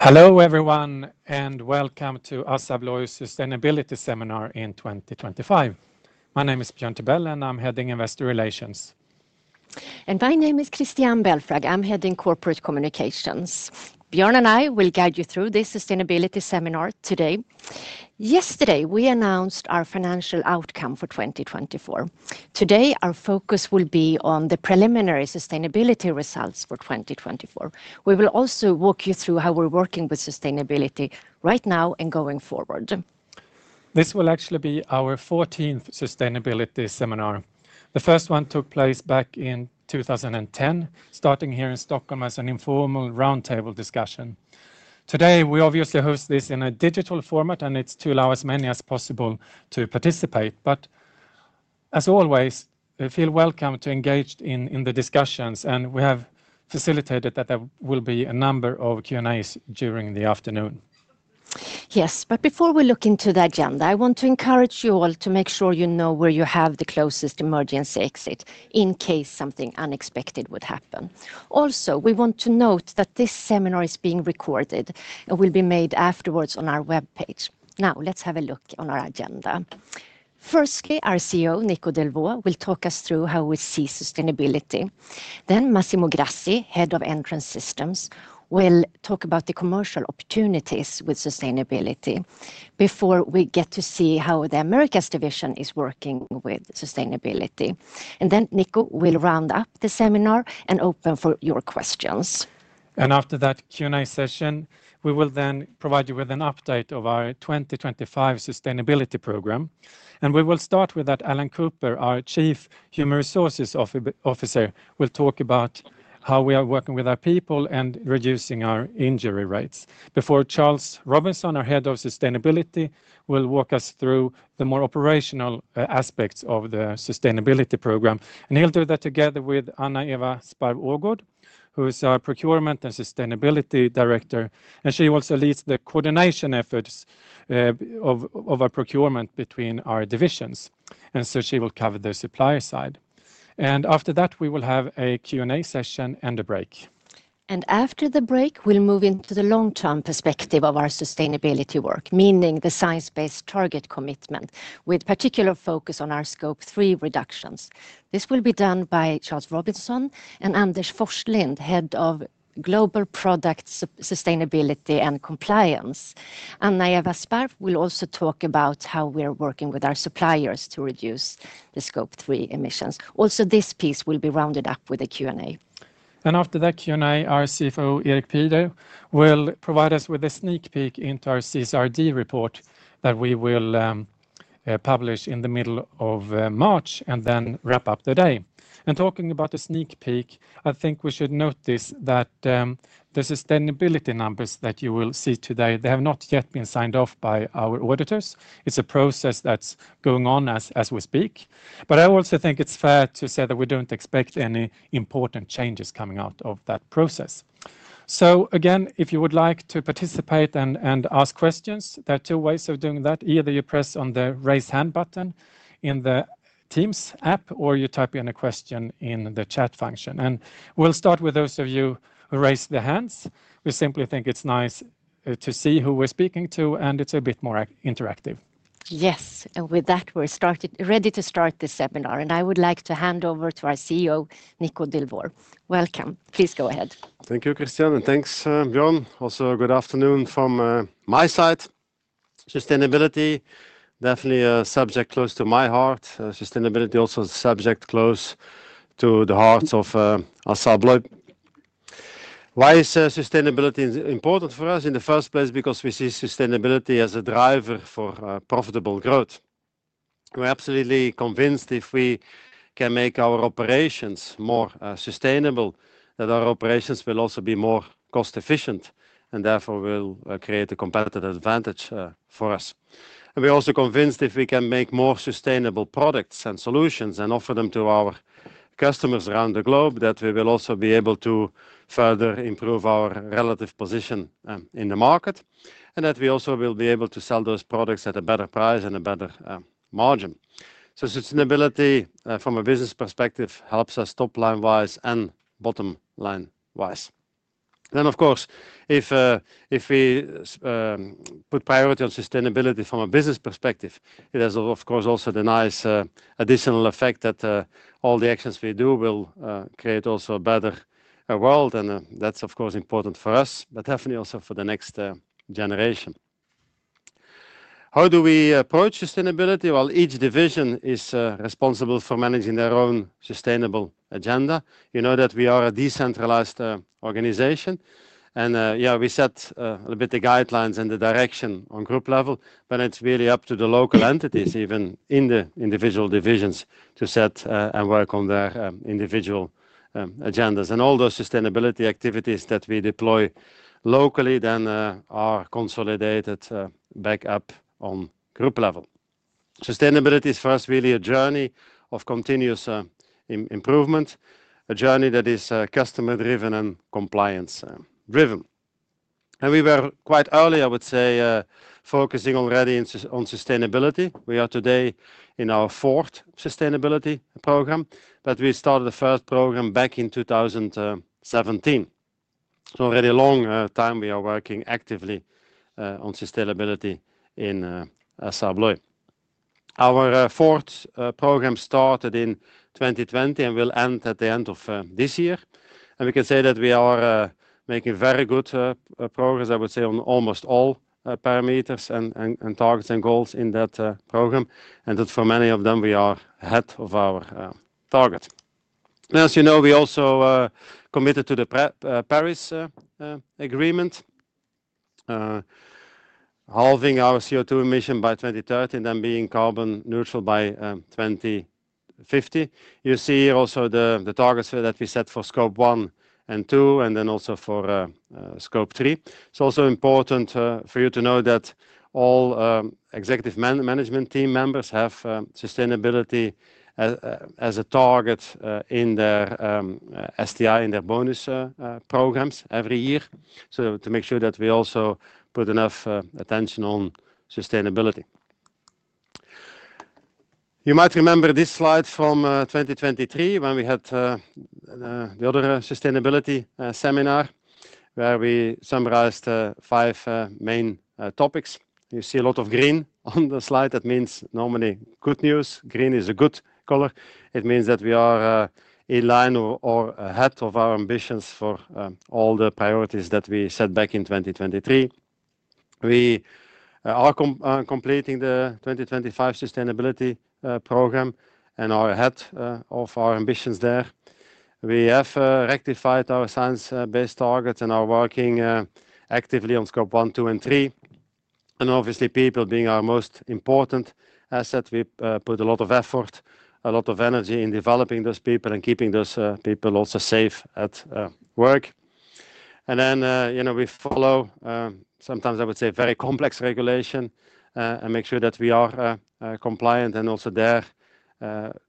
Hello everyone and welcome to ASSA ABLOY's Sustainability Seminar in 2025. My name is Björn Tibell and I'm heading Investor Relations. My name is Christiane Belfrage. I'm heading Corporate Communications. Björn and I will guide you through this sustainability seminar today. Yesterday we announced our financial outcome for 2024. Today our focus will be on the preliminary sustainability results for 2024. We will also walk you through how we're working with sustainability right now and going forward. This will actually be our 14th sustainability seminar. The first one took place back in 2010, starting here in Stockholm as an informal roundtable discussion. Today we obviously host this in a digital format and it's to allow as many as possible to participate, but, as always, feel welcome to engage in the discussions and we have facilitated that there will be a number of Q&As during the afternoon. Yes, but before we look into the agenda, I want to encourage you all to make sure you know where you have the closest emergency exit in case something unexpected would happen. Also, we want to note that this seminar is being recorded and will be made afterwards on our webpage. Now let's have a look on our agenda. Firstly, our CEO, Nico Delvaux, will talk us through how we see sustainability. Then Massimo Grassi, Head of Entrance Systems, will talk about the commercial opportunities with sustainability before we get to see how the Americas Division is working with sustainability. And then Nico will round up the seminar and open for your questions. And after that Q&A session, we will then provide you with an update of our 2025 sustainability program. And we will start with that, Allan Cooper, our Chief Human Resources Officer, will talk about how we are working with our people and reducing our injury rates. Before Charles Robinson, our Head of Sustainability, will walk us through the more operational aspects of the sustainability program. And he'll do that together with Anna-Eva Sparv, who is our Procurement and Sustainability Director. And she also leads the coordination efforts of our procurement between our divisions. And so she will cover the supplier side. And after that, we will have a Q&A session and a break. After the break, we'll move into the long-term perspective of our sustainability work, meaning the Science Based Targets commitment with particular focus on our Scope 3 reductions. This will be done by Charles Robinson and Anders Forslind, Head of Global Product Sustainability and Compliance. Anna-Eva Sparf will also talk about how we are working with our suppliers to reduce the Scope 3 emissions. Also, this piece will be rounded up with a Q&A. And after that Q&A, our CFO, Erik Pieder, will provide us with a sneak peek into our CSRD report that we will publish in the middle of March and then wrap up the day. And talking about the sneak peek, I think we should notice that the sustainability numbers that you will see today, they have not yet been signed off by our auditors. It's a process that's going on as we speak. But I also think it's fair to say that we don't expect any important changes coming out of that process. So again, if you would like to participate and ask questions, there are two ways of doing that. Either you press on the raise hand button in the Teams app or you type in a question in the chat function. And we'll start with those of you who raised their hands. We simply think it's nice to see who we're speaking to and it's a bit more interactive. Yes, and with that, we're ready to start this seminar. And I would like to hand over to our CEO, Nico Delvaux. Welcome. Please go ahead. Thank you, Christiane, and thanks, Björn. Also, good afternoon from my side. Sustainability, definitely a subject close to my heart. Sustainability also is a subject close to the hearts of ASSA ABLOY. Why is sustainability important for us? In the first place, because we see sustainability as a driver for profitable growth. We're absolutely convinced if we can make our operations more sustainable, that our operations will also be more cost-efficient and therefore will create a competitive advantage for us. And we're also convinced if we can make more sustainable products and solutions and offer them to our customers around the globe, that we will also be able to further improve our relative position in the market and that we also will be able to sell those products at a better price and a better margin. So sustainability from a business perspective helps us top line-wise and bottom line-wise. Then, of course, if we put priority on sustainability from a business perspective, it has of course also the nice additional effect that all the actions we do will create also a better world. And that's of course important for us, but definitely also for the next generation. How do we approach sustainability? Well, each division is responsible for managing their own sustainable agenda. You know that we are a decentralized organization and yeah, we set a little bit the guidelines and the direction on group level, but it's really up to the local entities, even in the individual divisions, to set and work on their individual agendas. And all those sustainability activities that we deploy locally then are consolidated back up on group level. Sustainability is for us really a journey of continuous improvement, a journey that is customer-driven and compliance-driven. We were quite early, I would say, focusing already on sustainability. We are today in our fourth sustainability program, but we started the first program back in 2017. Already a long time we are working actively on sustainability in ASSA ABLOY. Our fourth program started in 2020 and will end at the end of this year. We can say that we are making very good progress, I would say, on almost all parameters and targets and goals in that program. That for many of them we are ahead of our target. As you know, we also committed to the Paris Agreement, halving our CO2 emission by 2030 and then being carbon neutral by 2050. You see here also the targets that we set for Scope 1 and 2 and then also for Scope 3. It's also important for you to know that all executive management team members have sustainability as a target in their STI, in their bonus programs every year. So to make sure that we also put enough attention on sustainability. You might remember this slide from 2023 when we had the other sustainability seminar where we summarized five main topics. You see a lot of green on the slide. That means normally good news. Green is a good color. It means that we are in line or ahead of our ambitions for all the priorities that we set back in 2023. We are completing the 2025 sustainability program and are ahead of our ambitions there. We have rectified our Science Based Targets and are working actively on Scope 1, 2, and 3. Obviously, people being our most important asset, we put a lot of effort, a lot of energy in developing those people and keeping those people also safe at work. Then we follow, sometimes I would say, very complex regulation and make sure that we are compliant and also there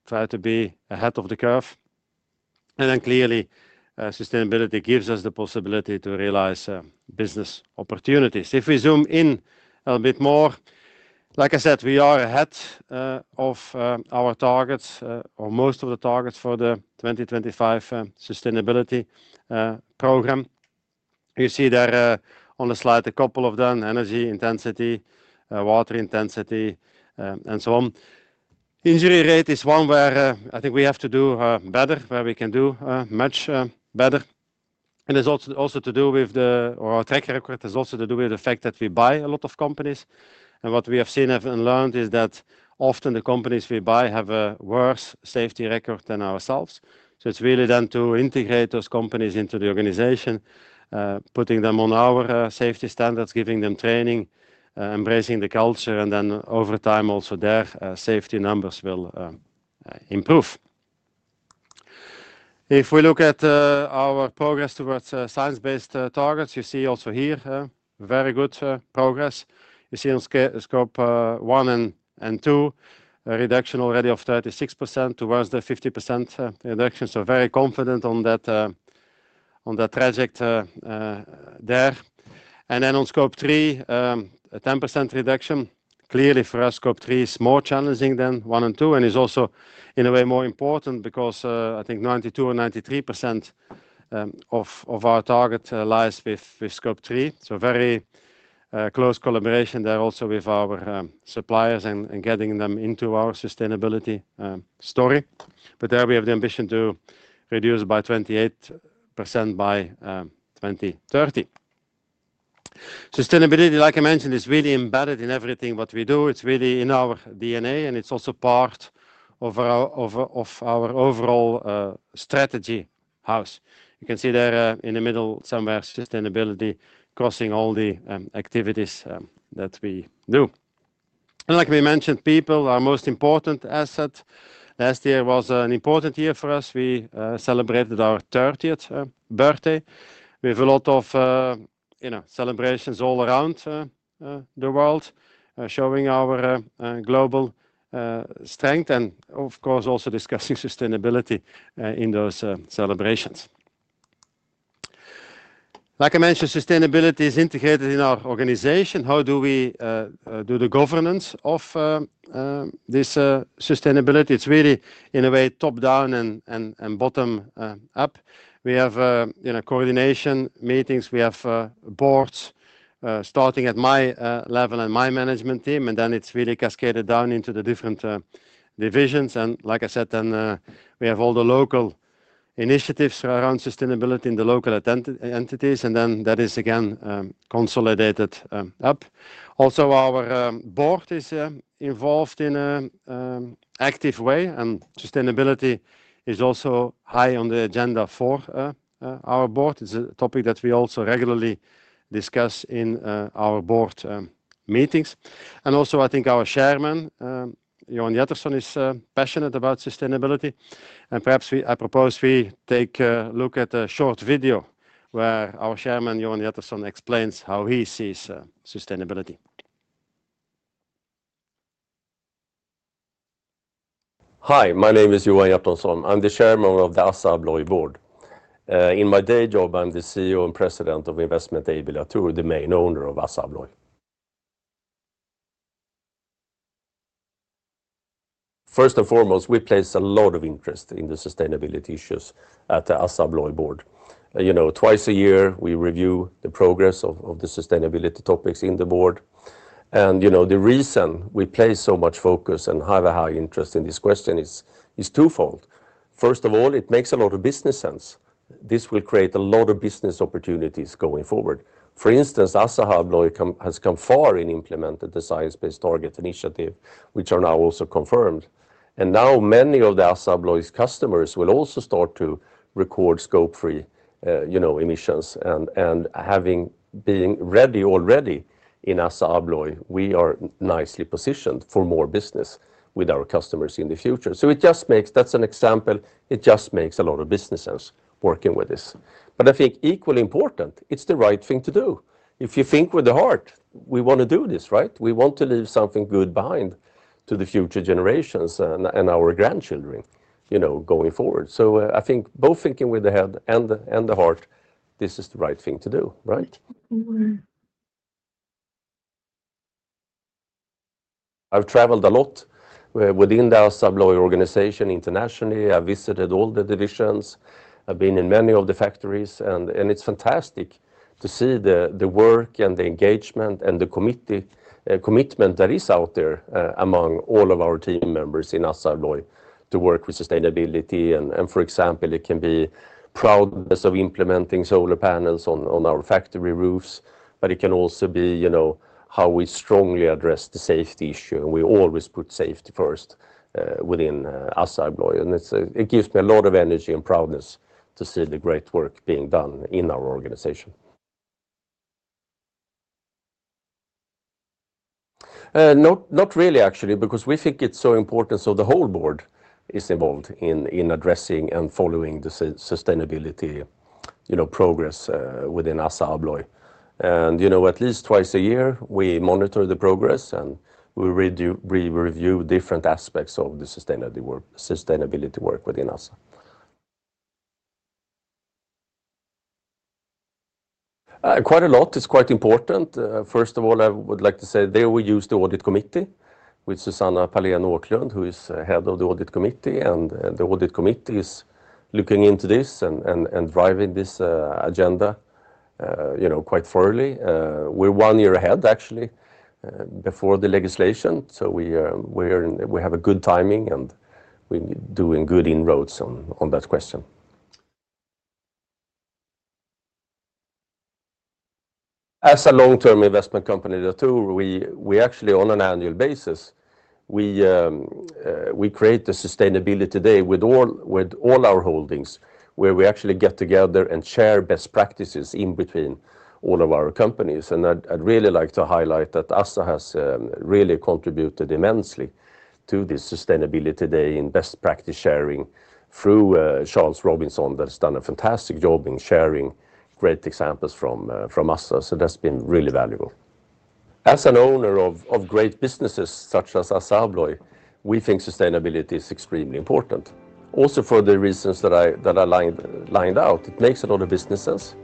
try to be ahead of the curve. Then clearly sustainability gives us the possibility to realize business opportunities. If we zoom in a little bit more, like I said, we are ahead of our targets or most of the targets for the 2025 sustainability program. You see there on the slide a couple of them: energy intensity, water intensity, and so on. Injury rate is one where I think we have to do better, where we can do much better. It's also to do with our track record. It's also to do with the fact that we buy a lot of companies, and what we have seen and learned is that often the companies we buy have a worse safety record than ourselves, so it's really then to integrate those companies into the organization, putting them on our safety standards, giving them training, embracing the culture, and then over time also their safety numbers will improve. If we look at our progress towards Science Based Targets, you see also here very good progress. You see on Scope 1 and 2, a reduction already of 36% towards the 50% reduction, so very confident on that trajectory there, and then on Scope 3, a 10% reduction. Clearly for us, Scope 3 is more challenging than 1 and 2 and is also in a way more important because I think 92% or 93% of our target lies with Scope 3. So very close collaboration there also with our suppliers and getting them into our sustainability story. But there we have the ambition to reduce by 28% by 2030. Sustainability, like I mentioned, is really embedded in everything what we do. It's really in our DNA and it's also part of our overall strategy house. You can see there in the middle somewhere, sustainability crossing all the activities that we do. And like we mentioned, people are most important asset. Last year was an important year for us. We celebrated our 30th birthday. We have a lot of celebrations all around the world, showing our global strength and of course also discussing sustainability in those celebrations. Like I mentioned, sustainability is integrated in our organization. How do we do the governance of this sustainability? It's really in a way top down and bottom up. We have coordination meetings. We have boards starting at my level and my management team, and then it's really cascaded down into the different divisions. And like I said, then we have all the local initiatives around sustainability in the local entities, and then that is again consolidated up. Also, our board is involved in an active way, and sustainability is also high on the agenda for our board. It's a topic that we also regularly discuss in our board meetings. And also, I think our chairman, Johan Hjertonsson, is passionate about sustainability. And perhaps I propose we take a look at a short video where our chairman, Johan Hjertonsson, explains how he sees sustainability. Hi, my name is Johan Hjertonsson. I'm the Chairman of the ASSA ABLOY Board. In my day job, I'm the CEO and President of Investment AB Latour, the main owner of ASSA ABLOY. First and foremost, we place a lot of interest in the sustainability issues at the ASSA ABLOY Board. Twice a year, we review the progress of the sustainability topics in the Board. And the reason we place so much focus and have a high interest in this question is twofold. First of all, it makes a lot of business sense. This will create a lot of business opportunities going forward. For instance, ASSA ABLOY has come far in implementing the Science Based Targets initiative, which are now also confirmed. And now many of the ASSA ABLOY's customers will also start to record Scope 3 emissions. And being ready already in ASSA ABLOY, we are nicely positioned for more business with our customers in the future. So it just makes, that's an example, it just makes a lot of business sense working with this. But I think equally important, it's the right thing to do. If you think with the heart, we want to do this, right? We want to leave something good behind to the future generations and our grandchildren going forward. So I think both thinking with the head and the heart, this is the right thing to do, right? I've traveled a lot within the ASSA ABLOY organization internationally. I've visited all the divisions. I've been in many of the factories, and it's fantastic to see the work and the engagement and the commitment that is out there among all of our team members in ASSA ABLOY to work with sustainability. For example, it can be pride of implementing solar panels on our factory roofs, but it can also be how we strongly address the safety issue. We always put safety first within ASSA ABLOY. It gives me a lot of energy and pride to see the great work being done in our organization. Not really, actually, because we think it's so important so the whole board is involved in addressing and following the sustainability progress within ASSA ABLOY. At least twice a year, we monitor the progress and we review different aspects of the sustainability work within ASSA ABLOY. Quite a lot. It's quite important. First of all, I would like to say there we use the audit committee with Susanne Pahlén Åklundh, who is Head of the Audit Committee. The audit committee is looking into this and driving this agenda quite thoroughly. We're one year ahead, actually, before the legislation. So we have a good timing and we're doing good inroads on that question. As a long-term investment company in Latour, we actually, on an annual basis, we create the Sustainability Day with all our holdings where we actually get together and share best practices in between all of our companies. And I'd really like to highlight that ASSA ABLOY has really contributed immensely to this Sustainability Day in best practice sharing through Charles Robinson that has done a fantastic job in sharing great examples from ASSA ABLOY. So that's been really valuable. As an owner of great businesses such as ASSA ABLOY, we think sustainability is extremely important. Also for the reasons that I lined out, it makes a lot of business sense.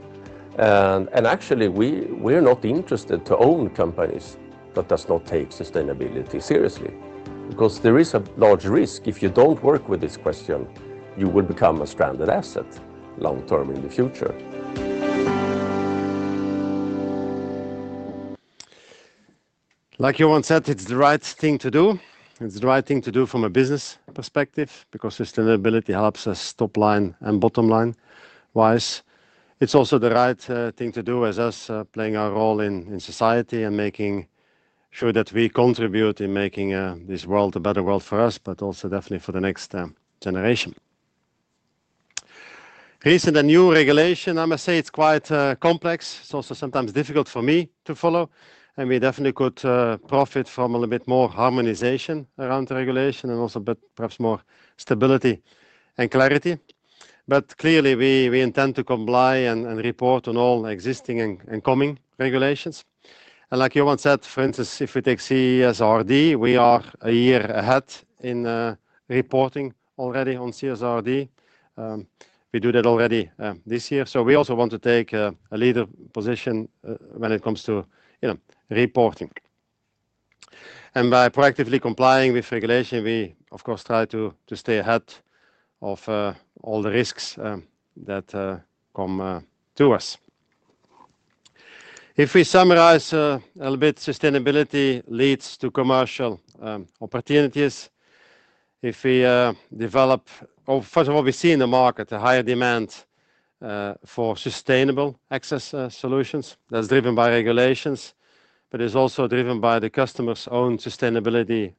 Actually, we're not interested to own companies that do not take sustainability seriously because there is a large risk if you don't work with this question, you will become a stranded asset long-term in the future. Like Johan said, it's the right thing to do. It's the right thing to do from a business perspective because sustainability helps us top line and bottom line-wise. It's also the right thing to do as us playing our role in society and making sure that we contribute in making this world a better world for us, but also definitely for the next generation. Recent and new regulation, I must say it's quite complex. It's also sometimes difficult for me to follow, and we definitely could profit from a little bit more harmonization around the regulation and also perhaps more stability and clarity. But clearly, we intend to comply and report on all existing and coming regulations. Like Johan said, for instance, if we take CSRD, we are a year ahead in reporting already on CSRD. We do that already this year. So we also want to take a leader position when it comes to reporting. And by proactively complying with regulation, we, of course, try to stay ahead of all the risks that come to us. If we summarize a little bit, sustainability leads to commercial opportunities. If we develop, first of all, we see in the market a higher demand for sustainable access solutions that's driven by regulations, but it's also driven by the customer's own sustainability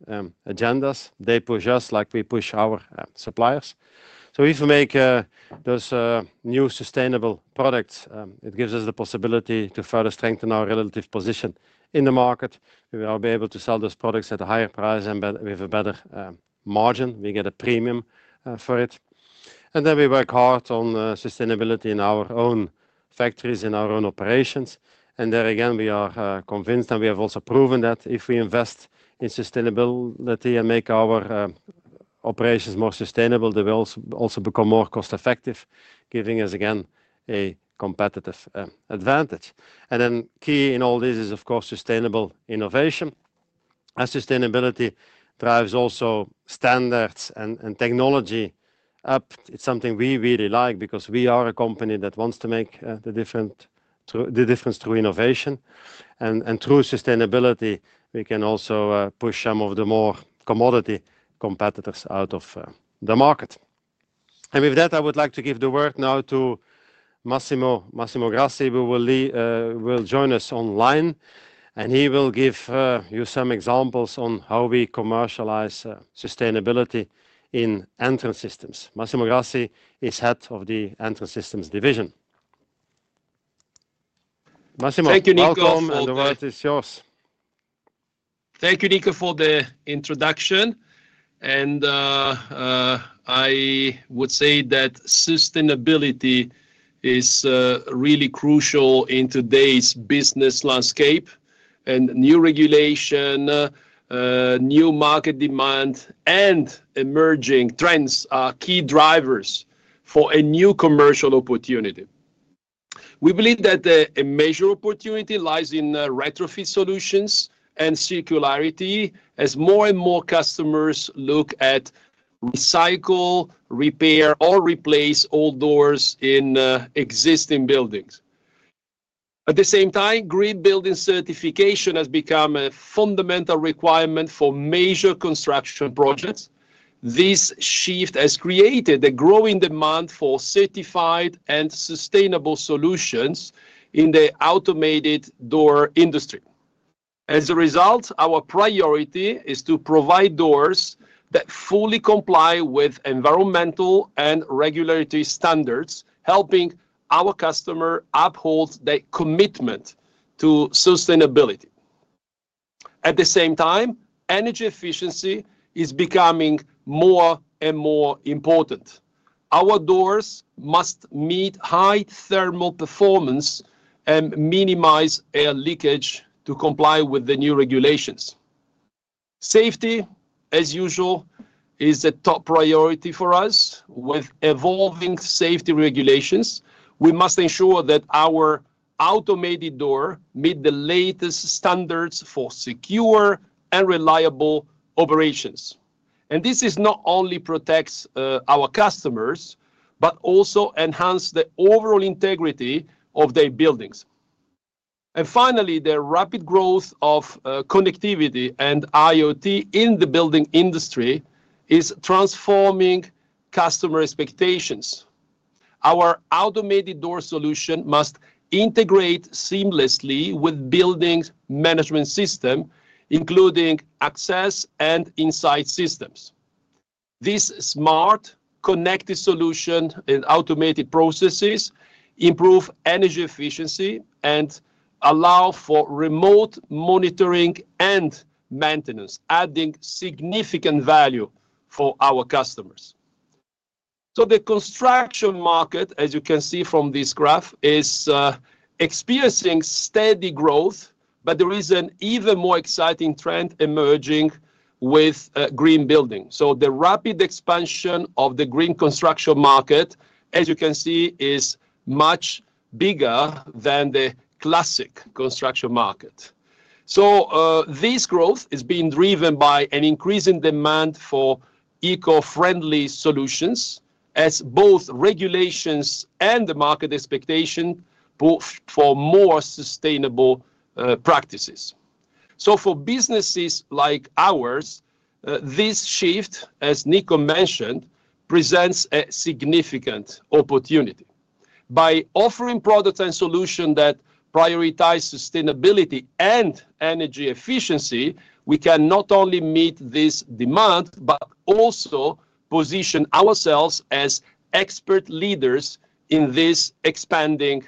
agendas. They push us like we push our suppliers. So if we make those new sustainable products, it gives us the possibility to further strengthen our relative position in the market. We will be able to sell those products at a higher price and with a better margin. We get a premium for it. And then we work hard on sustainability in our own factories, in our own operations. There again, we are convinced and we have also proven that if we invest in sustainability and make our operations more sustainable, they will also become more cost-effective, giving us again a competitive advantage. Then, key in all this is, of course, sustainable innovation. As sustainability drives also standards and technology up, it's something we really like because we are a company that wants to make the difference through innovation. Through sustainability, we can also push some of the more commodity competitors out of the market. With that, I would like to give the word now to Massimo Grassi, who will join us online. He will give you some examples on how we commercialize sustainability in Entrance Systems. Massimo Grassi is Head of the Entrance Systems division. Thank you, Nico. Thank you, Nico, and the word is yours. Thank you, Nico, for the introduction. I would say that sustainability is really crucial in today's business landscape. New regulation, new market demand, and emerging trends are key drivers for a new commercial opportunity. We believe that a major opportunity lies in retrofit solutions and circularity as more and more customers look to recycle, repair, or replace old doors in existing buildings. At the same time, green building certification has become a fundamental requirement for major construction projects. This shift has created a growing demand for certified and sustainable solutions in the automated door industry. As a result, our priority is to provide doors that fully comply with environmental and regulatory standards, helping our customers uphold their commitment to sustainability. At the same time, energy efficiency is becoming more and more important. Our doors must meet high thermal performance and minimize air leakage to comply with the new regulations. Safety, as usual, is a top priority for us. With evolving safety regulations, we must ensure that our automated door meets the latest standards for secure and reliable operations, and this not only protects our customers, but also enhances the overall integrity of their buildings, and finally, the rapid growth of connectivity and IoT in the building industry is transforming customer expectations. Our automated door solution must integrate seamlessly with building management systems, including access and inside systems. This smart connected solution and automated processes improve energy efficiency and allow for remote monitoring and maintenance, adding significant value for our customers, so the construction market, as you can see from this graph, is experiencing steady growth, but there is an even more exciting trend emerging with green building. So the rapid expansion of the green construction market, as you can see, is much bigger than the classic construction market. So this growth is being driven by an increasing demand for eco-friendly solutions as both regulations and the market expectation for more sustainable practices. So for businesses like ours, this shift, as Nico mentioned, presents a significant opportunity. By offering products and solutions that prioritize sustainability and energy efficiency, we can not only meet this demand, but also position ourselves as expert leaders in this expanding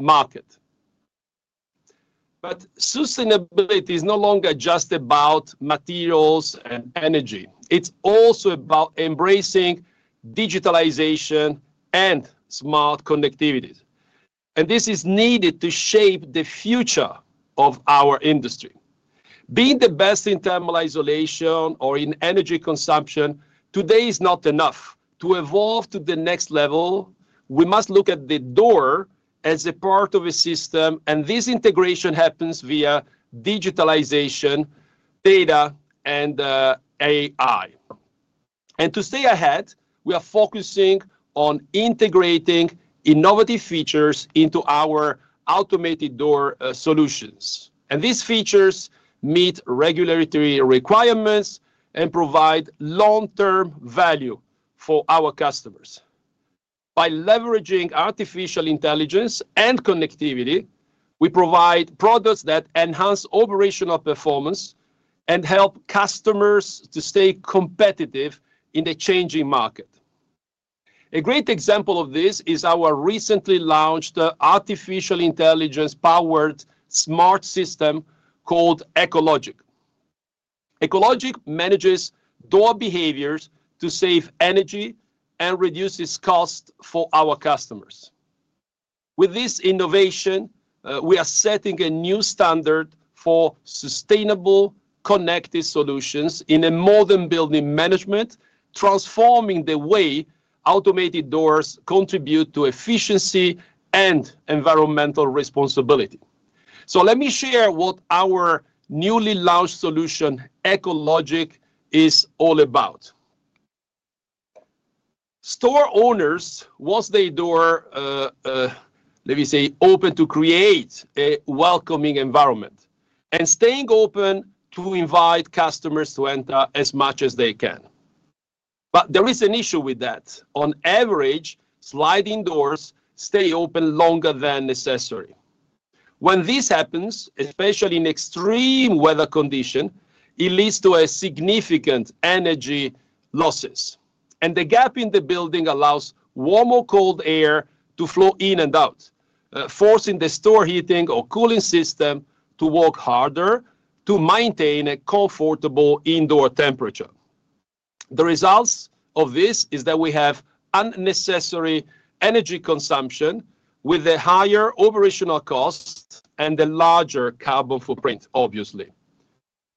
market. But sustainability is no longer just about materials and energy. It's also about embracing digitalization and smart connectivity. And this is needed to shape the future of our industry. Being the best in thermal isolation or in energy consumption today is not enough. To evolve to the next level, we must look at the door as a part of a system. This integration happens via digitalization, data, and AI. To stay ahead, we are focusing on integrating innovative features into our automated door solutions. These features meet regulatory requirements and provide long-term value for our customers. By leveraging artificial intelligence and connectivity, we provide products that enhance operational performance and help customers to stay competitive in the changing market. A great example of this is our recently launched artificial intelligence-powered smart system called EcoLogic. EcoLogic manages door behaviors to save energy and reduce costs for our customers. With this innovation, we are setting a new standard for sustainable connected solutions in modern building management, transforming the way automated doors contribute to efficiency and environmental responsibility. Let me share what our newly launched solution, EcoLogic, is all about. Store owners want their door, let me say, open to create a welcoming environment and staying open to invite customers to enter as much as they can. But there is an issue with that. On average, sliding doors stay open longer than necessary. When this happens, especially in extreme weather conditions, it leads to significant energy losses. And the gap in the building allows warm or cold air to flow in and out, forcing the store heating or cooling system to work harder to maintain a comfortable indoor temperature. The results of this is that we have unnecessary energy consumption with a higher operational cost and a larger carbon footprint, obviously.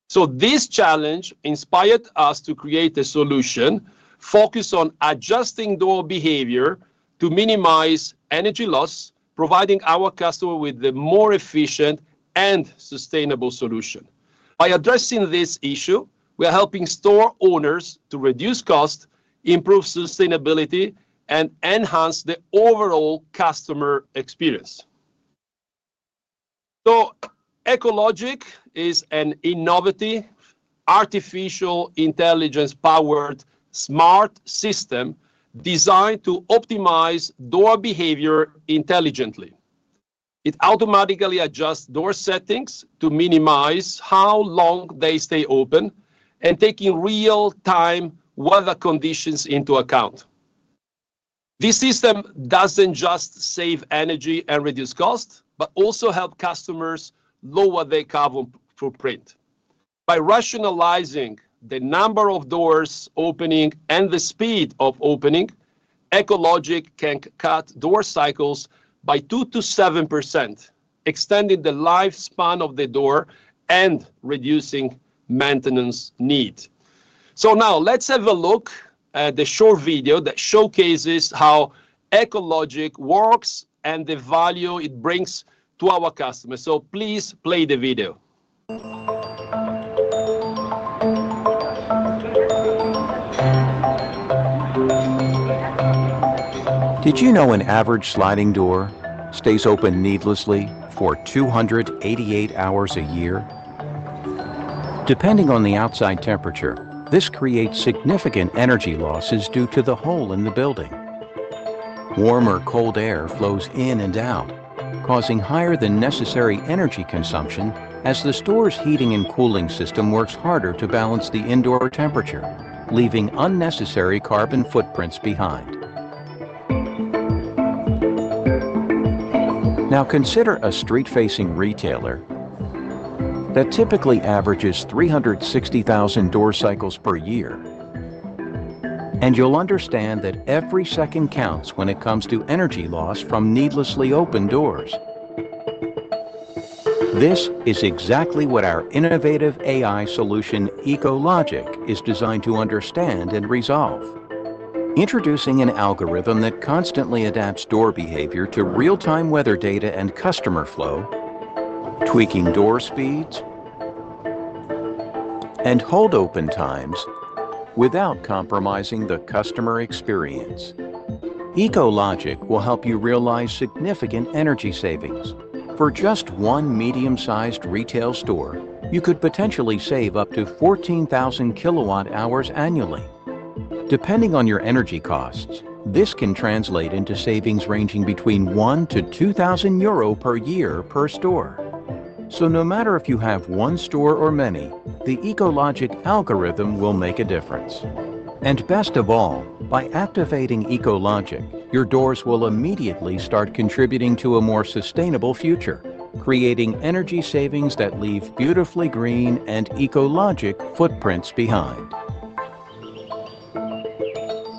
So this challenge inspired us to create a solution focused on adjusting door behavior to minimize energy loss, providing our customers with a more efficient and sustainable solution. By addressing this issue, we are helping store owners to reduce costs, improve sustainability, and enhance the overall customer experience. EcoLogic is an innovative artificial intelligence-powered smart system designed to optimize door behavior intelligently. It automatically adjusts door settings to minimize how long they stay open and takes real-time weather conditions into account. This system doesn't just save energy and reduce costs, but also helps customers lower their carbon footprint. By rationalizing the number of doors opening and the speed of opening, EcoLogic can cut door cycles by 2%-7%, extending the lifespan of the door and reducing maintenance needs. Now let's have a look at the short video that showcases how EcoLogic works and the value it brings to our customers. Please play the video. Did you know an average sliding door stays open needlessly for 288 hours a year? Depending on the outside temperature, this creates significant energy losses due to the hole in the building. Warm or cold air flows in and out, causing higher than necessary energy consumption as the store's heating and cooling system works harder to balance the indoor temperature, leaving unnecessary carbon footprints behind. Now consider a street-facing retailer that typically averages 360,000 door cycles per year, and you'll understand that every second counts when it comes to energy loss from needlessly opened doors. This is exactly what our innovative AI solution, EcoLogic, is designed to understand and resolve. Introducing an algorithm that constantly adapts door behavior to real-time weather data and customer flow, tweaking door speeds and hold-open times without compromising the customer experience. EcoLogic will help you realize significant energy savings. For just one medium-sized retail store, you could potentially save up to 14,000 kilowatt-hours annually. Depending on your energy costs, this can translate into savings ranging between 1,000-2,000 euro per year per store. So no matter if you have one store or many, the EcoLogic algorithm will make a difference. And best of all, by activating EcoLogic, your doors will immediately start contributing to a more sustainable future, creating energy savings that leave beautifully green and eco-friendly footprints behind.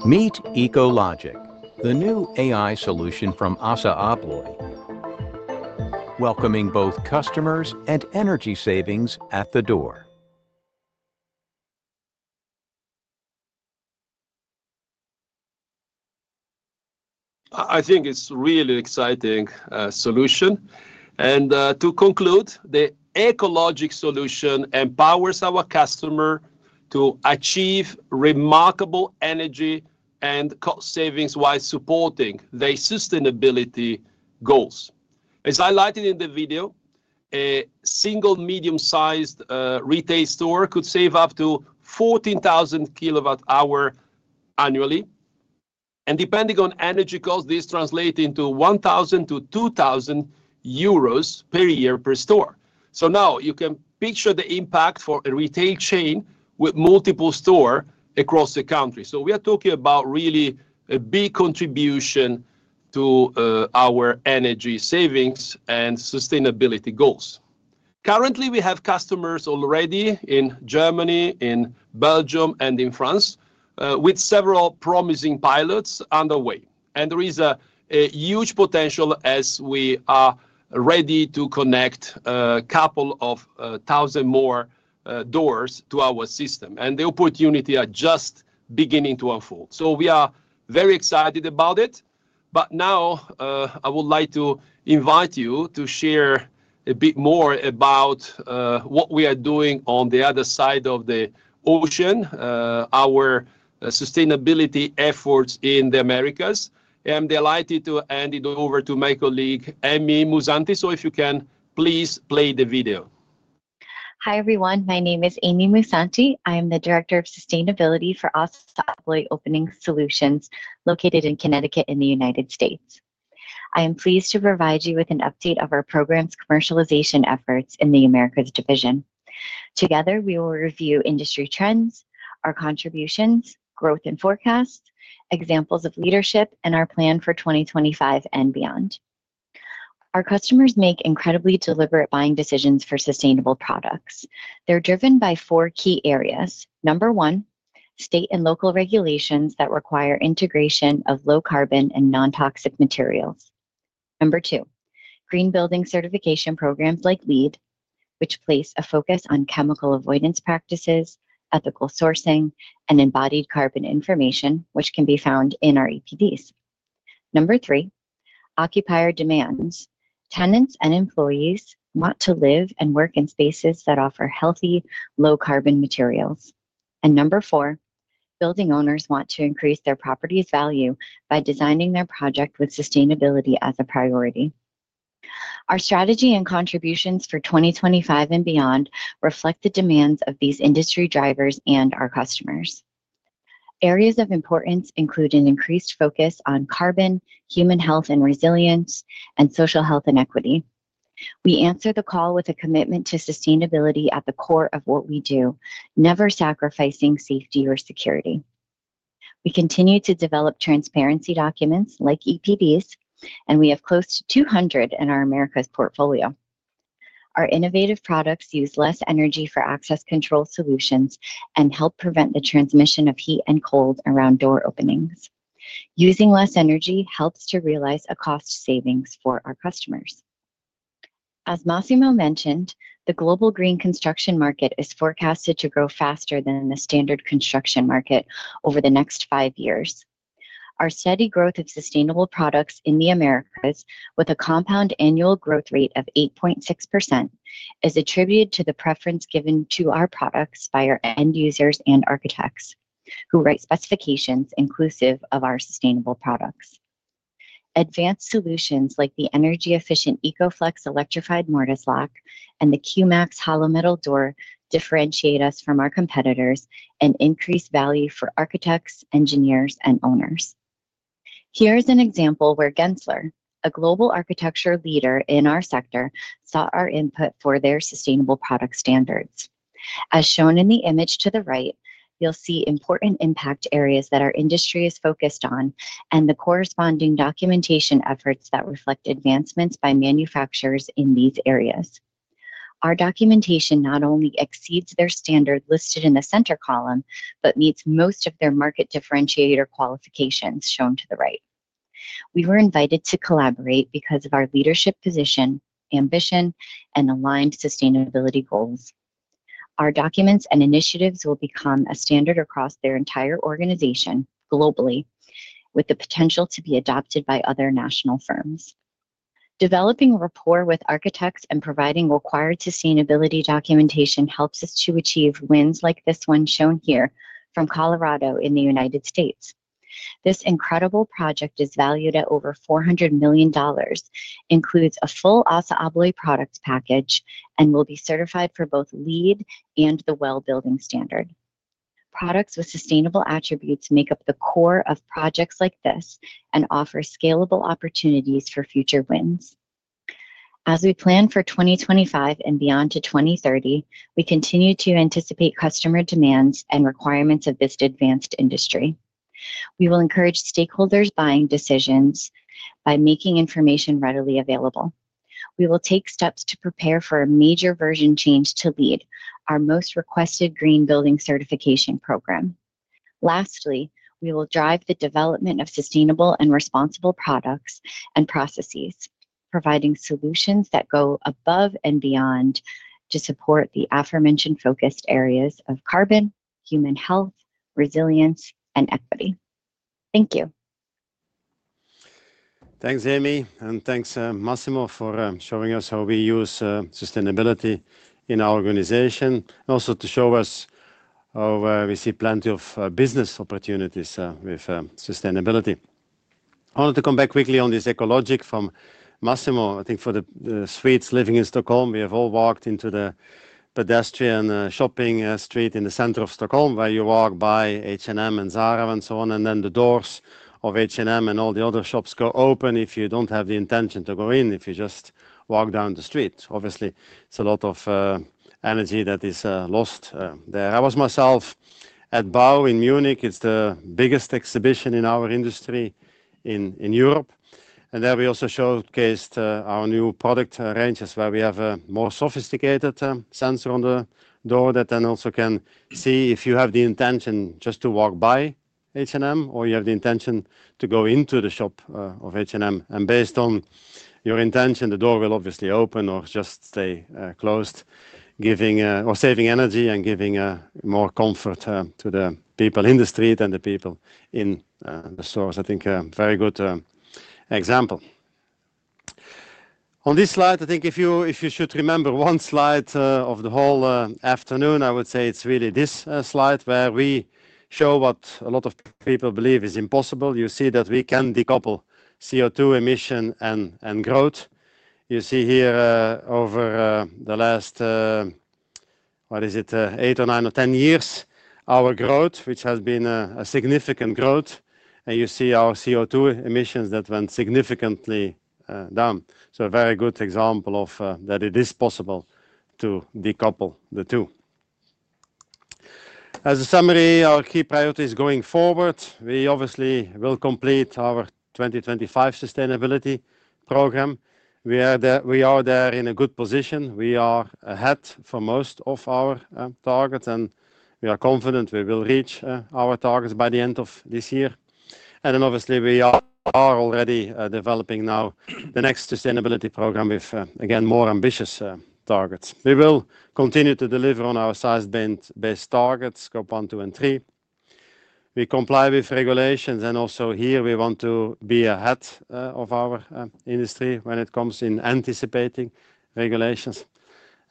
Meet EcoLogic, the new AI solution from ASSA ABLOY, welcoming both customers and energy savings at the door. I think it's a really exciting solution. And to conclude, the EcoLogic solution empowers our customers to achieve remarkable energy and cost savings while supporting their sustainability goals. As highlighted in the video, a single medium-sized retail store could save up to 14,000 kilowatt-hours annually. And depending on energy costs, this translates into 1,000-2,000 euros per year per store. So now you can picture the impact for a retail chain with multiple stores across the country. So we are talking about really a big contribution to our energy savings and sustainability goals. Currently, we have customers already in Germany, in Belgium, and in France with several promising pilots underway. And there is a huge potential as we are ready to connect a couple of thousand more doors to our system. And the opportunity is just beginning to unfold. So we are very excited about it. Now I would like to invite you to share a bit more about what we are doing on the other side of the ocean, our sustainability efforts in the Americas. I'm delighted to hand it over to my colleague, Amy Musanti. If you can, please play the video. Hi everyone. My name is Amy Musanti. I am the Director of Sustainability for ASSA ABLOY Opening Solutions, located in Connecticut in the United States. I am pleased to provide you with an update of our program's commercialization efforts in the Americas division. Together, we will review industry trends, our contributions, growth and forecasts, examples of leadership, and our plan for 2025 and beyond. Our customers make incredibly deliberate buying decisions for sustainable products. They're driven by four key areas. Number one, state and local regulations that require integration of low-carbon and non-toxic materials. Number two, green building certification programs like LEED, which place a focus on chemical avoidance practices, ethical sourcing, and embodied carbon information, which can be found in our EPDs. Number three, occupier demands. Tenants and employees want to live and work in spaces that offer healthy, low-carbon materials. Number four, building owners want to increase their property's value by designing their project with sustainability as a priority. Our strategy and contributions for 2025 and beyond reflect the demands of these industry drivers and our customers. Areas of importance include an increased focus on carbon, human health and resilience, and social health and equity. We answer the call with a commitment to sustainability at the core of what we do, never sacrificing safety or security. We continue to develop transparency documents like EPDs, and we have close to 200 in our Americas portfolio. Our innovative products use less energy for access control solutions and help prevent the transmission of heat and cold around door openings. Using less energy helps to realize a cost savings for our customers. As Massimo mentioned, the global green construction market is forecasted to grow faster than the standard construction market over the next five years. Our steady growth of sustainable products in the Americas with a compound annual growth rate of 8.6% is attributed to the preference given to our products by our end users and architects who write specifications inclusive of our sustainable products. Advanced solutions like the energy-efficient EcoFlex Electrified Mortise Lock and the QMAX Hollow Metal Door differentiate us from our competitors and increase value for architects, engineers, and owners. Here is an example where Gensler, a global architecture leader in our sector, sought our input for their sustainable product standards. As shown in the image to the right, you'll see important impact areas that our industry is focused on and the corresponding documentation efforts that reflect advancements by manufacturers in these areas. Our documentation not only exceeds their standard listed in the center column, but meets most of their market differentiator qualifications shown to the right. We were invited to collaborate because of our leadership position, ambition, and aligned sustainability goals. Our documents and initiatives will become a standard across their entire organization globally, with the potential to be adopted by other national firms. Developing rapport with architects and providing required sustainability documentation helps us to achieve wins like this one shown here from Colorado in the United States. This incredible project is valued at over $400 million, includes a full ASSA ABLOY product package, and will be certified for both LEED and the WELL Building Standard. Products with sustainable attributes make up the core of projects like this and offer scalable opportunities for future wins. As we plan for 2025 and beyond to 2030, we continue to anticipate customer demands and requirements of this advanced industry. We will encourage stakeholders' buying decisions by making information readily available. We will take steps to prepare for a major version change to LEED, our most requested green building certification program. Lastly, we will drive the development of sustainable and responsible products and processes, providing solutions that go above and beyond to support the aforementioned focused areas of carbon, human health, resilience, and equity. Thank you. Thanks, Amy. And thanks, Massimo, for showing us how we use sustainability in our organization. Also to show us how we see plenty of business opportunities with sustainability. I wanted to come back quickly on this EcoLogic from Massimo. I think for the Swedes living in Stockholm, we have all walked into the pedestrian shopping street in the center of Stockholm where you walk by H&M and Zara and so on. And then the doors of H&M and all the other shops go open if you don't have the intention to go in, if you just walk down the street. Obviously, it's a lot of energy that is lost there. I was myself at BAU in Munich. It's the biggest exhibition in our industry in Europe. There we also showcased our new product ranges where we have a more sophisticated sensor on the door that then also can see if you have the intention just to walk by H&M or you have the intention to go into the shop of H&M. Based on your intention, the door will obviously open or just stay closed, saving energy and giving more comfort to the people in the street and the people in the stores. I think a very good example. On this slide, I think if you should remember one slide of the whole afternoon, I would say it's really this slide where we show what a lot of people believe is impossible. You see that we can decouple CO2 emission and growth. You see here over the last, what is it, eight or nine or ten years, our growth, which has been a significant growth. You see our CO2 emissions that went significantly down, so a very good example of that: it is possible to decouple the two. As a summary, our key priorities going forward, we obviously will complete our 2025 sustainability program. We are there in a good position. We are ahead for most of our targets and we are confident we will reach our targets by the end of this year, and then obviously we are already developing now the next sustainability program with, again, more ambitious targets. We will continue to deliver on our Science Based Targets, Scope 1, 2, and 3. We comply with regulations and also here we want to be ahead of our industry when it comes to anticipating regulations,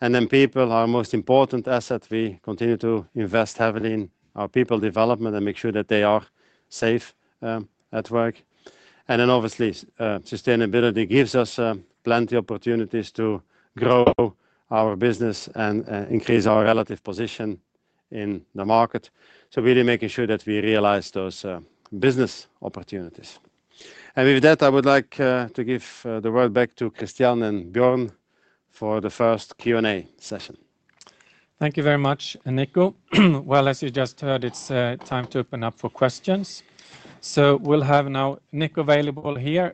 and then people are our most important asset. We continue to invest heavily in our people development and make sure that they are safe at work. Then obviously sustainability gives us plenty of opportunities to grow our business and increase our relative position in the market. So really making sure that we realize those business opportunities. With that, I would like to give the word back to Christiane and Björn for the first Q&A session. Thank you very much, Nico. Well, as you just heard, it's time to open up for questions. So we'll have now Nico available here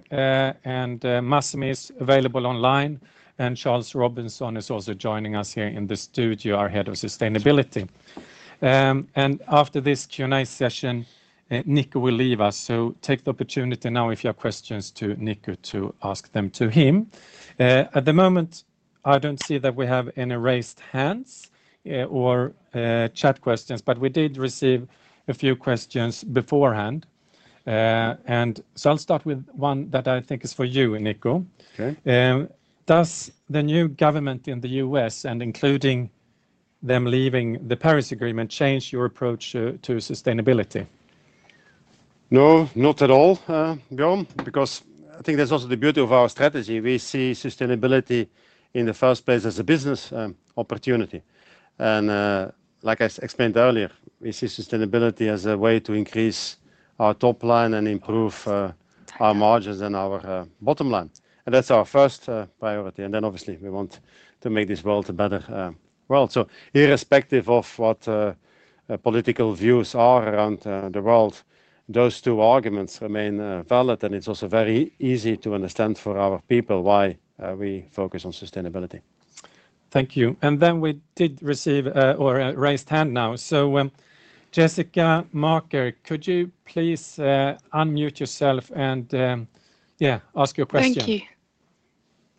and Massimo is available online. And Charles Robinson is also joining us here in the studio, our head of sustainability. And after this Q&A session, Nico will leave us. So take the opportunity now if you have questions to Nico to ask them to him. At the moment, I don't see that we have any raised hands or chat questions, but we did receive a few questions beforehand. And so I'll start with one that I think is for you, Nico. Does the new government in the U.S., including them leaving the Paris Agreement, change your approach to sustainability? No, not at all, Björn, because I think that's also the beauty of our strategy. We see sustainability in the first place as a business opportunity. And like I explained earlier, we see sustainability as a way to increase our top line and improve our margins and our bottom line. And that's our first priority. And then obviously we want to make this world a better world. So irrespective of what political views are around the world, those two arguments remain valid. And it's also very easy to understand for our people why we focus on sustainability. Thank you, and then we did receive a raised hand now, so Jessica Marker, could you please unmute yourself and yeah, ask your question?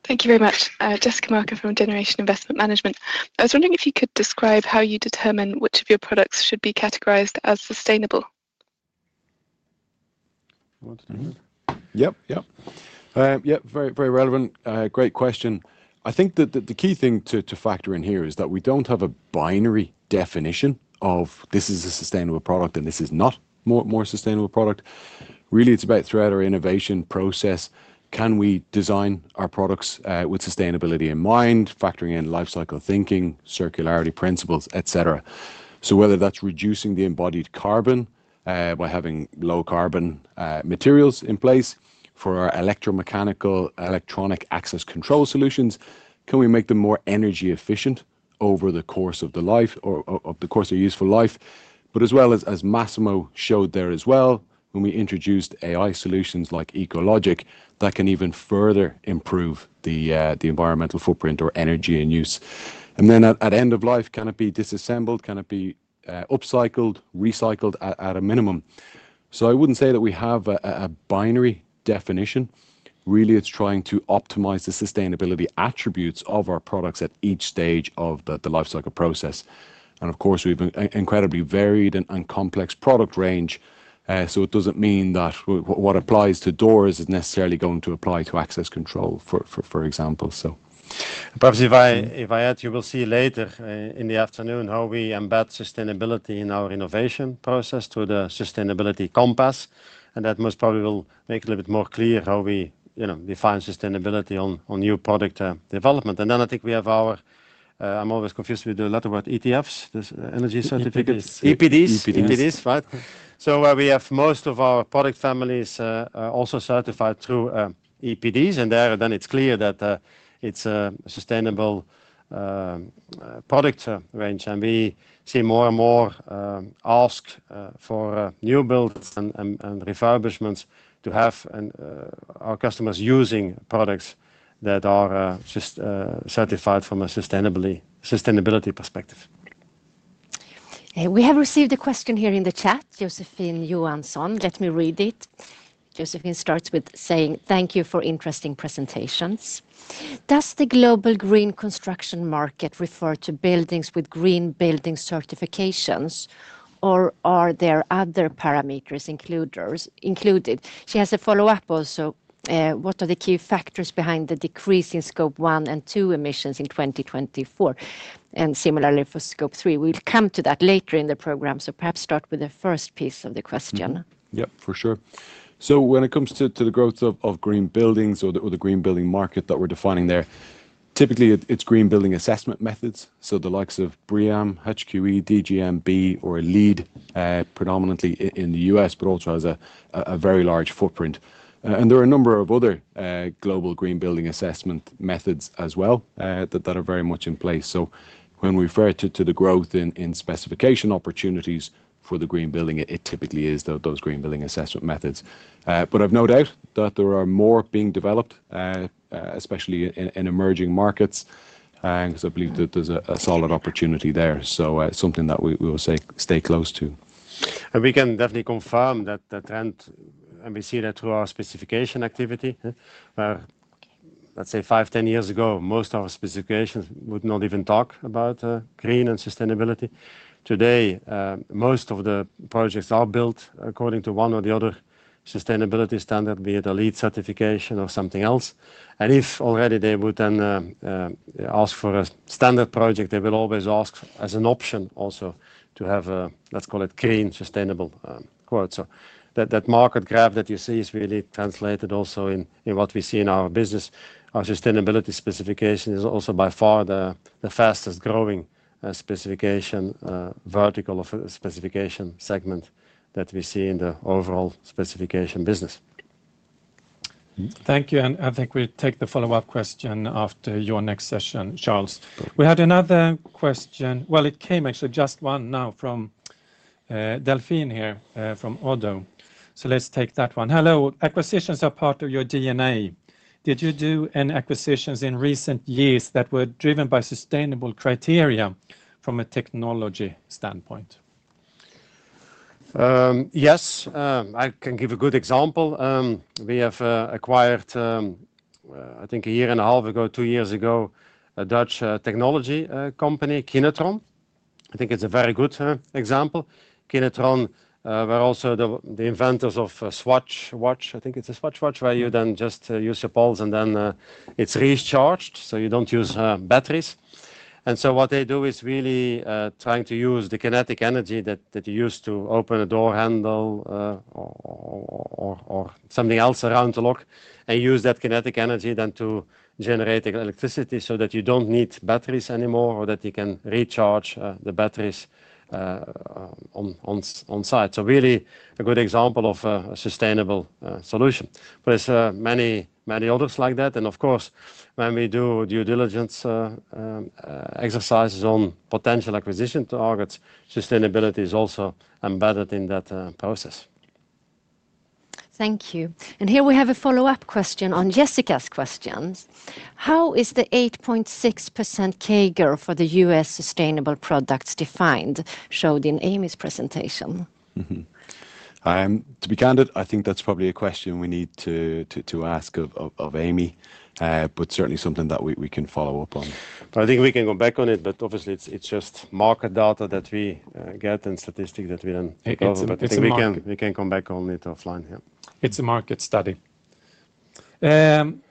Thank you. Thank you very much. Jessica Marker from Generation Investment Management. I was wondering if you could describe how you determine which of your products should be categorized as sustainable? Yep, yep. Yeah, very, very relevant. Great question. I think that the key thing to factor in here is that we don't have a binary definition of this is a sustainable product and this is not a more sustainable product. Really, it's about throughout our innovation process, can we design our products with sustainability in mind, factoring in lifecycle thinking, circularity principles, etc.? So whether that's reducing the embodied carbon by having low carbon materials in place for our electromechanical, electronic access control solutions, can we make them more energy efficient over the course of the life or of the course of useful life? But as well as Massimo showed there as well, when we introduced AI solutions like EcoLogic, that can even further improve the environmental footprint or energy in use. And then at end of life, can it be disassembled, can it be upcycled, recycled at a minimum? I wouldn't say that we have a binary definition. Really, it's trying to optimize the sustainability attributes of our products at each stage of the lifecycle process. Of course, we have an incredibly varied and complex product range. It doesn't mean that what applies to doors is necessarily going to apply to access control, for example. Perhaps if I add, you will see later in the afternoon how we embed sustainability in our innovation process through the Sustainability Compass, and that most probably will make it a little bit more clear how we define sustainability on new product development, and then I think we have our. I'm always confused with the letter word EPDs, the energy certificates. EPDs. EPDs, right? So we have most of our product families also certified through EPDs. And then it's clear that it's a sustainable product range. And we see more and more ask for new builds and refurbishments to have our customers using products that are certified from a sustainability perspective. We have received a question here in the chat, Josephine Johansson. Let me read it. Josephine starts with saying, "Thank you for interesting presentations. Does the global green construction market refer to buildings with green building certifications, or are there other parameters included?" She has a follow-up also. What are the key factors behind the decrease in Scope 1 and 2 emissions in 2024? And similarly for Scope 3, we'll come to that later in the program. So perhaps start with the first piece of the question. Yep, for sure. So when it comes to the growth of green buildings or the green building market that we're defining there, typically it's green building assessment methods. So the likes of BREEAM, HQE, DGNB, or LEED, predominantly in the U.S., but also has a very large footprint. And there are a number of other global green building assessment methods as well that are very much in place. So when we refer to the growth in specification opportunities for the green building, it typically is those green building assessment methods. But I've no doubt that there are more being developed, especially in emerging markets, because I believe that there's a solid opportunity there. So something that we will stay close to. And we can definitely confirm that the trend, and we see that through our specification activity, where let's say five, 10 years ago, most of our specifications would not even talk about green and sustainability. Today, most of the projects are built according to one or the other sustainability standard, be it a LEED certification or something else. And if already they would then ask for a standard project, they will always ask as an option also to have, let's call it green sustainable quote. So that market graph that you see is really translated also in what we see in our business. Our sustainability specification is also by far the fastest growing specification vertical of specification segment that we see in the overall specification business. Thank you. And I think we take the follow-up question after your next session, Charles. We had another question. Well, it came actually just one now from Delphine here from Oddo. So let's take that one. Hello. Acquisitions are part of your DNA. Did you do any acquisitions in recent years that were driven by sustainable criteria from a technology standpoint? Yes. I can give a good example. We have acquired, I think a year and a half ago, two years ago, a Dutch technology company, Kinetron. I think it's a very good example. Kinetron, we're also the inventors of a Swatch watch. I think it's a Swatch watch where you then just use your pulls and then it's recharged. So you don't use batteries. And so what they do is really trying to use the kinetic energy that you use to open a door handle or something else around the lock and use that kinetic energy then to generate electricity so that you don't need batteries anymore or that you can recharge the batteries on site. So really a good example of a sustainable solution. But there's many, many others like that. Of course, when we do due diligence exercises on potential acquisition targets, sustainability is also embedded in that process. Thank you. And here we have a follow-up question on Jessica's questions. How is the 8.6% CAGR for the U.S. sustainable products defined, shown in Amy's presentation? To be candid, I think that's probably a question we need to ask of Amy, but certainly something that we can follow up on. But I think we can go back on it, but obviously it's just market data that we get and statistics that we don't know. But we can come back on it offline. Yeah. It's a market study.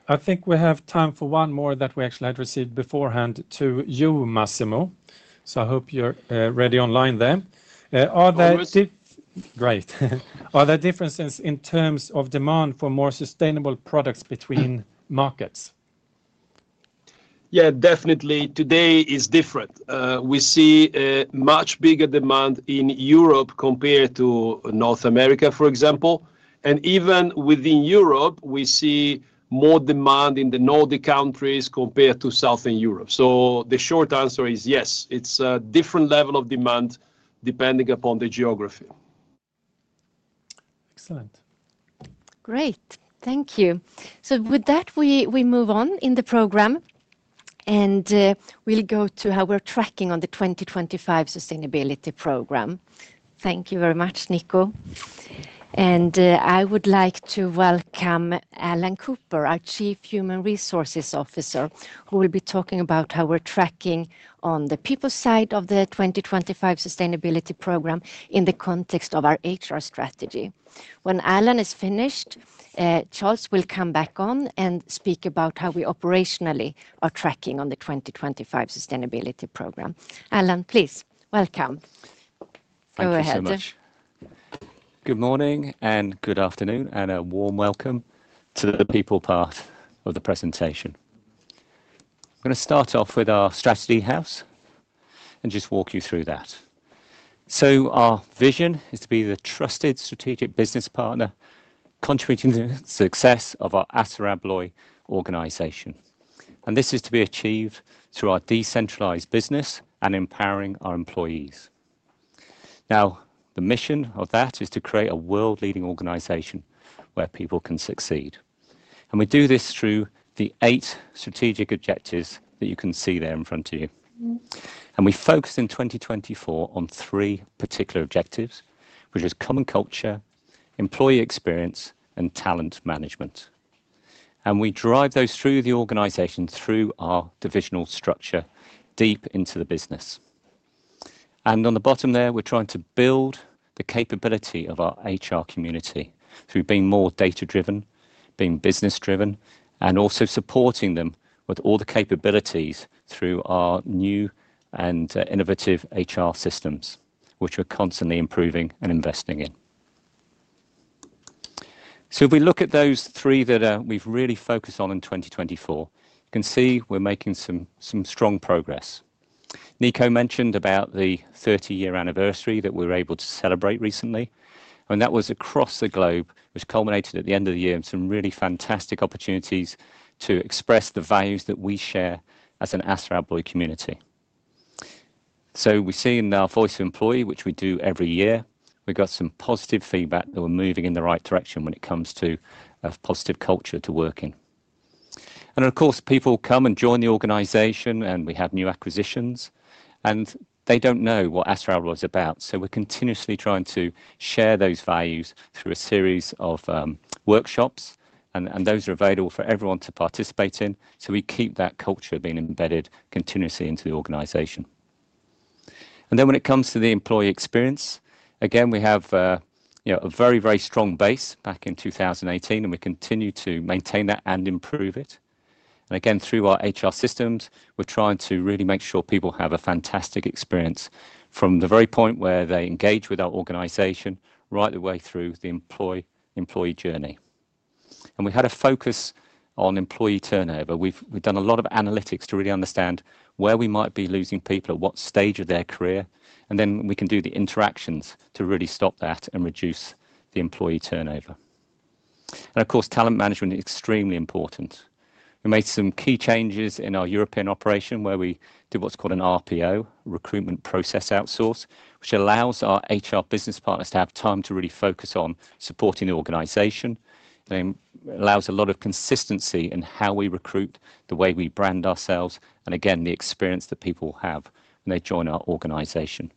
I think we have time for one more that we actually had received beforehand to you, Massimo. So I hope you're ready online there. Are there differences in terms of demand for more sustainable products between markets? Yeah, definitely today is different. We see a much bigger demand in Europe compared to North America, for example, and even within Europe, we see more demand in the Nordic countries compared to Southern Europe, so the short answer is yes. It's a different level of demand depending upon the geography. Excellent. Great. Thank you. So with that, we move on in the program and we'll go to how we're tracking on the 2025 sustainability program. Thank you very much, Nico. And I would like to welcome Allan Cooper, our Chief Human Resources Officer, who will be talking about how we're tracking on the people side of the 2025 sustainability program in the context of our HR strategy. When Allan is finished, Charles will come back on and speak about how we operationally are tracking on the 2025 sustainability program. Allan, please. Welcome. Thank you so much. Good morning and good afternoon and a warm welcome to the people part of the presentation. I'm going to start off with our strategy house and just walk you through that, so our vision is to be the trusted strategic business partner contributing to the success of our ASSA ABLOY organization, and this is to be achieved through our decentralized business and empowering our employees. Now, the mission of that is to create a world-leading organization where people can succeed, and we do this through the eight strategic objectives that you can see there in front of you, and we focus in 2024 on three particular objectives, which are common culture, employee experience, and talent management, and we drive those through the organization through our divisional structure deep into the business. And on the bottom there, we're trying to build the capability of our HR community through being more data-driven, being business-driven, and also supporting them with all the capabilities through our new and innovative HR systems, which we're constantly improving and investing in. So if we look at those three that we've really focused on in 2024, you can see we're making some strong progress. Nico mentioned about the 30-year anniversary that we were able to celebrate recently. And that was across the globe, which culminated at the end of the year in some really fantastic opportunities to express the values that we share as an ASSA ABLOY community. So we see in our Voice of Employee, which we do every year, we've got some positive feedback that we're moving in the right direction when it comes to a positive culture to work in. Of course, people come and join the organization and we have new acquisitions. They don't know what ASSA ABLOY is about. We're continuously trying to share those values through a series of workshops. Those are available for everyone to participate in. We keep that culture being embedded continuously into the organization. When it comes to the employee experience, again, we have a very, very strong base back in 2018 and we continue to maintain that and improve it. Again, through our HR systems, we're trying to really make sure people have a fantastic experience from the very point where they engage with our organization, right the way through the employee journey. We had a focus on employee turnover. We've done a lot of analytics to really understand where we might be losing people at what stage of their career. And then we can do the interactions to really stop that and reduce the employee turnover. And of course, talent management is extremely important. We made some key changes in our European operation where we did what's called an RPO, recruitment process outsourcing, which allows our HR business partners to have time to really focus on supporting the organization. It allows a lot of consistency in how we recruit, the way we brand ourselves, and again, the experience that people have when they join our organization.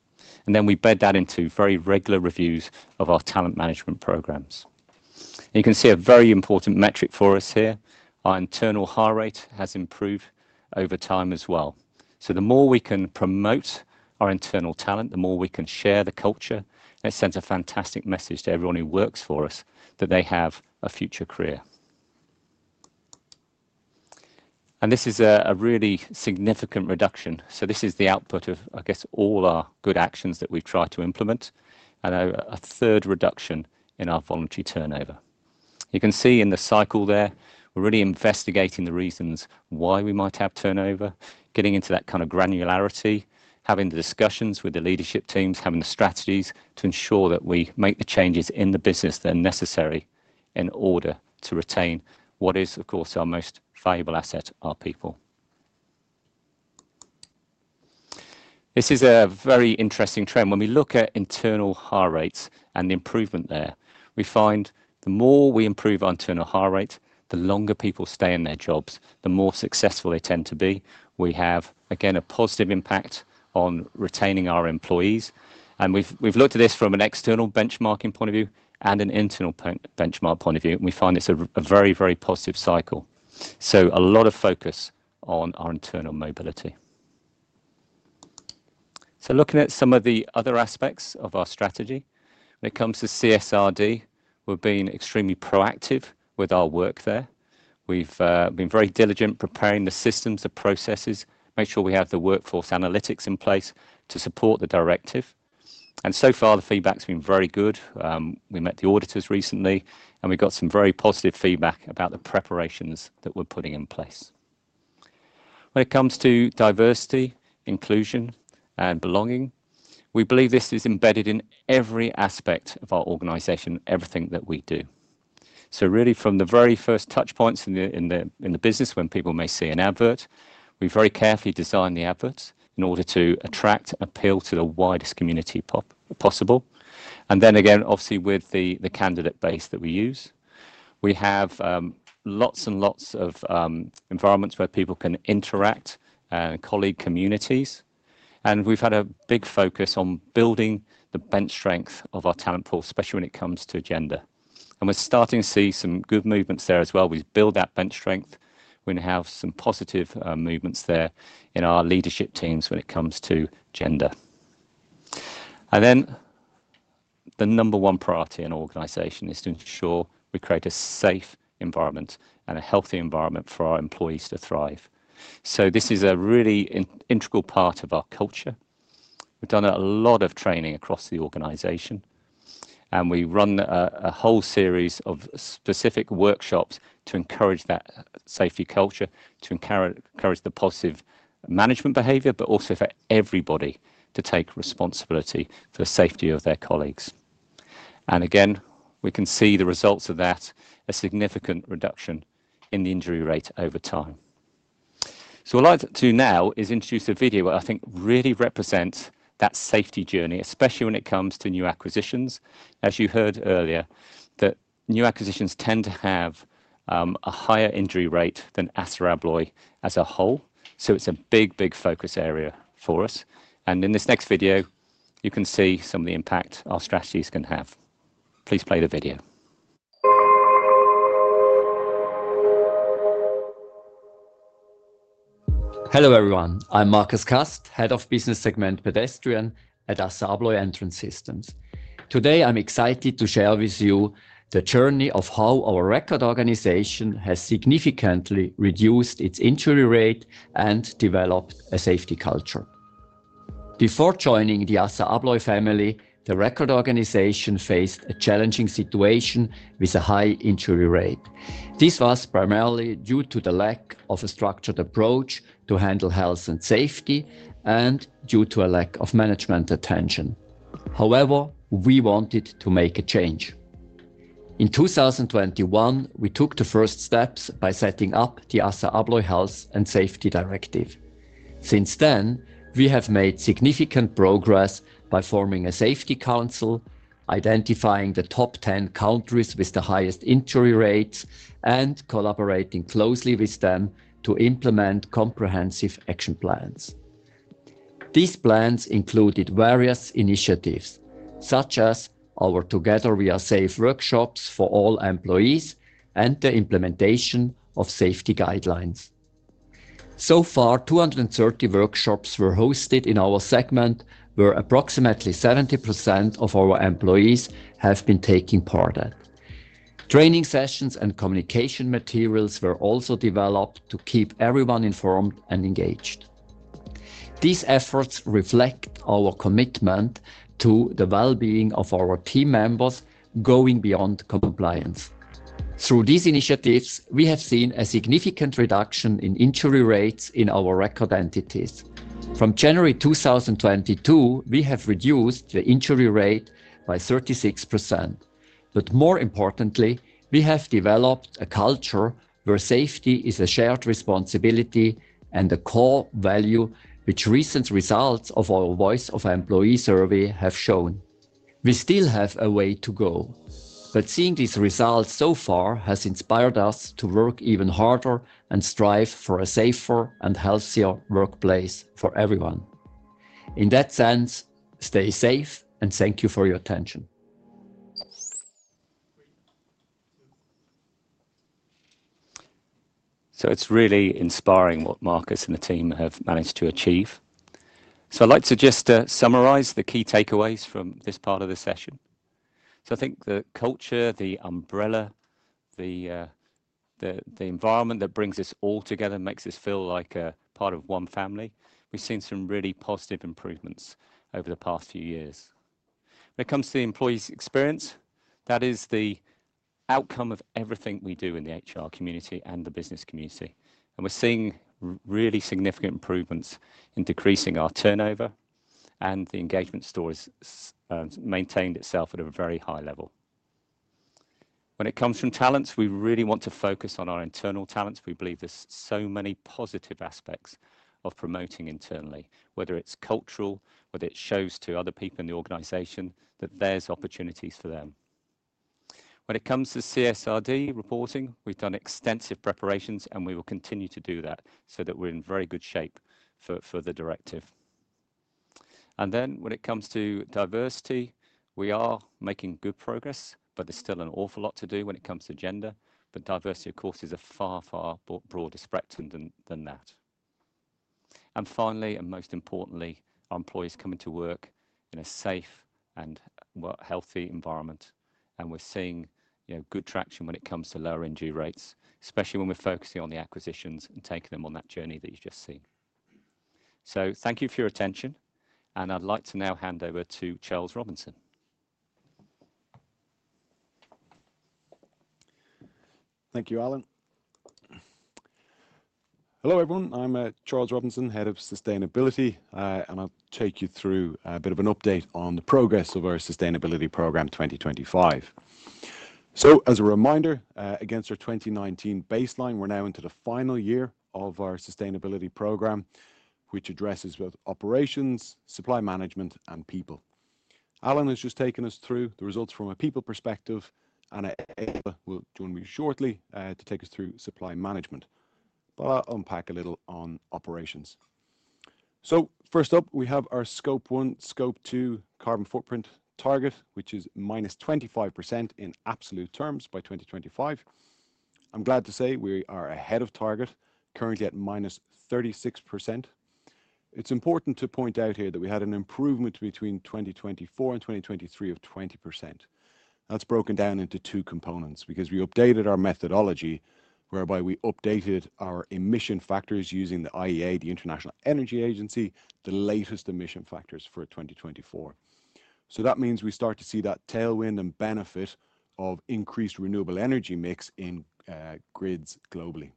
And then we embed that into very regular reviews of our talent management programs. You can see a very important metric for us here. Our internal hire rate has improved over time as well. So the more we can promote our internal talent, the more we can share the culture. It sends a fantastic message to everyone who works for us that they have a future career. And this is a really significant reduction. So this is the output of, I guess, all our good actions that we've tried to implement and a third reduction in our voluntary turnover. You can see in the cycle there, we're really investigating the reasons why we might have turnover, getting into that kind of granularity, having the discussions with the leadership teams, having the strategies to ensure that we make the changes in the business that are necessary in order to retain what is, of course, our most valuable asset, our people. This is a very interesting trend. When we look at internal hire rates and the improvement there, we find the more we improve our internal hire rate, the longer people stay in their jobs, the more successful they tend to be. We have, again, a positive impact on retaining our employees, and we've looked at this from an external benchmarking point of view and an internal benchmark point of view. We find it's a very, very positive cycle, so a lot of focus on our internal mobility, so looking at some of the other aspects of our strategy, when it comes to CSRD, we've been extremely proactive with our work there. We've been very diligent preparing the systems, the processes, make sure we have the workforce analytics in place to support the directive, and so far, the feedback has been very good. We met the auditors recently and we got some very positive feedback about the preparations that we're putting in place. When it comes to diversity, inclusion, and belonging, we believe this is embedded in every aspect of our organization, everything that we do. So really from the very first touchpoints in the business, when people may see an advert, we very carefully design the adverts in order to attract, appeal to the widest community possible. And then again, obviously with the candidate base that we use, we have lots and lots of environments where people can interact and colleague communities. And we've had a big focus on building the bench strength of our talent pool, especially when it comes to gender. And we're starting to see some good movements there as well. We've built that bench strength. We now have some positive movements there in our leadership teams when it comes to gender. And then the number one priority in our organization is to ensure we create a safe environment and a healthy environment for our employees to thrive. So this is a really integral part of our culture. We've done a lot of training across the organization and we run a whole series of specific workshops to encourage that safety culture, to encourage the positive management behavior, but also for everybody to take responsibility for the safety of their colleagues. And again, we can see the results of that, a significant reduction in the injury rate over time. So what I'd like to do now is introduce a video where I think really represents that safety journey, especially when it comes to new acquisitions. As you heard earlier, that new acquisitions tend to have a higher injury rate than ASSA ABLOY as a whole. So it's a big, big focus area for us. And in this next video, you can see some of the impact our strategies can have. Please play the video. Hello everyone. I'm Markus Kast, Head of Business Segment Pedestrian at ASSA ABLOY Entrance Systems. Today, I'm excited to share with you the journey of how our Record organization has significantly reduced its injury rate and developed a safety culture. Before joining the ASSA ABLOY family, the Record organization faced a challenging situation with a high injury rate. This was primarily due to the lack of a structured approach to handle health and safety and due to a lack of management attention. However, we wanted to make a change. In 2021, we took the first steps by setting up the ASSA ABLOY Health and Safety Directive. Since then, we have made significant progress by forming a safety council, identifying the top 10 countries with the highest injury rates, and collaborating closely with them to implement comprehensive action plans. These plans included various initiatives such as our Together We Are Safe workshops for all employees and the implementation of safety guidelines. So far, 230 workshops were hosted in our segment where approximately 70% of our employees have been taking part at. Training sessions and communication materials were also developed to keep everyone informed and engaged. These efforts reflect our commitment to the well-being of our team members going beyond compliance. Through these initiatives, we have seen a significant reduction in injury rates in our Record entities. From January 2022, we have reduced the injury rate by 36%. But more importantly, we have developed a culture where safety is a shared responsibility and a core value, which recent results of our Voice of Employee survey have shown. We still have a way to go, but seeing these results so far has inspired us to work even harder and strive for a safer and healthier workplace for everyone. In that sense, stay safe and thank you for your attention. It's really inspiring what Marcus and the team have managed to achieve. I'd like to just summarize the key takeaways from this part of the session. I think the culture, the umbrella, the environment that brings us all together, makes us feel like a part of one family. We've seen some really positive improvements over the past few years. When it comes to the employee's experience, that is the outcome of everything we do in the HR community and the business community. We're seeing really significant improvements in decreasing our turnover, and the engagement story has maintained itself at a very high level. When it comes to talents, we really want to focus on our internal talents. We believe there's so many positive aspects of promoting internally, whether it's cultural, whether it shows to other people in the organization that there's opportunities for them. When it comes to CSRD reporting, we've done extensive preparations and we will continue to do that so that we're in very good shape for the directive. And then when it comes to diversity, we are making good progress, but there's still an awful lot to do when it comes to gender. But diversity, of course, is a far, far broader spectrum than that. And finally, and most importantly, our employees come into work in a safe and healthy environment. And we're seeing good traction when it comes to lower injury rates, especially when we're focusing on the acquisitions and taking them on that journey that you've just seen. So thank you for your attention. And I'd like to now hand over to Charles Robinson. Thank you, Allan. Hello everyone. I'm Charles Robinson, Head of Sustainability, and I'll take you through a bit of an update on the progress of our Sustainability Program 2025. As a reminder, against our 2019 baseline, we're now into the final year of our Sustainability Program, which addresses both operations, supply management, and people. Allan has just taken us through the results from a people perspective, and Eva will join me shortly to take us through supply management. I'll unpack a little on operations. First up, we have our Scope 1, Scope 2 carbon footprint target, which is minus 25% in absolute terms by 2025. I'm glad to say we are ahead of target, currently at minus 36%. It's important to point out here that we had an improvement between 2024 and 2023 of 20%. That's broken down into two components because we updated our methodology, whereby we updated our emission factors using the IEA, the International Energy Agency, the latest emission factors for 2024. So that means we start to see that tailwind and benefit of increased renewable energy mix in grids globally.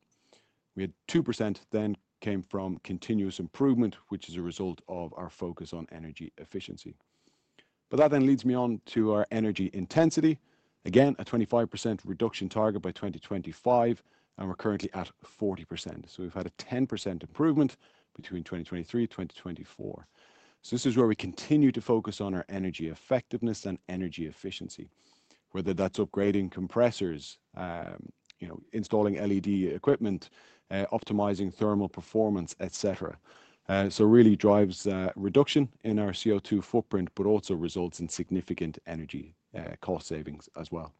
We had 2% then came from continuous improvement, which is a result of our focus on energy efficiency. But that then leads me on to our energy intensity. Again, a 25% reduction target by 2025, and we're currently at 40%. So we've had a 10% improvement between 2023 and 2024. So this is where we continue to focus on our energy effectiveness and energy efficiency, whether that's upgrading compressors, installing LED equipment, optimizing thermal performance, etc. So it really drives reduction in our CO2 footprint, but also results in significant energy cost savings as well.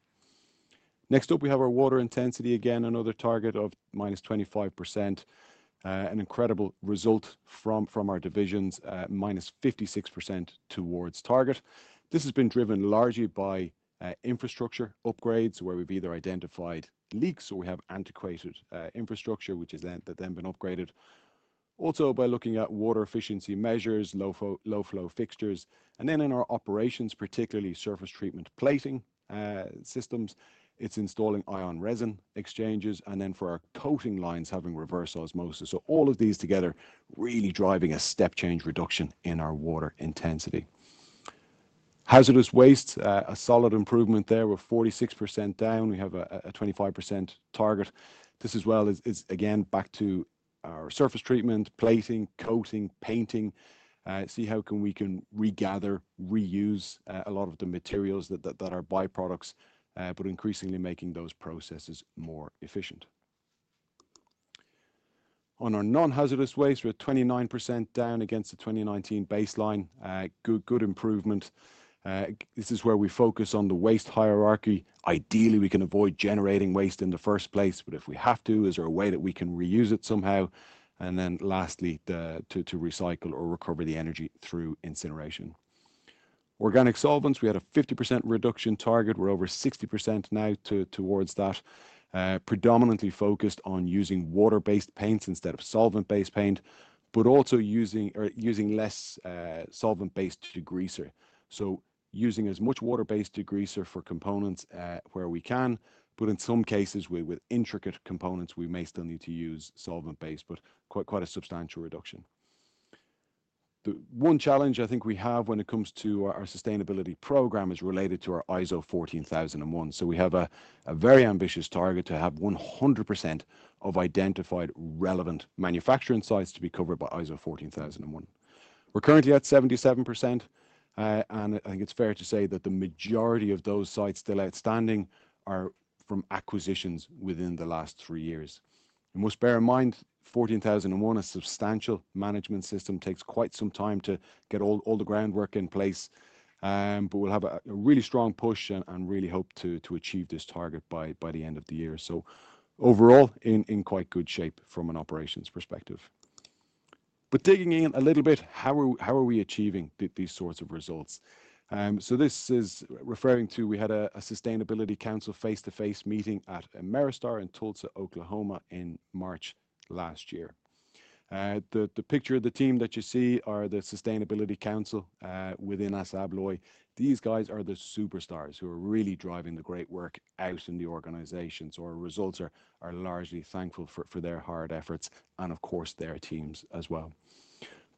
Next up, we have our water intensity, again another target of minus 25%, an incredible result from our divisions, minus 56% towards target. This has been driven largely by infrastructure upgrades where we've either identified leaks or we have antiquated infrastructure, which has then been upgraded. Also by looking at water efficiency measures, low-flow fixtures. And then in our operations, particularly surface treatment plating systems, it's installing ion exchange resins and then for our coating lines having reverse osmosis. So all of these together really driving a step change reduction in our water intensity. Hazardous waste, a solid improvement there. We're 46% down. We have a 25% target. This as well is again back to our surface treatment, plating, coating, painting. See how we can recapture, reuse a lot of the materials that are byproducts, but increasingly making those processes more efficient. On our non-hazardous waste, we're at 29% down against the 2019 baseline. Good improvement. This is where we focus on the waste hierarchy. Ideally, we can avoid generating waste in the first place, but if we have to, is there a way that we can reuse it somehow? And then lastly, to recycle or recover the energy through incineration. Organic solvents, we had a 50% reduction target. We're over 60% now towards that, predominantly focused on using water-based paints instead of solvent-based paint, but also using less solvent-based degreaser. So using as much water-based degreaser for components where we can, but in some cases with intricate components, we may still need to use solvent-based, but quite a substantial reduction. The one challenge I think we have when it comes to our sustainability program is related to our ISO 14001. So we have a very ambitious target to have 100% of identified relevant manufacturing sites to be covered by ISO 14001. We're currently at 77%, and I think it's fair to say that the majority of those sites still outstanding are from acquisitions within the last three years, and most bear in mind, 14001, a substantial management system takes quite some time to get all the groundwork in place, but we'll have a really strong push and really hope to achieve this target by the end of the year. So overall, in quite good shape from an operations perspective, but digging in a little bit, how are we achieving these sorts of results? So this is referring to we had a Sustainability Council face-to-face meeting at Ameristar in Tulsa, Oklahoma, in March last year. The picture of the team that you see are the Sustainability Council within ASSA ABLOY. These guys are the superstars who are really driving the great work out in the organization. Our results are largely thankful for their hard efforts and, of course, their teams as well.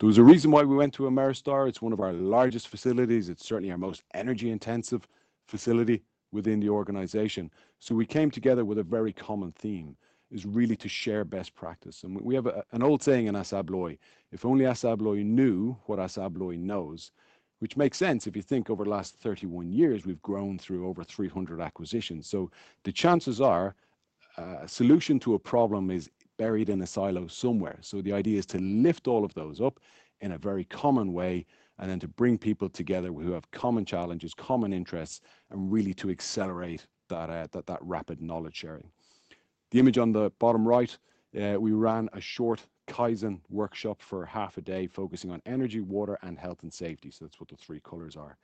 There was a reason why we went to Ameristar. It's one of our largest facilities. It's certainly our most energy-intensive facility within the organization. We came together with a very common theme, which is really to share best practice. We have an old saying in ASSA ABLOY, "If only ASSA ABLOY knew what ASSA ABLOY knows," which makes sense if you think over the last 31 years, we've grown through over 300 acquisitions. The chances are a solution to a problem is buried in a silo somewhere. The idea is to lift all of those up in a very common way and then to bring people together who have common challenges, common interests, and really to accelerate that rapid knowledge sharing. The image on the bottom right, we ran a short Kaizen workshop for half a day focusing on energy, water, and health and safety, that's what the three colors are.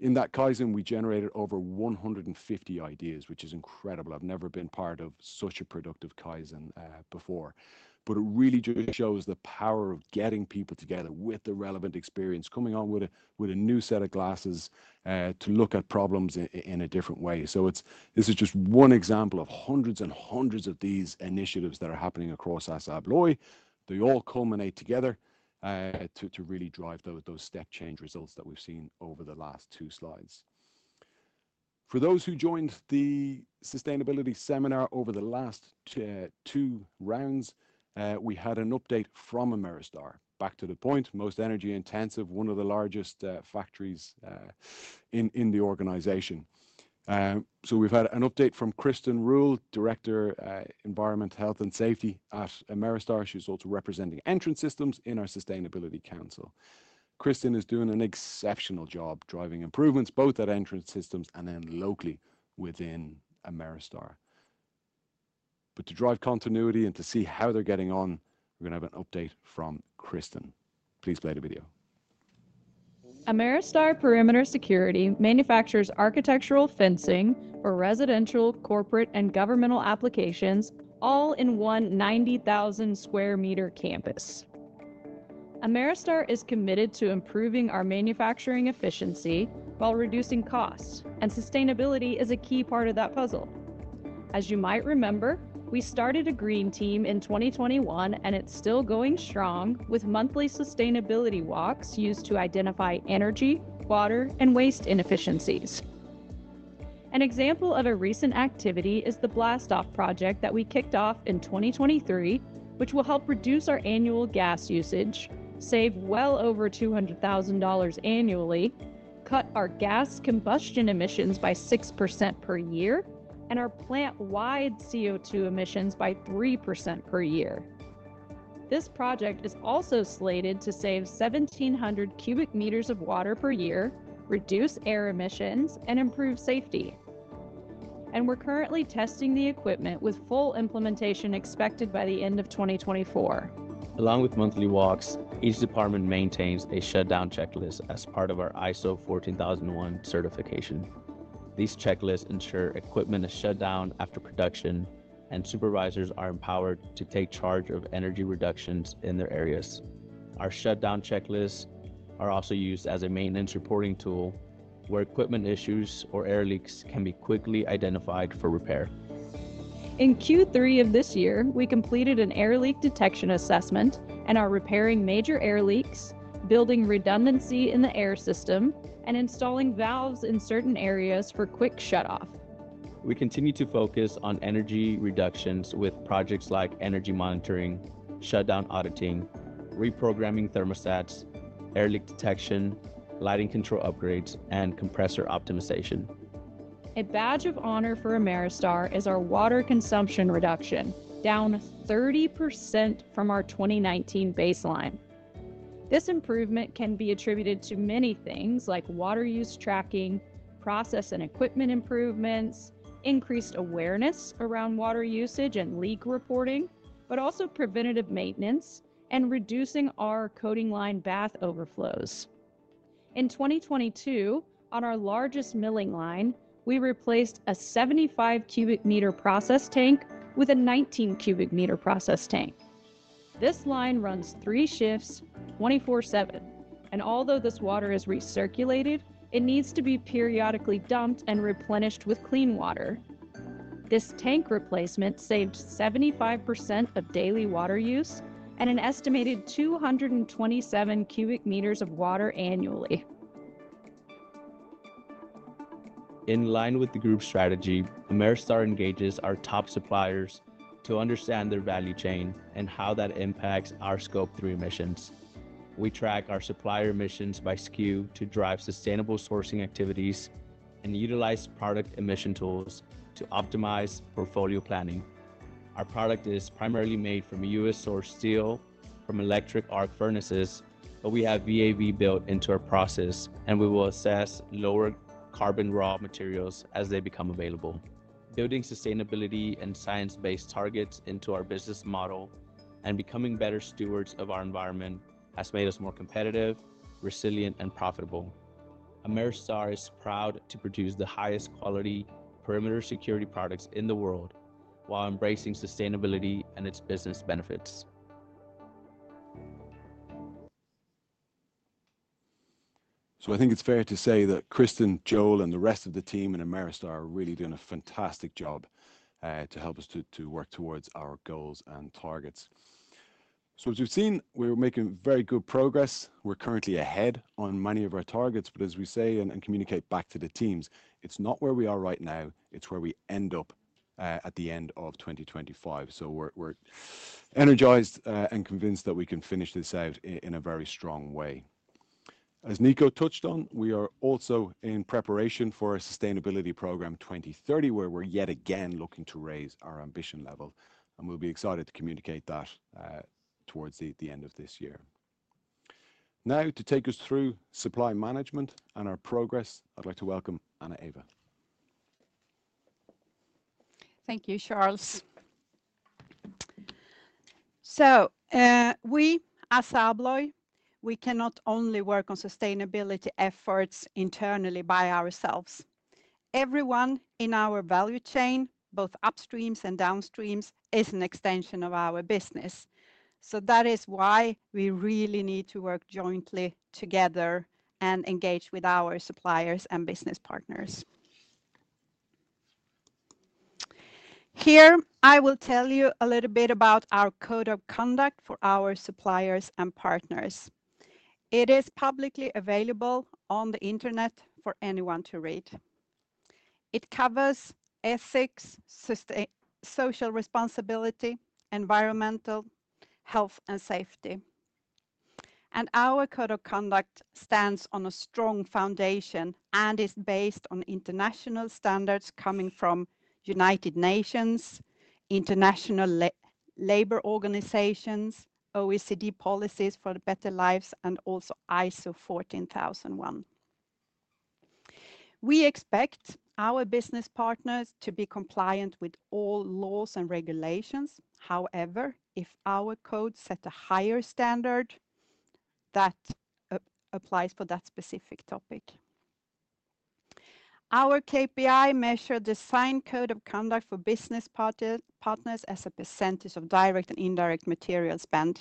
In that Kaizen, we generated over 150 ideas, which is incredible. I've never been part of such a productive Kaizen before, but it really just shows the power of getting people together with the relevant experience, coming on with a new set of glasses to look at problems in a different way. This is just one example of hundreds and hundreds of these initiatives that are happening across ASSA ABLOY. They all culminate together to really drive those step change results that we've seen over the last two slides. For those who joined the sustainability seminar over the last two rounds, we had an update from Ameristar, back to the point, most energy-intensive, one of the largest factories in the organization, so we've had an update from Kristen Ruhl, Director of Environment, Health, and Safety at Ameristar. She's also representing Entrance Systems in our Sustainability Council. Kristen is doing an exceptional job driving improvements both at Entrance Systems and then locally within Ameristar, but to drive continuity and to see how they're getting on, we're going to have an update from Kristen. Please play the video. Ameristar Perimeter Security manufactures architectural fencing for residential, corporate, and governmental applications, all in one 90,000 square meters campus. Ameristar is committed to improving our manufacturing efficiency while reducing costs, and sustainability is a key part of that puzzle. As you might remember, we started a green team in 2021, and it's still going strong with monthly sustainability walks used to identify energy, water, and waste inefficiencies. An example of a recent activity is the Blast Off project that we kicked off in 2023, which will help reduce our annual gas usage, save well over $200,000 annually, cut our gas combustion emissions by 6% per year, and our plant-wide CO2 emissions by 3% per year. This project is also slated to save 1,700 cubic meters of water per year, reduce air emissions, and improve safety. We're currently testing the equipment with full implementation expected by the end of 2024. Along with monthly walks, each department maintains a shutdown checklist as part of our ISO 14001 certification. These checklists ensure equipment is shut down after production, and supervisors are empowered to take charge of energy reductions in their areas. Our shutdown checklists are also used as a maintenance reporting tool where equipment issues or air leaks can be quickly identified for repair. In Q3 of this year, we completed an air leak detection assessment and are repairing major air leaks, building redundancy in the air system, and installing valves in certain areas for quick shutoff. We continue to focus on energy reductions with projects like energy monitoring, shutdown auditing, reprogramming thermostats, air leak detection, lighting control upgrades, and compressor optimization. A badge of honor for Ameristar is our water consumption reduction, down 30% from our 2019 baseline. This improvement can be attributed to many things like water use tracking, process and equipment improvements, increased awareness around water usage and leak reporting, but also preventative maintenance and reducing our coating line bath overflows. In 2022, on our largest milling line, we replaced a 75 cubic meters process tank with a 19 cubic meters process tank. This line runs three shifts 24/7, and although this water is recirculated, it needs to be periodically dumped and replenished with clean water. This tank replacement saved 75% of daily water use and an estimated 227 cubic meters of water annually. In line with the group strategy, Ameristar engages our top suppliers to understand their value chain and how that impacts our Scope 3 emissions. We track our supplier emissions by SKU to drive sustainable sourcing activities and utilize product emission tools to optimize portfolio planning. Our product is primarily made from U.S. sourced steel from electric arc furnaces, but we have VA/VE built into our process, and we will assess lower carbon raw materials as they become available. Building sustainability and Science Based Targets into our business model and becoming better stewards of our environment has made us more competitive, resilient, and profitable. Ameristar is proud to produce the highest quality perimeter security products in the world while embracing sustainability and its business benefits. I think it's fair to say that Kristen, Joel, and the rest of the team in Ameristar are really doing a fantastic job to help us work towards our goals and targets. As we've seen, we're making very good progress. We're currently ahead on many of our targets, but as we say and communicate back to the teams, it's not where we are right now. It's where we end up at the end of 2025. We're energized and convinced that we can finish this out in a very strong way. As Nico touched on, we are also in preparation for a sustainability program 2030 where we're yet again looking to raise our ambition level, and we'll be excited to communicate that towards the end of this year. Now, to take us through supply management and our progress, I'd like to welcome Anna-Eva. Thank you, Charles. So we, ASSA ABLOY, we cannot only work on sustainability efforts internally by ourselves. Everyone in our value chain, both upstreams and downstreams, is an extension of our business. So that is why we really need to work jointly together and engage with our suppliers and business partners. Here, I will tell you a little bit about our Code of Conduct for our suppliers and partners. It is publicly available on the internet for anyone to read. It covers ethics, social responsibility, environmental, health, and safety. And our Code of Conduct stands on a strong foundation and is based on international standards coming from United Nations, international labor organizations, OECD policies for better lives, and also ISO 14001. We expect our business partners to be compliant with all laws and regulations. However, if our code set a higher standard, that applies for that specific topic. Our KPI measure the signed Code of Conduct for business partners as a percentage of direct and indirect material spent.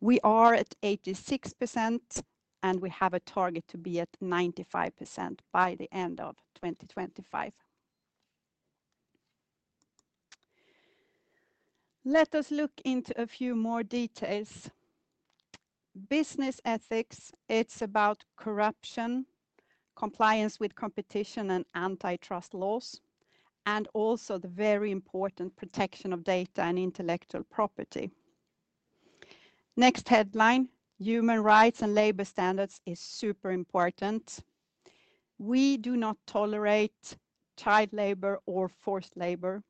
We are at 86%, and we have a target to be at 95% by the end of 2025. Let us look into a few more details. Business ethics, it's about corruption, compliance with competition and antitrust laws, and also the very important protection of data and intellectual property. Next headline, human rights and labor standards is super important. We do not tolerate child labor or forced labor.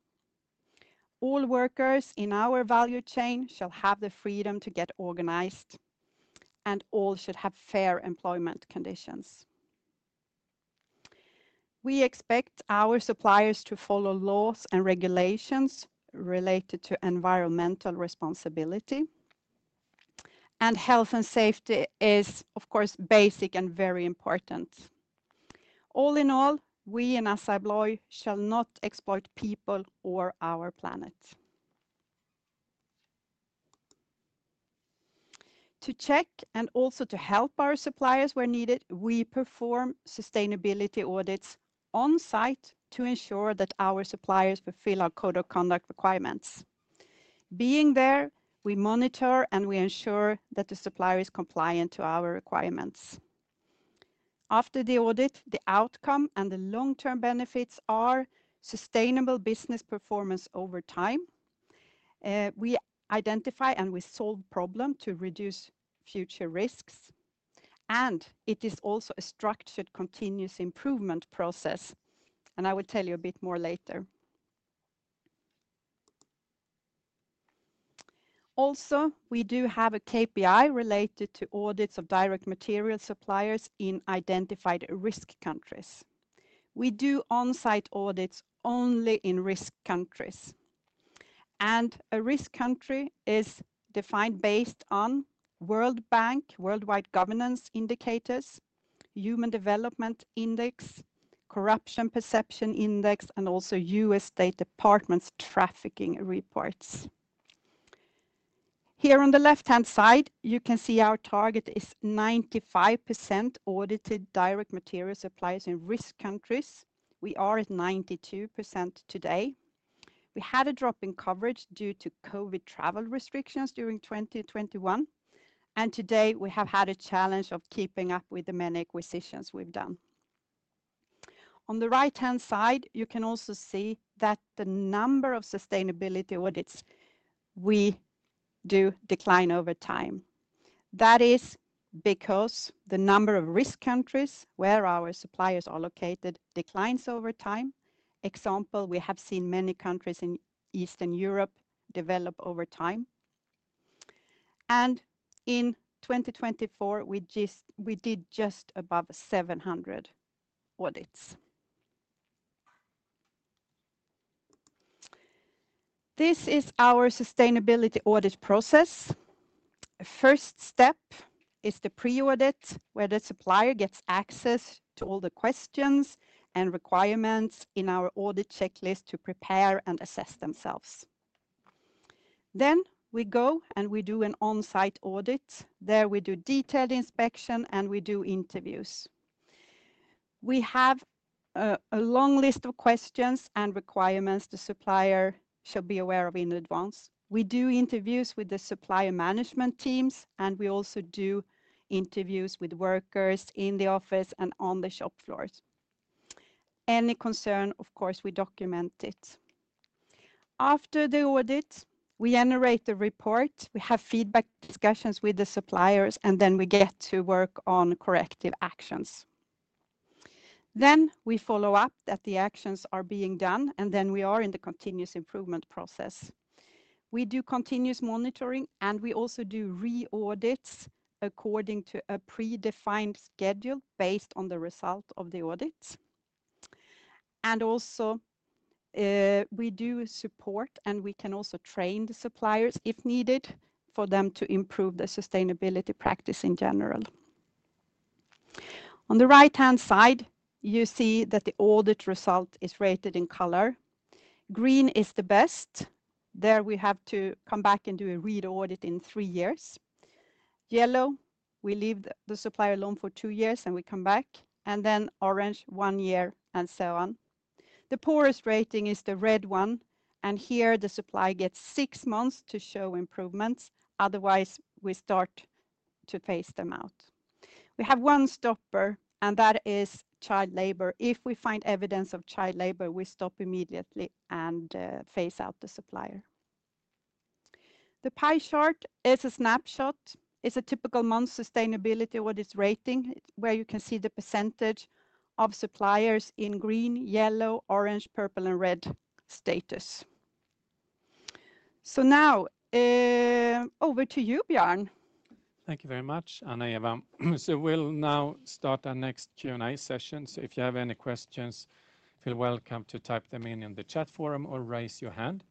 All workers in our value chain shall have the freedom to get organized, and all should have fair employment conditions. We expect our suppliers to follow laws and regulations related to environmental responsibility, and health and safety is, of course, basic and very important. All in all, we in ASSA ABLOY shall not exploit people or our planet. To check and also to help our suppliers where needed, we perform sustainability audits on site to ensure that our suppliers fulfill our Code of Conduct requirements. Being there, we monitor and we ensure that the supplier is compliant to our requirements. After the audit, the outcome and the long-term benefits are sustainable business performance over time. We identify and we solve problems to reduce future risks, and it is also a structured continuous improvement process, and I will tell you a bit more later. Also, we do have a KPI related to audits of direct material suppliers in identified risk countries. We do on-site audits only in risk countries, and a risk country is defined based on World Bank, Worldwide Governance Indicators, Human Development Index, Corruption Perceptions Index, and also U.S. State Department's trafficking reports. Here on the left-hand side, you can see our target is 95% audited direct material suppliers in risk countries. We are at 92% today. We had a drop in coverage due to COVID travel restrictions during 2021, and today, we have had a challenge of keeping up with the many acquisitions we've done. On the right-hand side, you can also see that the number of sustainability audits we do decline over time. That is because the number of risk countries where our suppliers are located declines over time. Example, we have seen many countries in Eastern Europe develop over time, and in 2024, we did just above 700 audits. This is our sustainability audit process. First step is the pre-audit where the supplier gets access to all the questions and requirements in our audit checklist to prepare and assess themselves. Then we go and we do an on-site audit. There we do detailed inspection and we do interviews. We have a long list of questions and requirements the supplier should be aware of in advance. We do interviews with the supplier management teams, and we also do interviews with workers in the office and on the shop floors. Any concern, of course, we document it. After the audit, we generate the report. We have feedback discussions with the suppliers, and then we get to work on corrective actions. Then we follow up that the actions are being done, and then we are in the continuous improvement process. We do continuous monitoring, and we also do re-audits according to a pre-defined schedule based on the result of the audits. And also, we do support, and we can also train the suppliers if needed for them to improve the sustainability practice in general. On the right-hand side, you see that the audit result is rated in color. Green is the best. There we have to come back and do a re-audit in three years. Yellow, we leave the supplier alone for two years and we come back. Then orange, one year and so on. The poorest rating is the red one. And here the supplier gets six months to show improvements. Otherwise, we start to phase them out. We have one stopper, and that is child labor. If we find evidence of child labor, we stop immediately and phase out the supplier. The pie chart is a snapshot. It's a typical month sustainability audit rating where you can see the percentage of suppliers in green, yellow, orange, purple, and red status. So now, over to you, Björn. Thank you very much, Anna-Eva. So we'll now start our next Q&A session. So if you have any questions, feel welcome to type them in in the chat forum or raise your hand.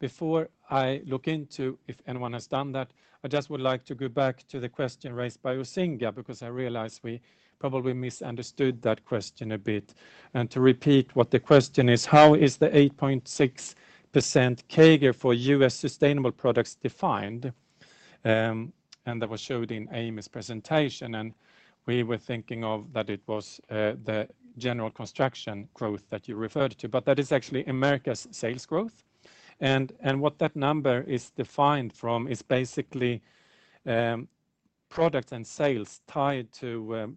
Before I look into if anyone has done that, I just would like to go back to the question raised by Osinga because I realize we probably misunderstood that question a bit. And to repeat what the question is, how is the 8.6% CAGR for US sustainable products defined? And that was showed in Amy's presentation. And we were thinking of that it was the general construction growth that you referred to, but that is actually Americas sales growth. And what that number is defined from is basically products and sales tied to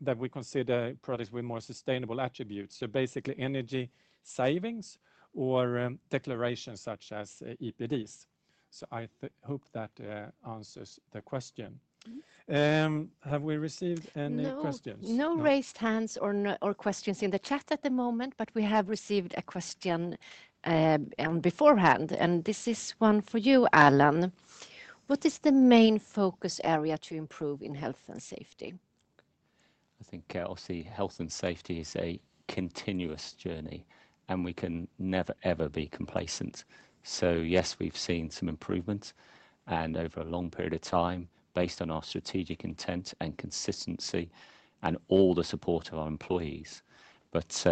that we consider products with more sustainable attributes. So basically energy savings or declarations such as EPDs. So I hope that answers the question. Have we received any questions? No raised hands or questions in the chat at the moment, but we have received a question beforehand, and this is one for you, Allan. What is the main focus area to improve in health and safety? I think, Kjell, I'll say health and safety is a continuous journey, and we can never ever be complacent. So yes, we've seen some improvements over a long period of time based on our strategic intent and consistency and all the support of our employees. But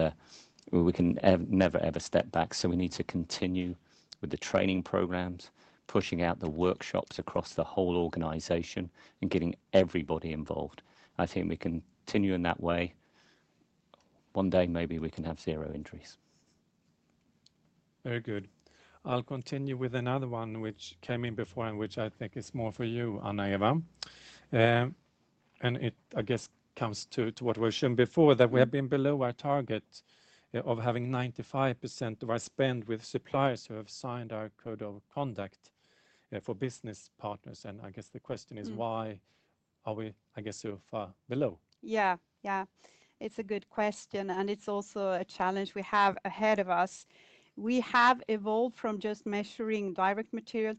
we can never ever step back. So we need to continue with the training programs, pushing out the workshops across the whole organization and getting everybody involved. I think we can continue in that way. One day, maybe we can have zero injuries. Very good. I'll continue with another one, which came in before and which I think is more for you, Anna-Eva, and it, I guess, comes to what we've shown before that we have been below our target of having 95% of our spend with suppliers who have signed our Code of Conduct for business partners. I guess the question is, why are we, I guess, so far below? Yeah, yeah. It's a good question, and it's also a challenge we have ahead of us. We have evolved from just measuring direct material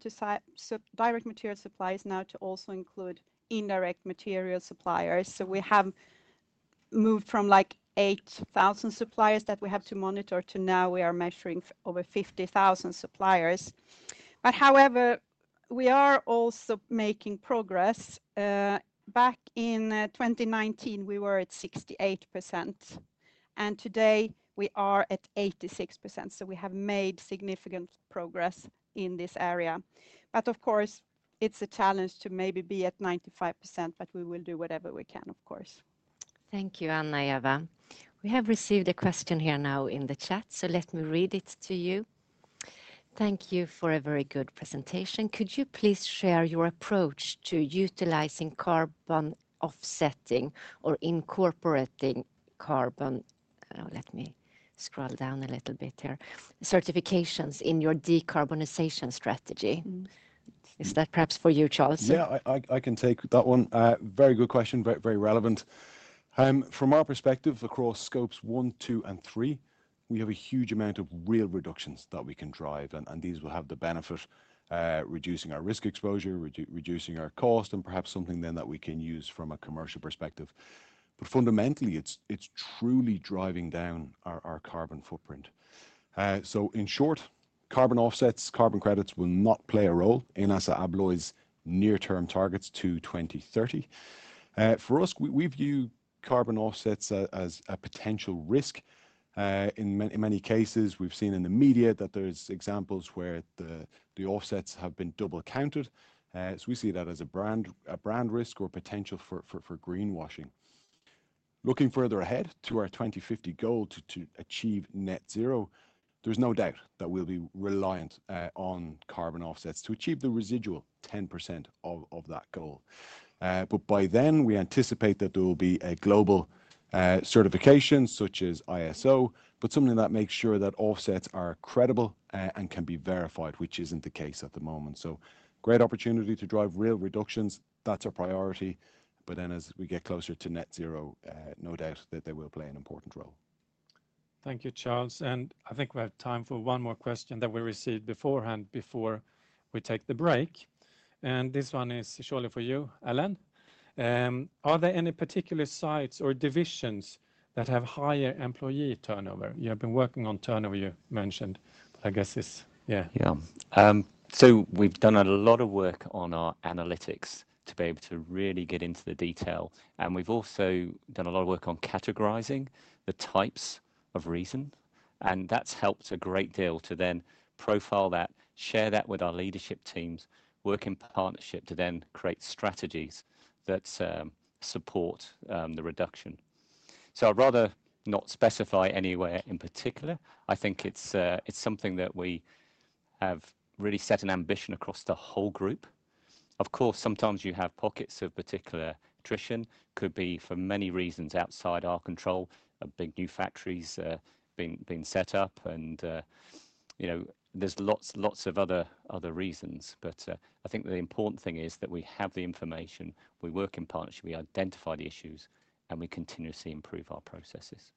supplies now to also include indirect material suppliers. So we have moved from like 8,000 suppliers that we have to monitor to now we are measuring over 50,000 suppliers. But however, we are also making progress. Back in 2019, we were at 68%, and today we are at 86%. So we have made significant progress in this area. But of course, it's a challenge to maybe be at 95%, but we will do whatever we can, of course. Thank you, Anna-Eva. We have received a question here now in the chat, so let me read it to you. Thank you for a very good presentation. Could you please share your approach to utilizing carbon offsetting or incorporating carbon certifications in your decarbonization strategy? Let me scroll down a little bit here. Is that perhaps for you, Charles? Yeah, I can take that one. Very good question, very relevant. From our perspective across Scope 1, Scope 2, and Scope 3, we have a huge amount of real reductions that we can drive, and these will have the benefit of reducing our risk exposure, reducing our cost, and perhaps something then that we can use from a commercial perspective. But fundamentally, it's truly driving down our carbon footprint. So in short, carbon offsets, carbon credits will not play a role in ASSA ABLOY's near-term targets to 2030. For us, we view carbon offsets as a potential risk. In many cases, we've seen in the media that there are examples where the offsets have been double-counted. So we see that as a brand risk or potential for greenwashing. Looking further ahead to our 2050 goal to achieve net zero, there's no doubt that we'll be reliant on carbon offsets to achieve the residual 10% of that goal. But by then, we anticipate that there will be a global certification such as ISO, but something that makes sure that offsets are credible and can be verified, which isn't the case at the moment. So great opportunity to drive real reductions. That's our priority. But then as we get closer to net zero, no doubt that they will play an important role. Thank you, Charles, and I think we have time for one more question that we received beforehand before we take the break, and this one is surely for you, Allan. Are there any particular sites or divisions that have higher employee turnover? You have been working on turnover, you mentioned, I guess, yeah. Yeah. So we've done a lot of work on our analytics to be able to really get into the detail. And we've also done a lot of work on categorizing the types of reason. And that's helped a great deal to then profile that, share that with our leadership teams, work in partnership to then create strategies that support the reduction. So I'd rather not specify anywhere in particular. I think it's something that we have really set an ambition across the whole group. Of course, sometimes you have pockets of particular attrition. It could be for many reasons outside our control, big new factories being set up. And there's lots of other reasons. But I think the important thing is that we have the information, we work in partnership, we identify the issues, and we continuously improve our processes.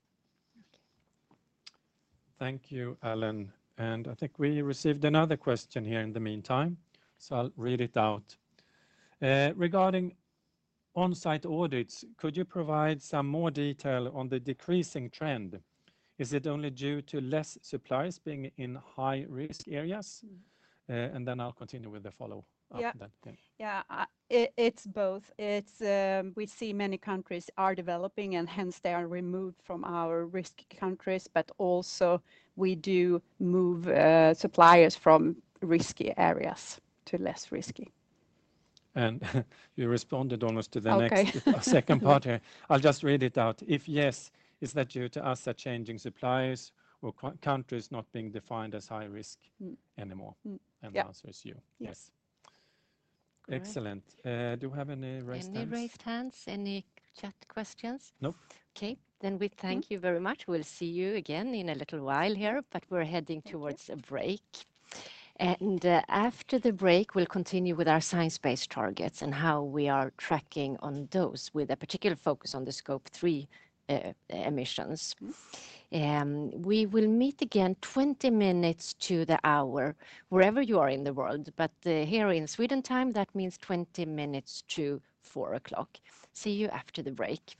Thank you, Allan. And I think we received another question here in the meantime. So I'll read it out. Regarding on-site audits, could you provide some more detail on the decreasing trend? Is it only due to less suppliers being in high-risk areas? And then I'll continue with the follow-up. Yeah, yeah, it's both. We see many countries are developing and hence they are removed from our risk countries, but also we do move suppliers from risky areas to less risky. And you responded almost to the next second part here. I'll just read it out. If yes, is that due to us changing suppliers or countries not being defined as high-risk anymore? And the answer is yes. Yes. Excellent. Do we have any raised hands? Any raised hands? Any chat questions? Nope. Okay. Then we thank you very much. We'll see you again in a little while here, but we're heading towards a break. And after the break, we'll continue with our Science Based Targets and how we are tracking on those with a particular focus on the Scope 3 emissions. We will meet again 20 minutes to the hour, wherever you are in the world, but here in Sweden time, that means 20 minutes to 4 o'clock. See you after the break.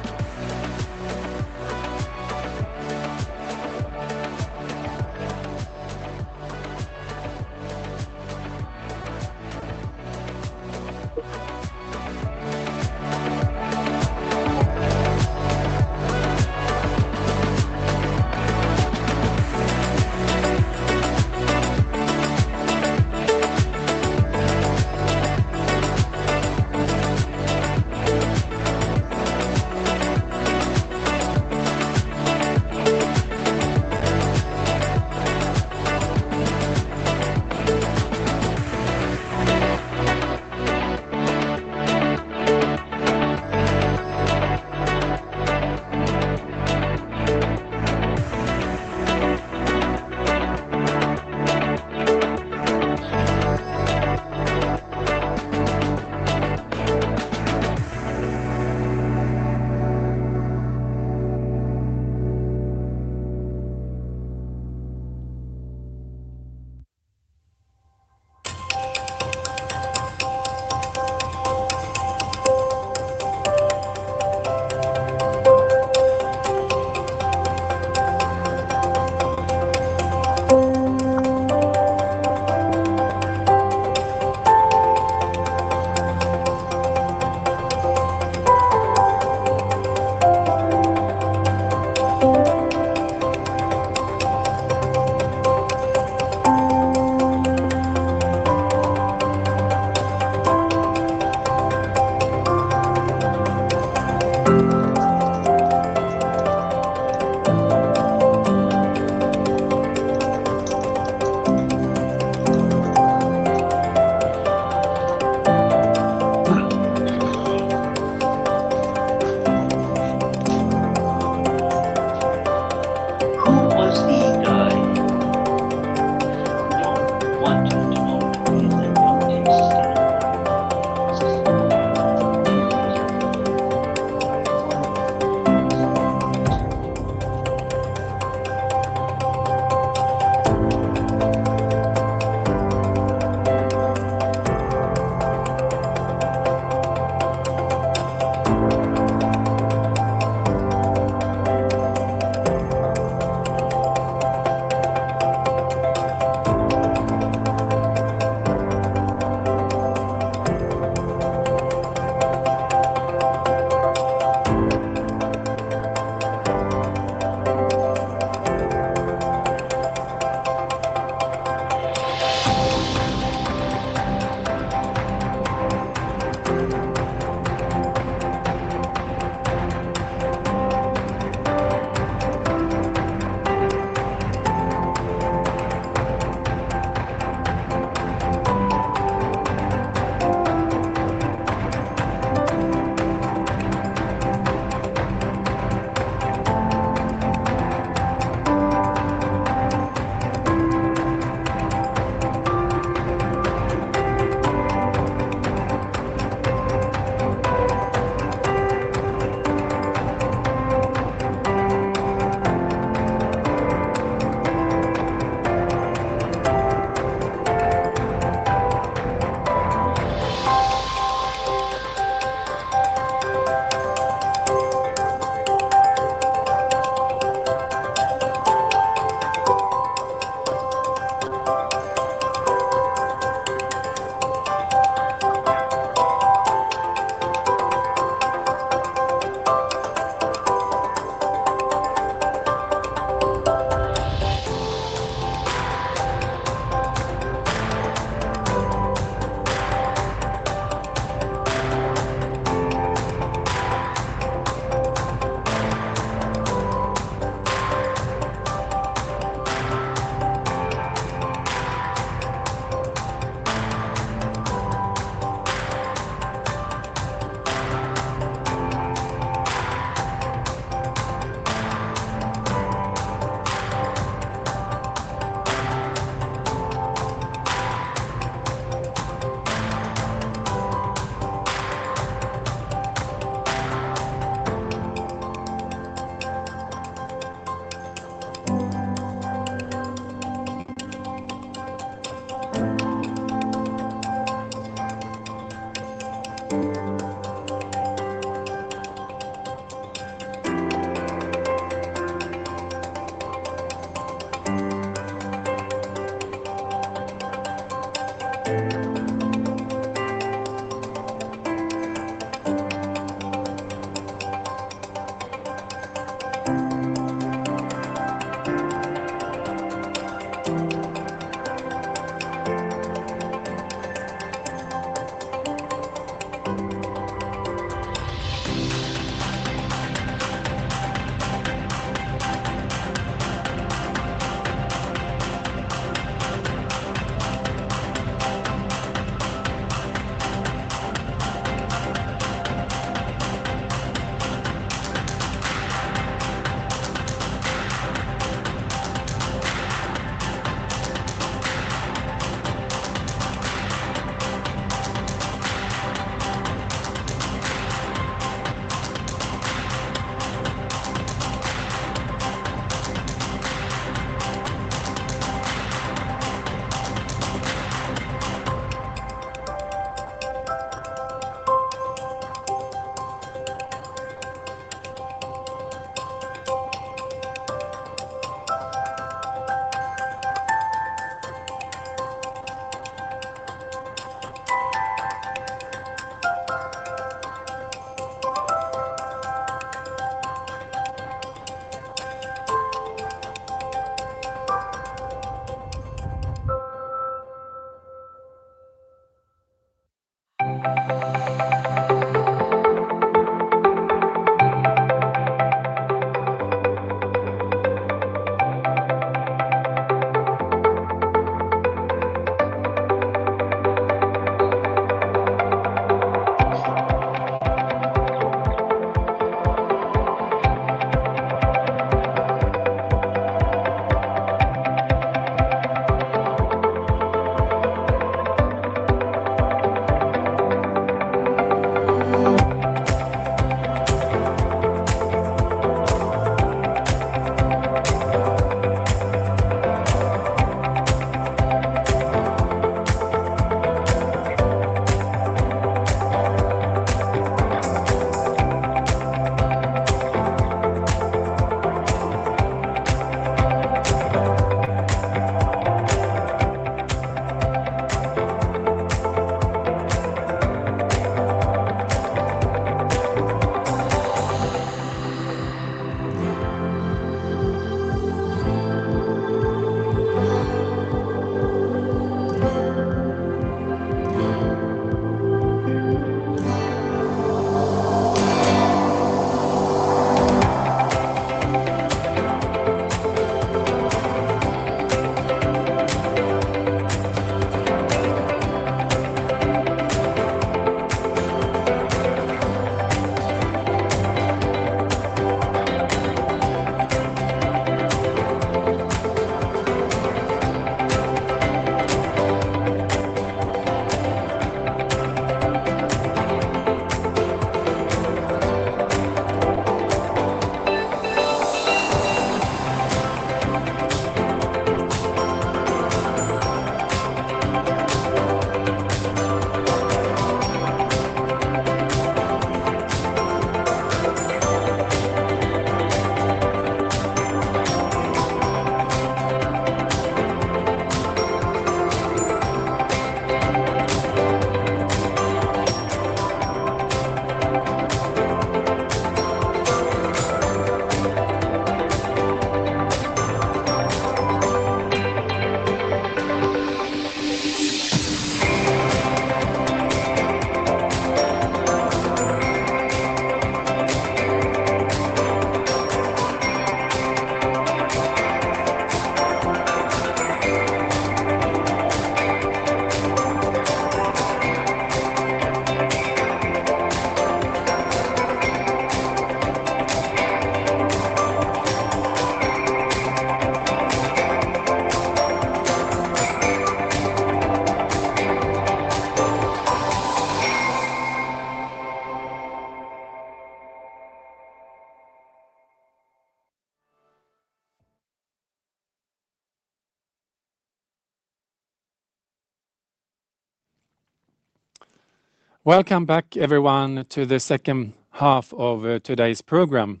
Welcome back, everyone, to the second half of today's program.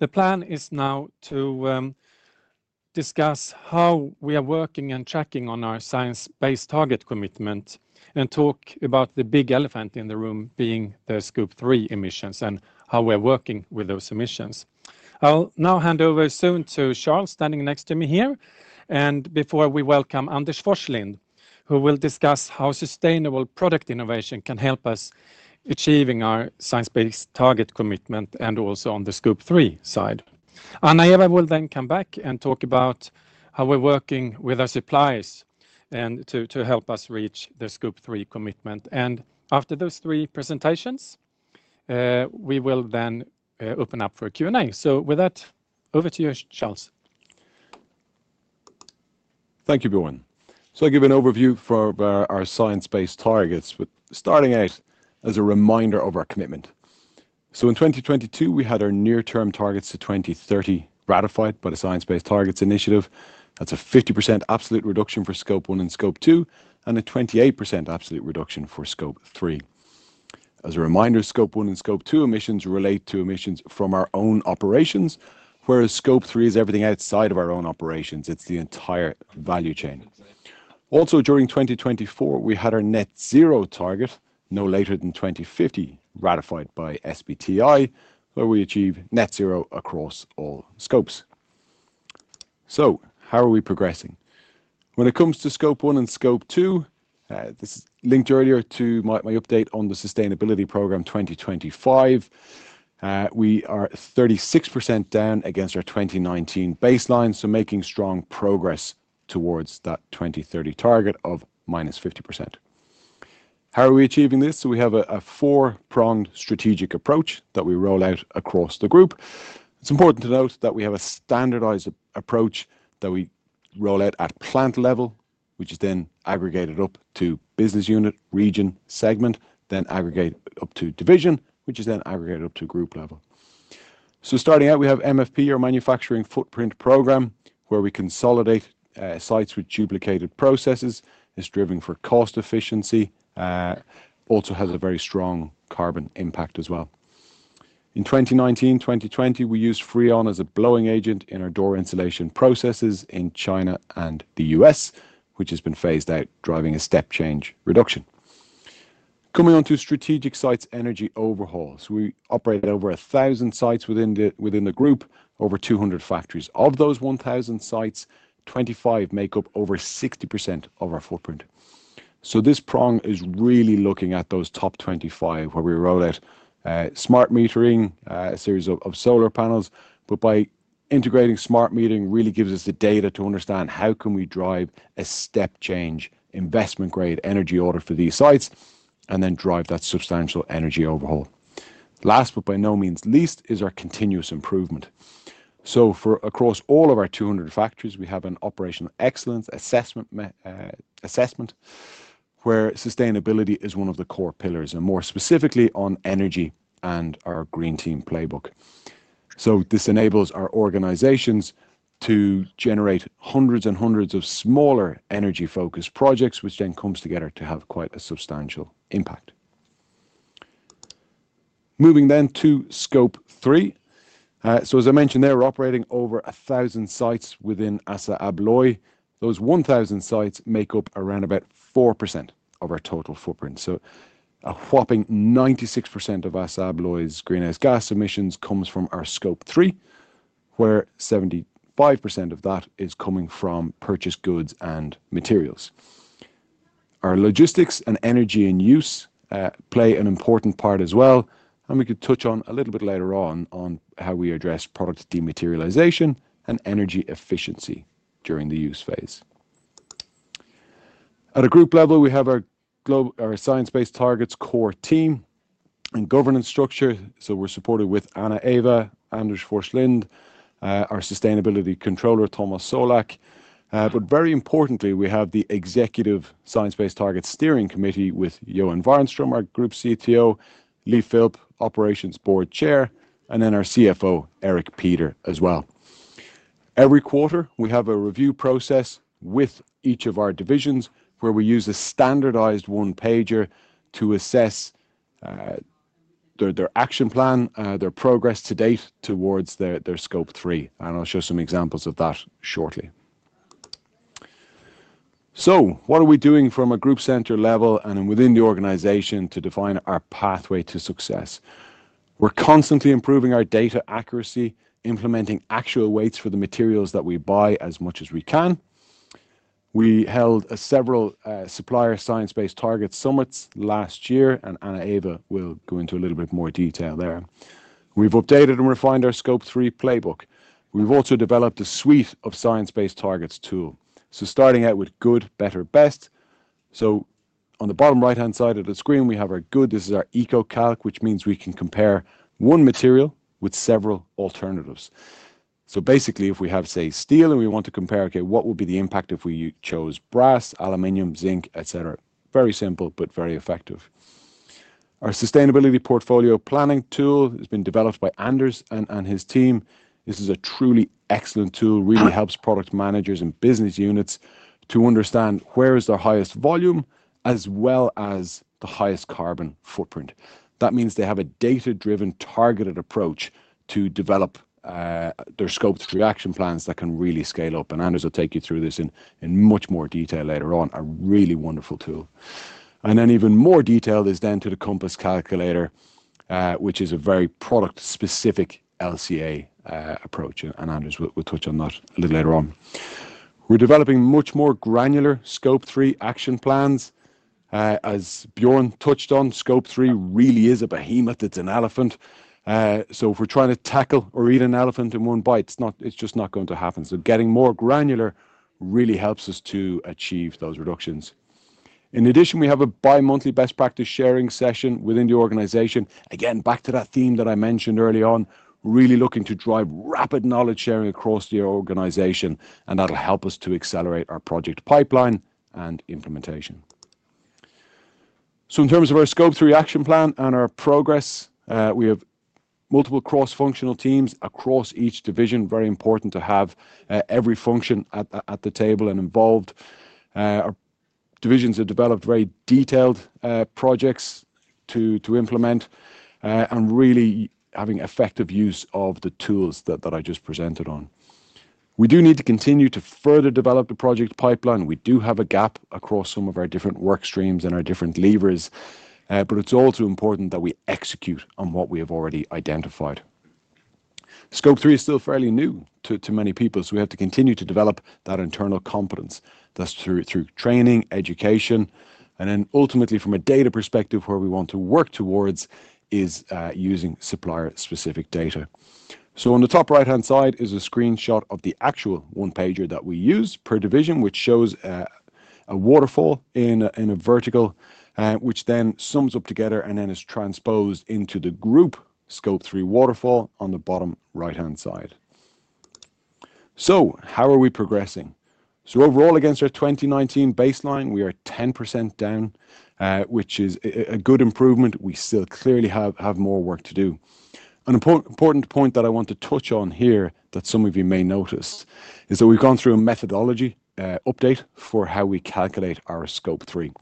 The plan is now to discuss how we are working and tracking on our Science Based Targets commitment and talk about the big elephant in the room being the Scope 3 emissions and how we are working with those emissions. I'll now hand over soon to Charles, standing next to me here, and before we welcome Anders Forslind, who will discuss how sustainable product innovation can help us achieve our Science Based Targets commitment and also on the Scope 3 side. Anna-Eva will then come back and talk about how we're working with our suppliers to help us reach the Scope 3 commitment. And after those three presentations, we will then open up for a Q&A. So with that, over to you, Charles. Thank you, Björn. So I'll give an overview of our Science Based Targets, but starting out as a reminder of our commitment. So in 2022, we had our near-term targets to 2030 ratified by the Science Based Targets Initiative. That's a 50% absolute reduction for Scope 1 and scope two, and a 28% absolute reduction for Scope 3. As a reminder, Scope 1 and scope two emissions relate to emissions from our own operations, whereas Scope 3 is everything outside of our own operations. It's the entire value chain. Also, during 2024, we had our net zero target, no later than 2050, ratified by SBTI, where we achieve net zero across all scopes. So how are we progressing? When it comes to Scope 1 and scope two, this is linked earlier to my update on the sustainability program 2025. We are 36% down against our 2019 baseline, so making strong progress towards that 2030 target of minus 50%. How are we achieving this? So we have a four-pronged strategic approach that we roll out across the group. It's important to note that we have a standardized approach that we roll out at plant level, which is then aggregated up to business unit, region, segment, then aggregated up to division, which is then aggregated up to group level. So starting out, we have MFP, or Manufacturing Footprint Program, where we consolidate sites with duplicated processes. It's driven for cost efficiency, also has a very strong carbon impact as well. In 2019, 2020, we used Freon as a blowing agent in our door insulation processes in China and the US, which has been phased out, driving a step change reduction. Coming on to strategic sites energy overhauls. We operate over 1,000 sites within the group, over 200 factories of those 1,000 sites. 25 make up over 60% of our footprint. This prong is really looking at those top 25, where we roll out smart metering, a series of solar panels. By integrating smart metering, it really gives us the data to understand how can we drive a step change investment-grade energy order for these sites and then drive that substantial energy overhaul. Last, but by no means least, is our continuous improvement. Across all of our 200 factories, we have an operational excellence assessment where sustainability is one of the core pillars, and more specifically on energy and our green team playbook. This enables our organizations to generate hundreds and hundreds of smaller energy-focused projects, which then comes together to have quite a substantial impact. Moving then to Scope 3. So as I mentioned there, we're operating over 1,000 sites within ASSA ABLOY. Those 1,000 sites make up around about 4% of our total footprint. So a whopping 96% of ASSA ABLOY's greenhouse gas emissions comes from our Scope 3, where 75% of that is coming from purchased goods and materials. Our logistics and energy in use play an important part as well, and we could touch on a little bit later on on how we address product dematerialization and energy efficiency during the use phase. At a group level, we have our Science Based Targets core team and governance structure. So we're supported with Anna-Eva, Anders Forslind, our sustainability controller, Tomas Solak. But very importantly, we have the executive Science Based Targets steering committee with Joerg Enver, our Group CTO, Leigh Phelps, Operations Board Chair, and then our CFO, Erik Pieder, as well. Every quarter, we have a review process with each of our divisions where we use a standardized one-pager to assess their action plan, their progress to date towards their Scope 3. And I'll show some examples of that shortly. So what are we doing from a group center level and within the organization to define our pathway to success? We're constantly improving our data accuracy, implementing actual weights for the materials that we buy as much as we can. We held several supplier Science Based Targets summits last year, and Anna-Eva will go into a little bit more detail there. We've updated and refined our Scope 3 playbook. We've also developed a suite of Science Based Targets tools. So starting out with good, better, best. So on the bottom right-hand side of the screen, we have our good. This is our EcoCalc, which means we can compare one material with several alternatives, so basically, if we have, say, steel and we want to compare, okay, what would be the impact if we chose brass, aluminum, zinc, etc. Very simple, but very effective. Our sustainability portfolio planning tool has been developed by Anders and his team. This is a truly excellent tool, really helps product managers and business units to understand where is their highest volume as well as the highest carbon footprint. That means they have a data-driven targeted approach to develop their Scope 3 action plans that can really scale up, and Anders will take you through this in much more detail later on, a really wonderful tool, and then even more detailed is then the compass calculator, which is a very product-specific LCA approach, and Anders will touch on that a little later on. We're developing much more granular Scope 3 action plans. As Björn touched on, Scope 3 really is a behemoth. It's an elephant. So if we're trying to tackle or eat an elephant in one bite, it's just not going to happen. So getting more granular really helps us to achieve those reductions. In addition, we have a bi-monthly best practice sharing session within the organization. Again, back to that theme that I mentioned early on, really looking to drive rapid knowledge sharing across the organization, and that'll help us to accelerate our project pipeline and implementation. So in terms of our Scope 3 action plan and our progress, we have multiple cross-functional teams across each division. Very important to have every function at the table and involved. Our divisions have developed very detailed projects to implement and really having effective use of the tools that I just presented on. We do need to continue to further develop the project pipeline. We do have a gap across some of our different work streams and our different levers, but it's also important that we execute on what we have already identified. Scope 3 is still fairly new to many people, so we have to continue to develop that internal competence. That's through training, education, and then ultimately from a data perspective, where we want to work towards is using supplier-specific data. So on the top right-hand side is a screenshot of the actual one-pager that we use per division, which shows a waterfall in a vertical, which then sums up together and then is transposed into the group Scope 3 waterfall on the bottom right-hand side. So how are we progressing? So overall, against our 2019 baseline, we are 10% down, which is a good improvement. We still clearly have more work to do. An important point that I want to touch on here that some of you may notice is that we've gone through a methodology update for how we calculate our Scope 3.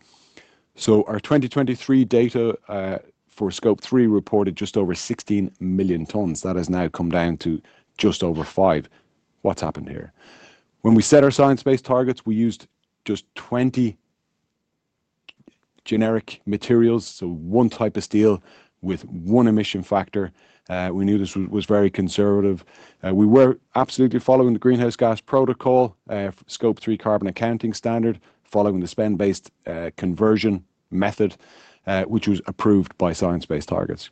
So our 2023 data for Scope 3 reported just over 16 million tons. That has now come down to just over five. What's happened here? When we set our Science Based Targets, we used just 20 generic materials, so one type of steel with one emission factor. We knew this was very conservative. We were absolutely following the greenhouse gas protocol, Scope 3 carbon accounting standard, following the spend-based conversion method, which was approved by Science Based Targets.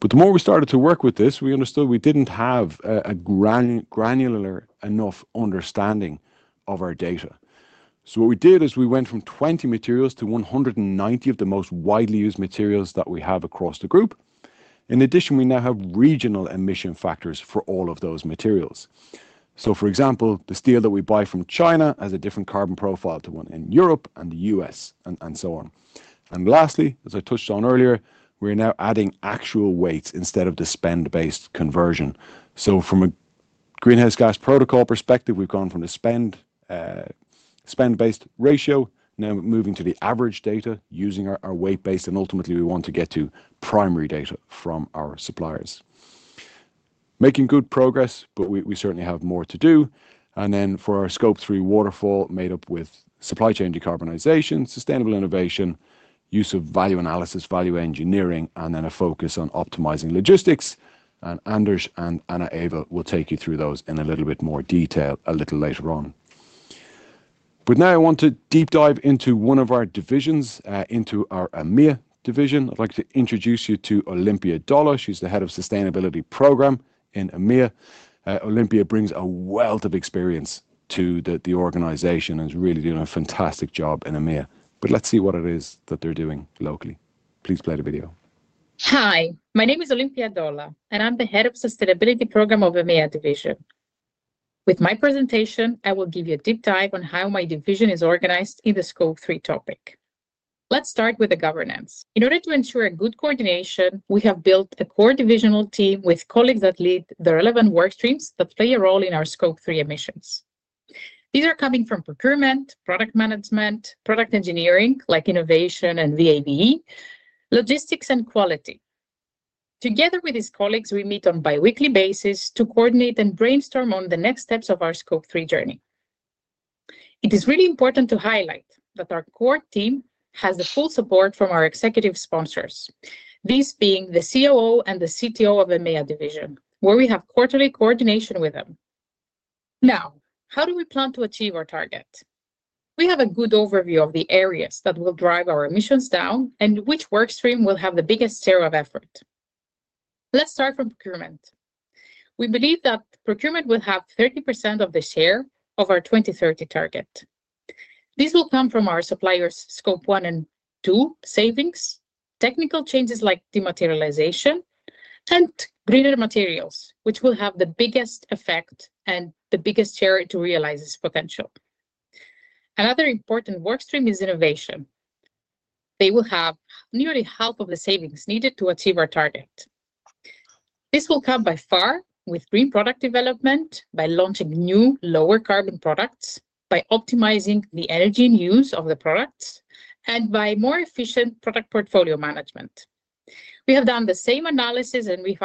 But the more we started to work with this, we understood we didn't have a granular enough understanding of our data. So what we did is we went from 20 materials to 190 of the most widely used materials that we have across the group. In addition, we now have regional emission factors for all of those materials. So for example, the steel that we buy from China has a different carbon profile to one in Europe and the U.S. and so on. And lastly, as I touched on earlier, we're now adding actual weights instead of the spend-based conversion. So from a Greenhouse Gas Protocol perspective, we've gone from a spend-based ratio, now moving to the average data using our weight-based, and ultimately we want to get to primary data from our suppliers. Making good progress, but we certainly have more to do. Then for our Scope 3 waterfall, made up with supply chain decarbonization, sustainable innovation, use of value analysis, value engineering, and then a focus on optimizing logistics. Anders and Anna-Eva will take you through those in a little bit more detail a little later on. Now I want to deep dive into one of our divisions, into our EMEA division. I'd like to introduce you to Olympia Dolla. She's the Head of Sustainability Program in EMEA. Olympia brings a wealth of experience to the organization and is really doing a fantastic job in EMEA. Let's see what it is that they're doing locally. Please play the video. Hi, my name is Olympia Dolla, and I'm the head of sustainability program of EMEA division. With my presentation, I will give you a deep dive on how my division is organized in the Scope 3 topic. Let's start with the governance. In order to ensure good coordination, we have built a core divisional team with colleagues that lead the relevant work streams that play a role in our Scope 3 emissions. These are coming from procurement, product management, product engineering like innovation and VA/VE, logistics and quality. Together with these colleagues, we meet on bi-weekly basis to coordinate and brainstorm on the next steps of our Scope 3 journey. It is really important to highlight that our core team has the full support from our executive sponsors, these being the COO and the CTO of EMEA division, where we have quarterly coordination with them. Now, how do we plan to achieve our target? We have a good overview of the areas that will drive our emissions down and which work stream will have the biggest share of effort. Let's start from procurement. We believe that procurement will have 30% of the share of our 2030 target. This will come from our suppliers' Scope 1 and 2 savings, technical changes like dematerialization, and greener materials, which will have the biggest effect and the biggest share to realize this potential. Another important work stream is innovation. They will have nearly half of the savings needed to achieve our target. This will come by far with green product development, by launching new lower carbon products, by optimizing the energy in use of the products, and by more efficient product portfolio management. We have done the same analysis, and we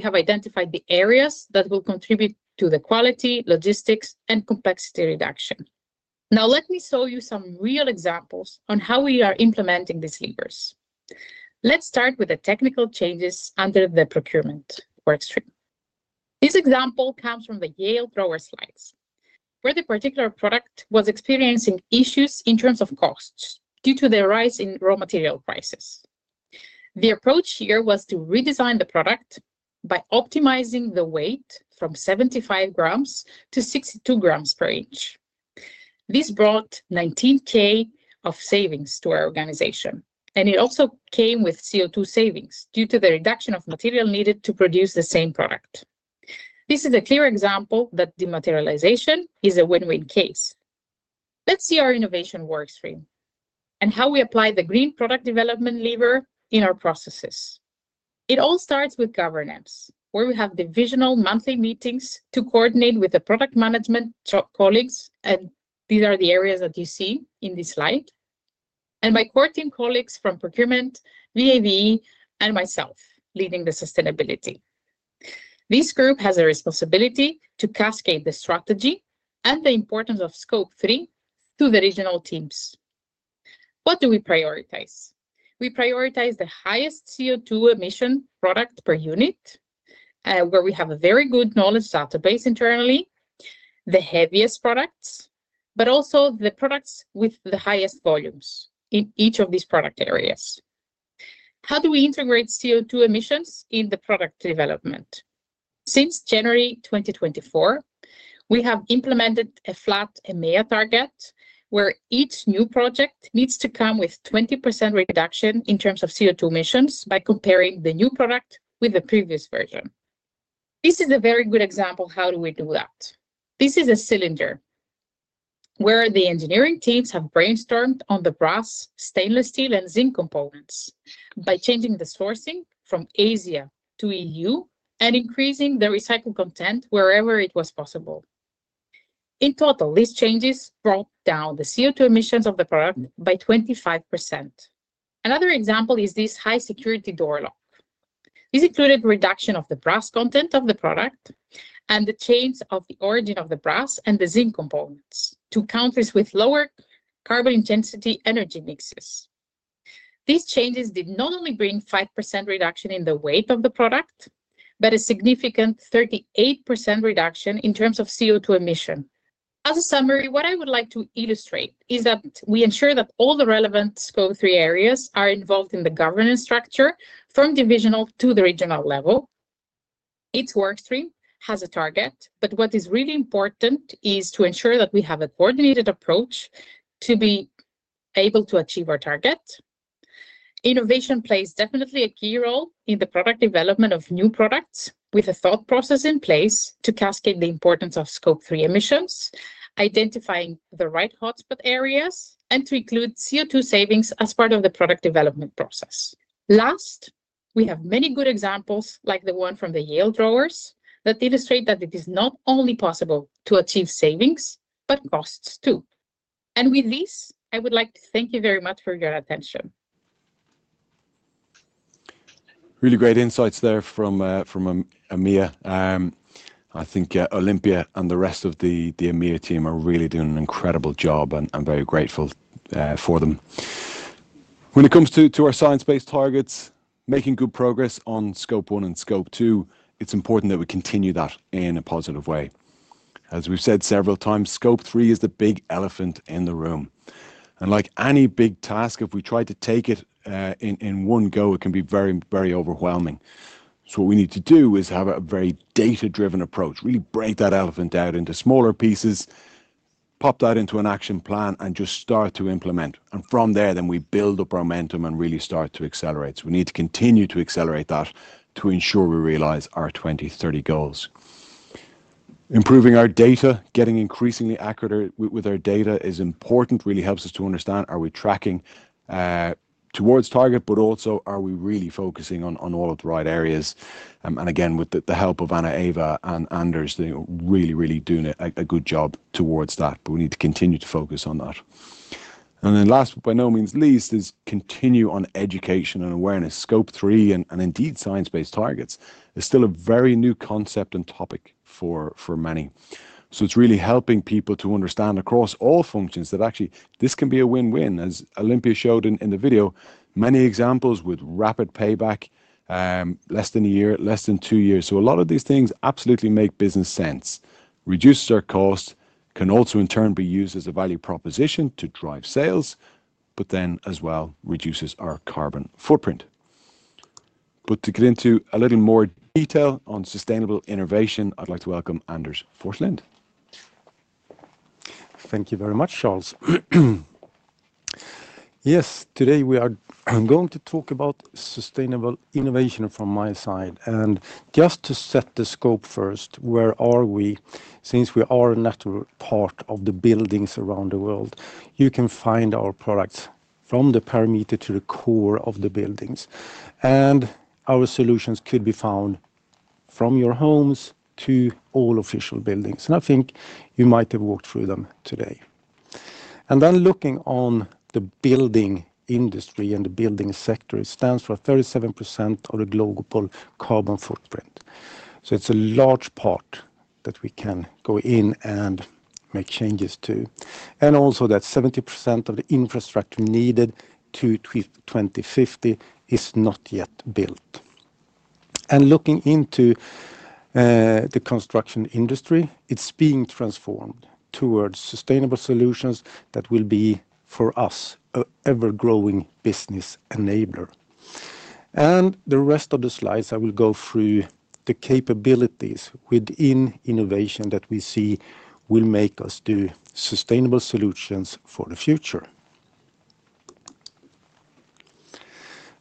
have identified the areas that will contribute to the quality, logistics, and complexity reduction. Now, let me show you some real examples on how we are implementing these levers. Let's start with the technical changes under the procurement work stream. This example comes from the Yale Trojan slides, where the particular product was experiencing issues in terms of costs due to the rise in raw material prices. The approach here was to redesign the product by optimizing the weight from 75 grams to 62 grams per inch. This brought 19,000 of savings to our organization, and it also came with CO2 savings due to the reduction of material needed to produce the same product. This is a clear example that dematerialization is a win-win case. Let's see our innovation work stream and how we apply the green product development lever in our processes. It all starts with governance, where we have divisional monthly meetings to coordinate with the product management colleagues, and these are the areas that you see in this slide. And my core team colleagues from procurement, VA/VE, and myself leading the sustainability. This group has a responsibility to cascade the strategy and the importance of Scope 3 to the regional teams. What do we prioritize? We prioritize the highest CO2 emission product per unit, where we have a very good knowledge database internally, the heaviest products, but also the products with the highest volumes in each of these product areas. How do we integrate CO2 emissions in the product development? Since January 2024, we have implemented a flat EMEA target where each new project needs to come with 20% reduction in terms of CO2 emissions by comparing the new product with the previous version. This is a very good example of how do we do that. This is a cylinder where the engineering teams have brainstormed on the brass, stainless steel, and zinc components by changing the sourcing from Asia to EU and increasing the recycled content wherever it was possible. In total, these changes brought down the CO2 emissions of the product by 25%. Another example is this high-security door lock. This included reduction of the brass content of the product and changing the origin of the brass and the zinc components to countries with lower carbon intensity energy mixes. These changes did not only bring 5% reduction in the weight of the product, but a significant 38% reduction in terms of CO2 emission. As a summary, what I would like to illustrate is that we ensure that all the relevant Scope 3 areas are involved in the governance structure from divisional to the regional level. Each work stream has a target, but what is really important is to ensure that we have a coordinated approach to be able to achieve our target. Innovation plays definitely a key role in the product development of new products with a thought process in place to cascade the importance of Scope 3 emissions, identifying the right hotspot areas, and to include CO2 savings as part of the product development process. Last, we have many good examples like the one from the Yale Trojans that illustrate that it is not only possible to achieve savings, but costs too, and with this, I would like to thank you very much for your attention. Really great insights there from EMEA. I think Olympia and the rest of the EMEA team are really doing an incredible job, and I'm very grateful for them. When it comes to our Science Based Targets, making good progress on Scope 1 and Scope 2, it's important that we continue that in a positive way, as we've said several times, Scope 3 is the big elephant in the room, and like any big task, if we try to take it in one go, it can be very, very overwhelming, so what we need to do is have a very data-driven approach, really break that elephant out into smaller pieces, pop that into an action plan, and just start to implement, and from there, then we build up our momentum and really start to accelerate, so we need to continue to accelerate that to ensure we realize our 2030 goals. Improving our data, getting increasingly accurate with our data, is important. It really helps us to understand: are we tracking towards target, but also are we really focusing on all of the right areas? And again, with the help of Anna-Eva and Anders, they're really, really doing a good job towards that, but we need to continue to focus on that. And then last, but by no means least, is continue on education and awareness. Scope 3 and indeed Science Based Targets is still a very new concept and topic for many. So it's really helping people to understand across all functions that actually this can be a win-win, as Olympia showed in the video, many examples with rapid payback, less than a year, less than two years. A lot of these things absolutely make business sense, reduce our cost, can also in turn be used as a value proposition to drive sales, but then as well reduces our carbon footprint. To get into a little more detail on sustainable innovation, I'd like to welcome Anders Forslind. Thank you very much, Charles. Yes, today we are going to talk about sustainable innovation from my side. Just to set the scope first, where are we? Since we are a natural part of the buildings around the world, you can find our products from the perimeter to the core of the buildings. Our solutions could be found from your homes to all official buildings. I think you might have walked through them today. Then looking on the building industry and the building sector, it stands for 37% of the global carbon footprint. So it's a large part that we can go in and make changes to. Also that 70% of the infrastructure needed to 2050 is not yet built. Looking into the construction industry, it's being transformed towards sustainable solutions that will be for us an ever-growing business enabler. The rest of the slides, I will go through the capabilities within innovation that we see will make us do sustainable solutions for the future.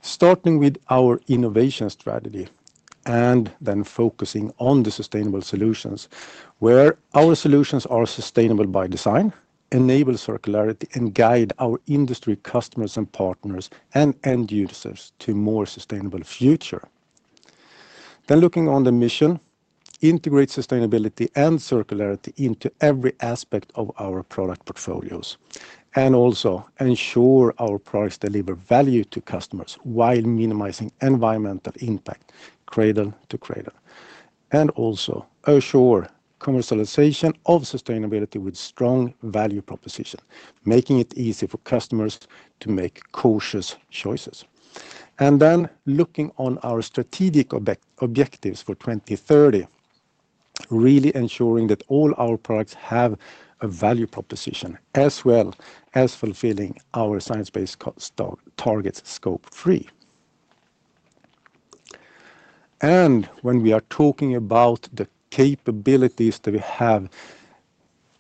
Starting with our innovation strategy and then focusing on the sustainable solutions, where our solutions are sustainable by design, enable circularity, and guide our industry customers and partners and end users to a more sustainable future. Looking on the mission, integrate sustainability and circularity into every aspect of our product portfolios, and also ensure our products deliver value to customers while minimizing environmental impact cradle to cradle. Assure commercialization of sustainability with strong value proposition, making it easy for customers to make cautious choices. Looking on our strategic objectives for 2030, really ensuring that all our products have a value proposition as well as fulfilling our Science Based Targets Scope 3. When we are talking about the capabilities that we have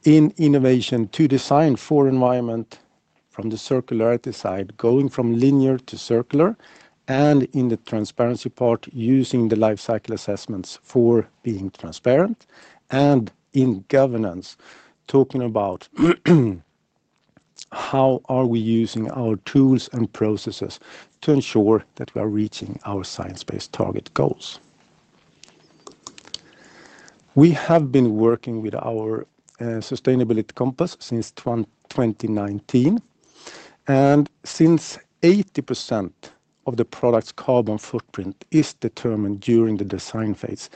in innovation to design for environment from the circularity side, going from linear to circular, and in the transparency part, using the life cycle assessments for being transparent, and in governance, talking about how are we using our tools and processes to ensure that we are reaching our Science Based Targets goals. We have been working with our Sustainability Compass since 2019. Since 80% of the product's carbon footprint is determined during the design phase,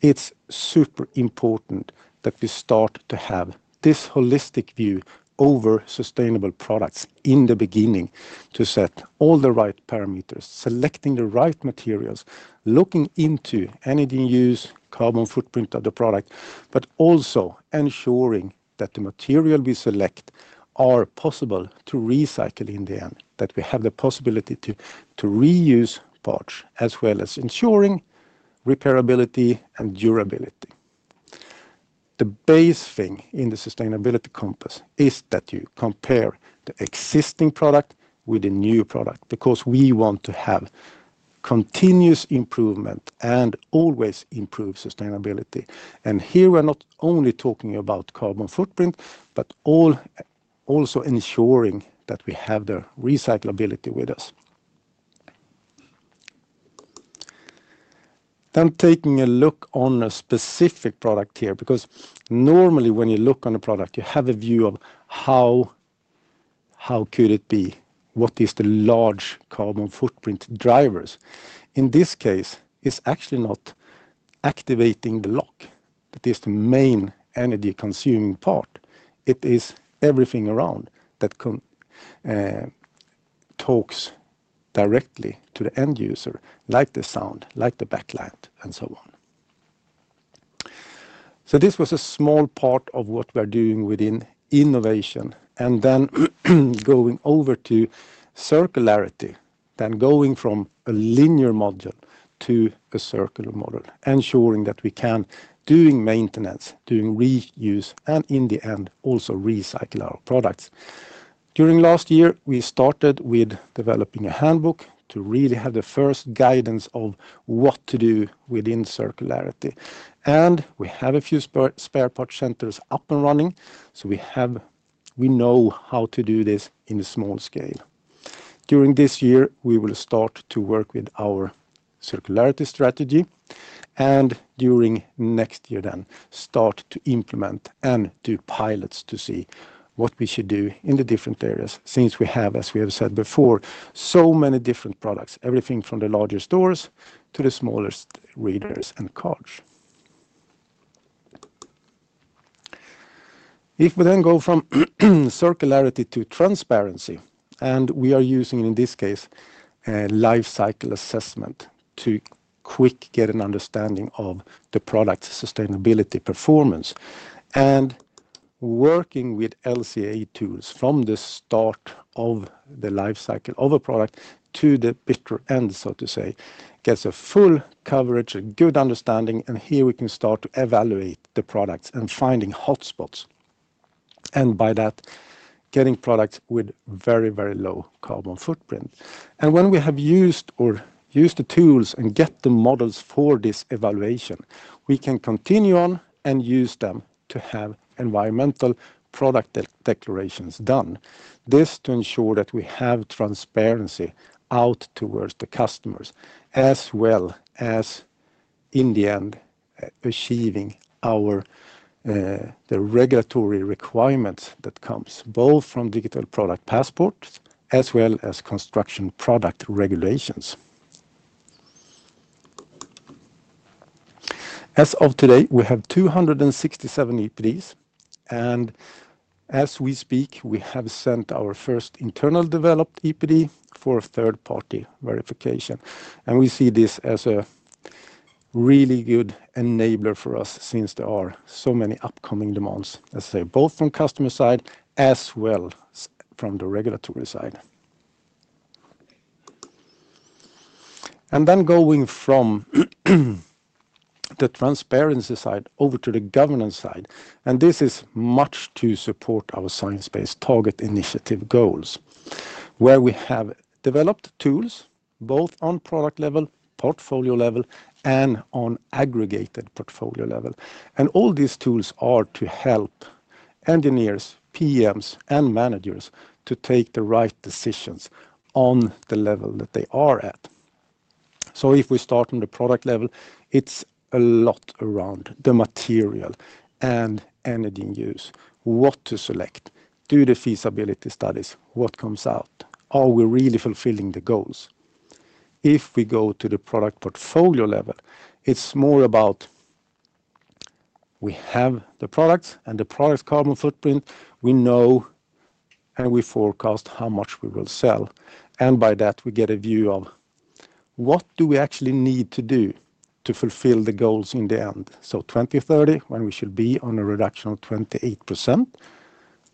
it's super important that we start to have this holistic view over sustainable products in the beginning to set all the right parameters, selecting the right materials, looking into energy use, carbon footprint of the product, but also ensuring that the material we select are possible to recycle in the end, that we have the possibility to reuse parts as well as ensuring repairability and durability. The base thing in the Sustainability Compass is that you compare the existing product with a new product because we want to have continuous improvement and always improve sustainability. Here we're not only talking about carbon footprint, but also ensuring that we have the recyclability with us. Then, taking a look on a specific product here because normally when you look on a product, you have a view of how could it be, what is the large carbon footprint drivers. In this case, it's actually not activating the lock that is the main energy-consuming part. It is everything around that talks directly to the end user, like the sound, like the backlight, and so on. So this was a small part of what we're doing within innovation. And then going over to circularity, then going from a linear model to a circular model, ensuring that we can do maintenance, do reuse, and in the end, also recycle our products. During last year, we started with developing a handbook to really have the first guidance of what to do within circularity. We have a few spare part centers up and running, so we know how to do this in a small scale. During this year, we will start to work with our circularity strategy, and during next year then, start to implement and do pilots to see what we should do in the different areas since we have, as we have said before, so many different products, everything from the large doors to the smallest readers and cards. If we then go from circularity to transparency, and we are using in this case a life cycle assessment to quickly get an understanding of the product's sustainability performance, and working with LCA tools from the start of the life cycle of a product to the bitter end, so to say, gets a full coverage, a good understanding, and here we can start to evaluate the products and find hotspots. By that, getting products with very, very low carbon footprint. When we have used the tools and get the models for this evaluation, we can continue on and use them to have environmental product declarations done. This to ensure that we have transparency out towards the customers, as well as in the end, achieving the regulatory requirements that come both from digital product passports as well as construction product regulations. As of today, we have 267 EPDs, and as we speak, we have sent our first internally developed EPD for third-party verification. We see this as a really good enabler for us since there are so many upcoming demands, as I say, both from customer side as well from the regulatory side. And then going from the transparency side over to the governance side, and this is much to support our Science Based Targets initiative goals, where we have developed tools both on product level, portfolio level, and on aggregated portfolio level. And all these tools are to help engineers, PMs, and managers to take the right decisions on the level that they are at. So if we start on the product level, it's a lot around the material and energy use, what to select, do the feasibility studies, what comes out, are we really fulfilling the goals. If we go to the product portfolio level, it's more about we have the products and the product's carbon footprint, we know, and we forecast how much we will sell. And by that, we get a view of what do we actually need to do to fulfill the goals in the end. So 2030, when we should be on a reduction of 28%,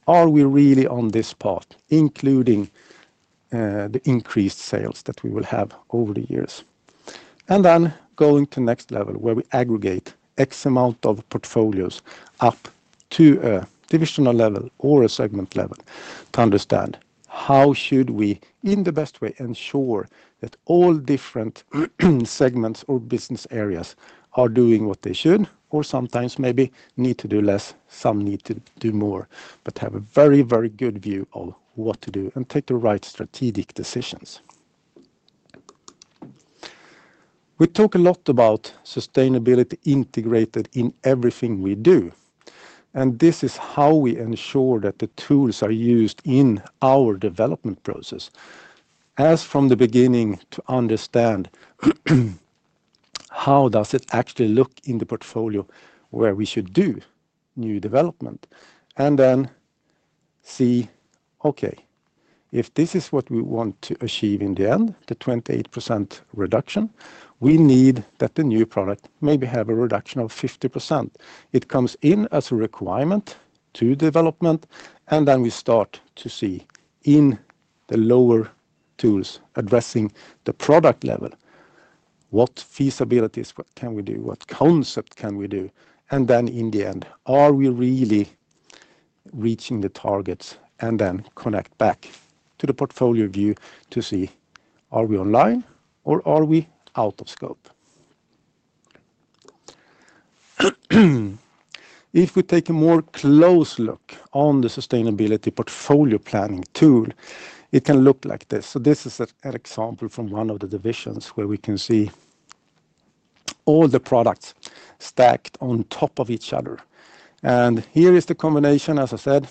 are we really on this path, including the increased sales that we will have over the years? And then going to the next level, where we aggregate X amount of portfolios up to a divisional level or a segment level to understand how should we, in the best way, ensure that all different segments or business areas are doing what they should, or sometimes maybe need to do less, some need to do more, but have a very, very good view of what to do and take the right strategic decisions. We talk a lot about sustainability integrated in everything we do, and this is how we ensure that the tools are used in our development process, as from the beginning to understand how does it actually look in the portfolio where we should do new development, and then see, okay, if this is what we want to achieve in the end, the 28% reduction, we need that the new product maybe have a reduction of 50%. It comes in as a requirement to development, and then we start to see in the lower tools addressing the product level, what feasibilities can we do, what concept can we do, and then in the end, are we really reaching the targets, and then connect back to the portfolio view to see are we online or are we out of scope. If we take a more close look on the sustainability portfolio planning tool, it can look like this. So this is an example from one of the divisions where we can see all the products stacked on top of each other. And here is the combination, as I said,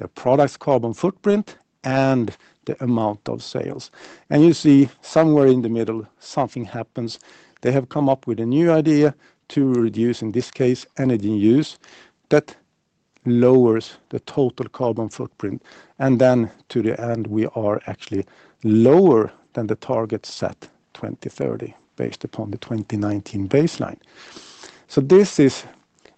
the product's carbon footprint and the amount of sales. And you see somewhere in the middle something happens. They have come up with a new idea to reduce, in this case, energy use that lowers the total carbon footprint. And then to the end, we are actually lower than the target set 2030 based upon the 2019 baseline. So this is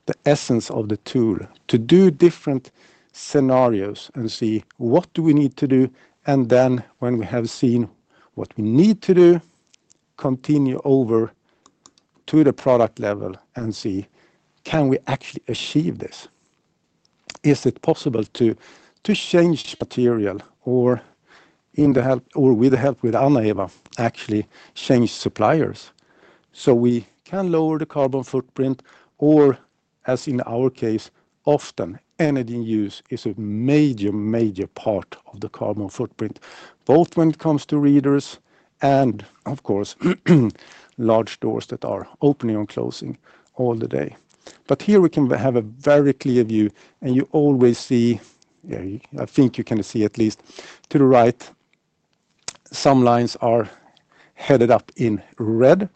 the essence of the tool to do different scenarios and see what do we need to do, and then when we have seen what we need to do, continue over to the product level and see can we actually achieve this. Is it possible to change material or with the help of Anna-Eva actually change suppliers so we can lower the carbon footprint, or as in our case, often energy use is a major, major part of the carbon footprint, both when it comes to readers and, of course, large doors that are opening and closing all the day. But here we can have a very clear view, and you always see, I think you can see at least to the right, some lines are headed up in red,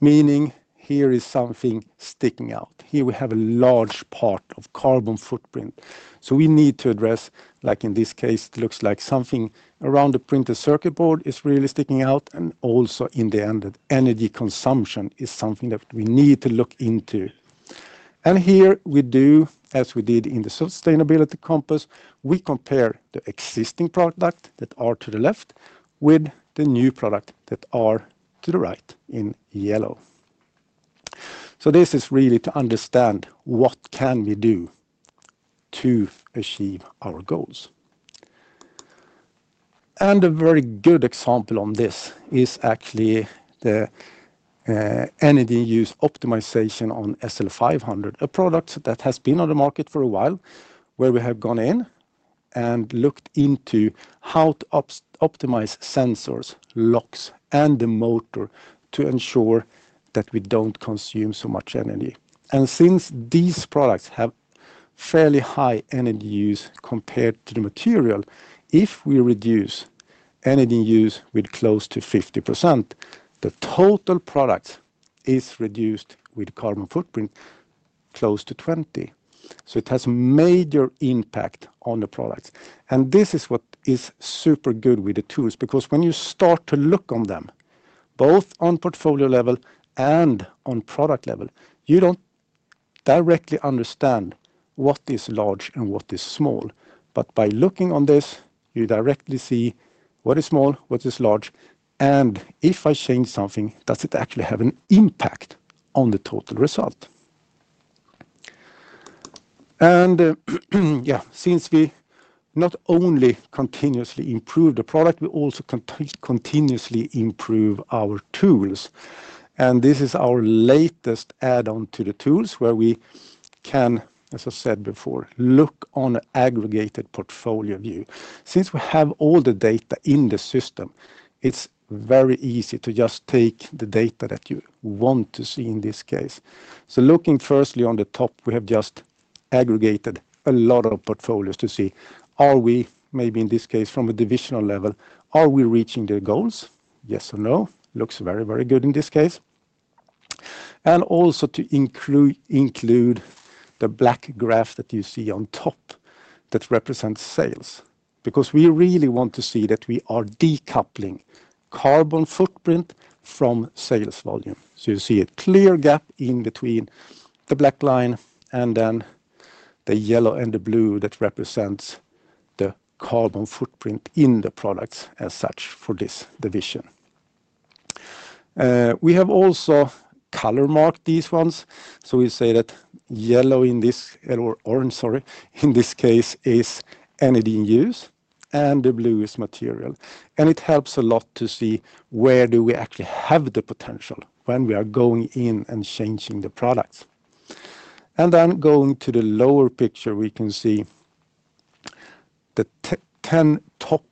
meaning here is something sticking out. Here we have a large part of carbon footprint. We need to address, like in this case, it looks like something around the printed circuit board is really sticking out, and also in the end, energy consumption is something that we need to look into. And here we do, as we did in the Sustainability Compass, we compare the existing product that are to the left with the new product that are to the right in yellow. So this is really to understand what can we do to achieve our goals. And a very good example on this is actually the energy use optimization on SL500, a product that has been on the market for a while where we have gone in and looked into how to optimize sensors, locks, and the motor to ensure that we don't consume so much energy. Since these products have fairly high energy use compared to the material, if we reduce energy use with close to 50%, the total product is reduced with carbon footprint close to 20%. So it has a major impact on the products. And this is what is super good with the tools because when you start to look on them, both on portfolio level and on product level, you don't directly understand what is large and what is small. But by looking on this, you directly see what is small, what is large, and if I change something, does it actually have an impact on the total result? And yeah, since we not only continuously improve the product, we also continuously improve our tools. And this is our latest add-on to the tools where we can, as I said before, look on an aggregated portfolio view. Since we have all the data in the system, it's very easy to just take the data that you want to see in this case. So looking firstly on the top, we have just aggregated a lot of portfolios to see are we maybe in this case from a divisional level, are we reaching the goals? Yes or no? Looks very, very good in this case, and also to include the black graph that you see on top that represents sales because we really want to see that we are decoupling carbon footprint from sales volume. So you see a clear gap in between the black line and then the yellow and the blue that represents the carbon footprint in the products as such for this division. We have also color marked these ones. So we say that yellow in this, or orange, sorry, in this case is energy use, and the blue is material. And it helps a lot to see where do we actually have the potential when we are going in and changing the products. And then going to the lower picture, we can see the 10 top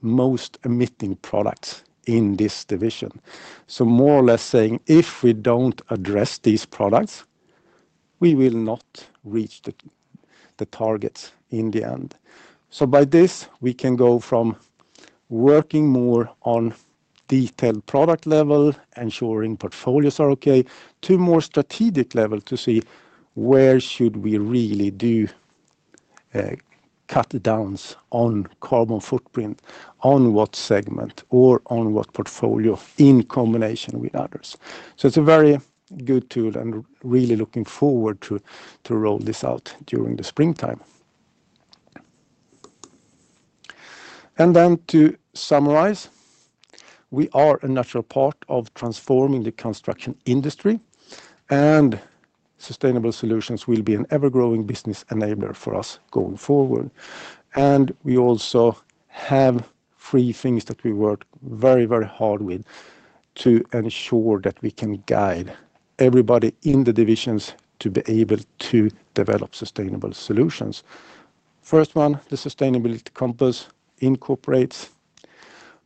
most emitting products in this division. So more or less saying if we don't address these products, we will not reach the targets in the end. So by this, we can go from working more on detailed product level, ensuring portfolios are okay, to more strategic level to see where should we really do cutdowns on carbon footprint, on what segment, or on what portfolio in combination with others. So it's a very good tool and really looking forward to roll this out during the springtime. To summarize, we are a natural part of transforming the construction industry, and sustainable solutions will be an ever-growing business enabler for us going forward. We also have three things that we work very, very hard with to ensure that we can guide everybody in the divisions to be able to develop sustainable solutions. First one, the Sustainability Compass incorporates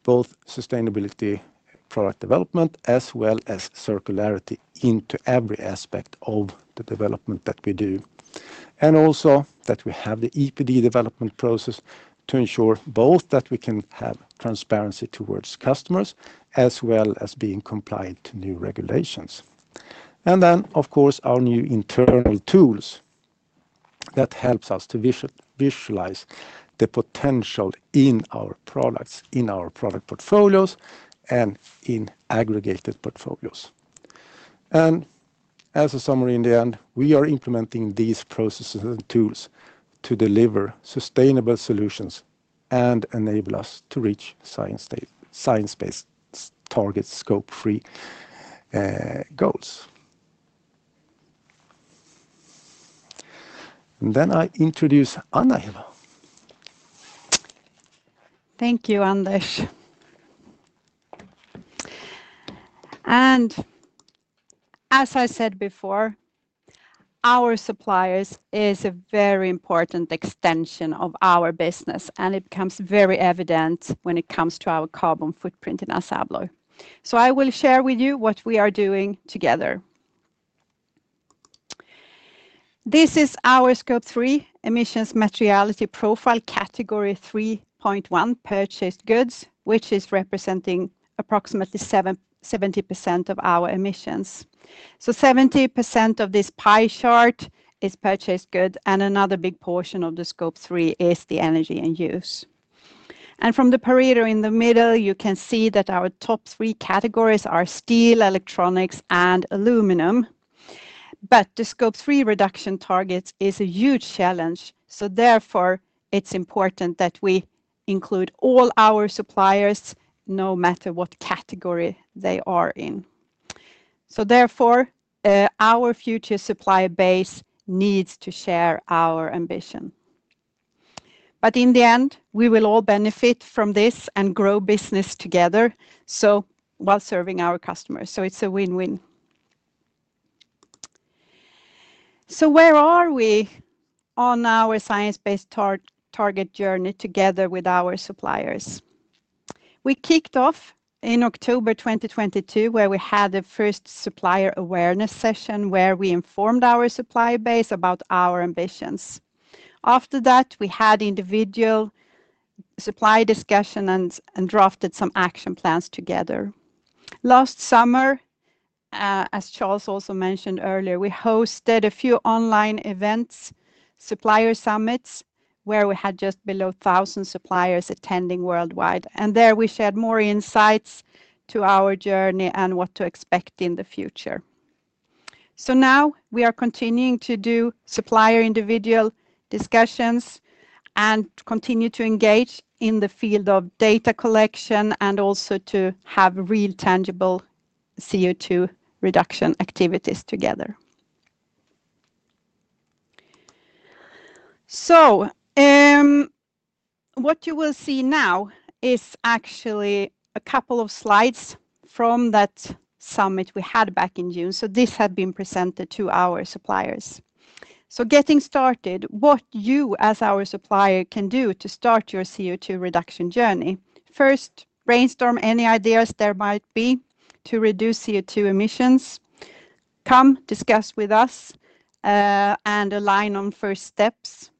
both sustainability product development as well as circularity into every aspect of the development that we do. Also that we have the EPD development process to ensure both that we can have transparency towards customers as well as being compliant to new regulations. Then, of course, our new internal tools that help us to visualize the potential in our products, in our product portfolios, and in aggregated portfolios. As a summary in the end, we are implementing these processes and tools to deliver sustainable solutions and enable us to reach Science Based Targets Scope 3 goals. Then I introduce Anna-Eva. Thank you, Anders. As I said before, our suppliers is a very important extension of our business, and it becomes very evident when it comes to our carbon footprint in ASSA ABLOY. I will share with you what we are doing together. This is our Scope 3 emissions materiality profile, category 3.1 purchased goods, which is representing approximately 70% of our emissions. 70% of this pie chart is purchased goods, and another big portion of the Scope 3 is the energy and use. From the perimeter in the middle, you can see that our top three categories are steel, electronics, and aluminum. The Scope 3 reduction targets is a huge challenge. So therefore, it's important that we include all our suppliers no matter what category they are in. So therefore, our future supply base needs to share our ambition. But in the end, we will all benefit from this and grow business together while serving our customers. So it's a win-win. So where are we on our Science Based Targets journey together with our suppliers? We kicked off in October 2022, where we had the first supplier awareness session where we informed our supply base about our ambitions. After that, we had individual supply discussion and drafted some action plans together. Last summer, as Charles also mentioned earlier, we hosted a few online events, supplier summits, where we had just below 1,000 suppliers attending worldwide. And there we shared more insights to our journey and what to expect in the future. So now we are continuing to do supplier individual discussions and continue to engage in the field of data collection and also to have real tangible CO2 reduction activities together. So what you will see now is actually a couple of slides from that summit we had back in June. So this had been presented to our suppliers. So getting started, what you as our supplier can do to start your CO2 reduction journey. First, brainstorm any ideas there might be to reduce CO2 emissions. Come discuss with us and align on first steps.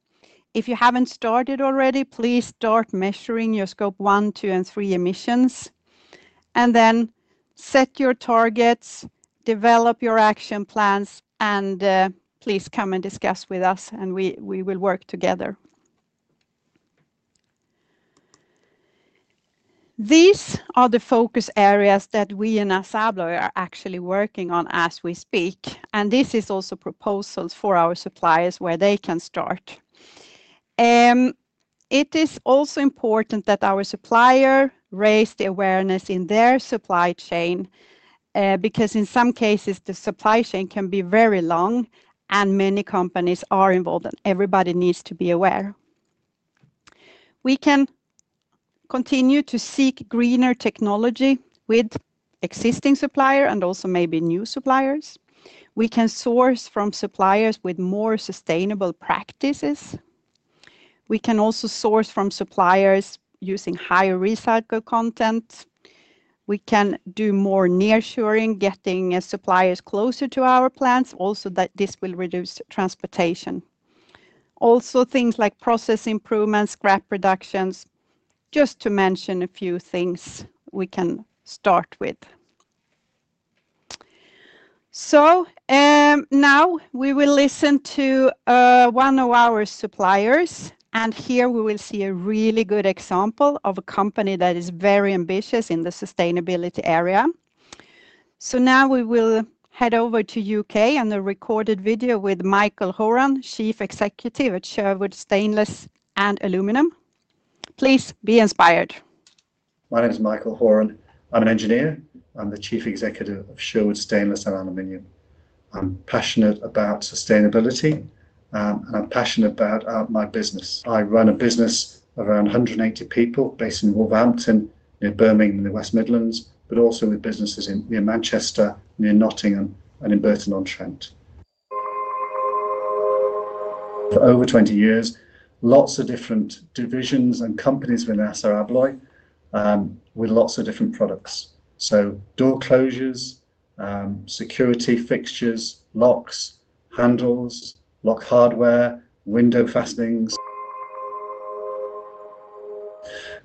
If you haven't started already, please start measuring your Scope 1, 2, and 3 emissions. And then set your targets, develop your action plans, and please come and discuss with us, and we will work together. These are the focus areas that we in ASSA ABLOY are actually working on as we speak. And this is also proposals for our suppliers where they can start. It is also important that our supplier raise the awareness in their supply chain because in some cases, the supply chain can be very long and many companies are involved and everybody needs to be aware. We can continue to seek greener technology with existing suppliers and also maybe new suppliers. We can source from suppliers with more sustainable practices. We can also source from suppliers using higher recycled content. We can do more nearshoring, getting suppliers closer to our plants. Also, this will reduce transportation. Also, things like process improvements, scrap reductions, just to mention a few things we can start with. So now we will listen to one of our suppliers, and here we will see a really good example of a company that is very ambitious in the sustainability area. So now we will head over to the U.K. and a recorded video with Michael Horan, Chief Executive at Sherwood Stainless & Aluminium. Please be inspired. My name is Michael Horan. I'm an engineer. I'm the Chief Executive of Sherwood Stainless & Aluminium. I'm passionate about sustainability, and I'm passionate about my business. I run a business of around 180 people based in Wolverhampton, near Birmingham, in the West Midlands, but also with businesses near Manchester, near Nottingham, and in Burton-on-Trent. For over 20 years, lots of different divisions and companies within ASSA ABLOY with lots of different products. So door closers, security fixtures, locks, handles, lock hardware, window fastenings.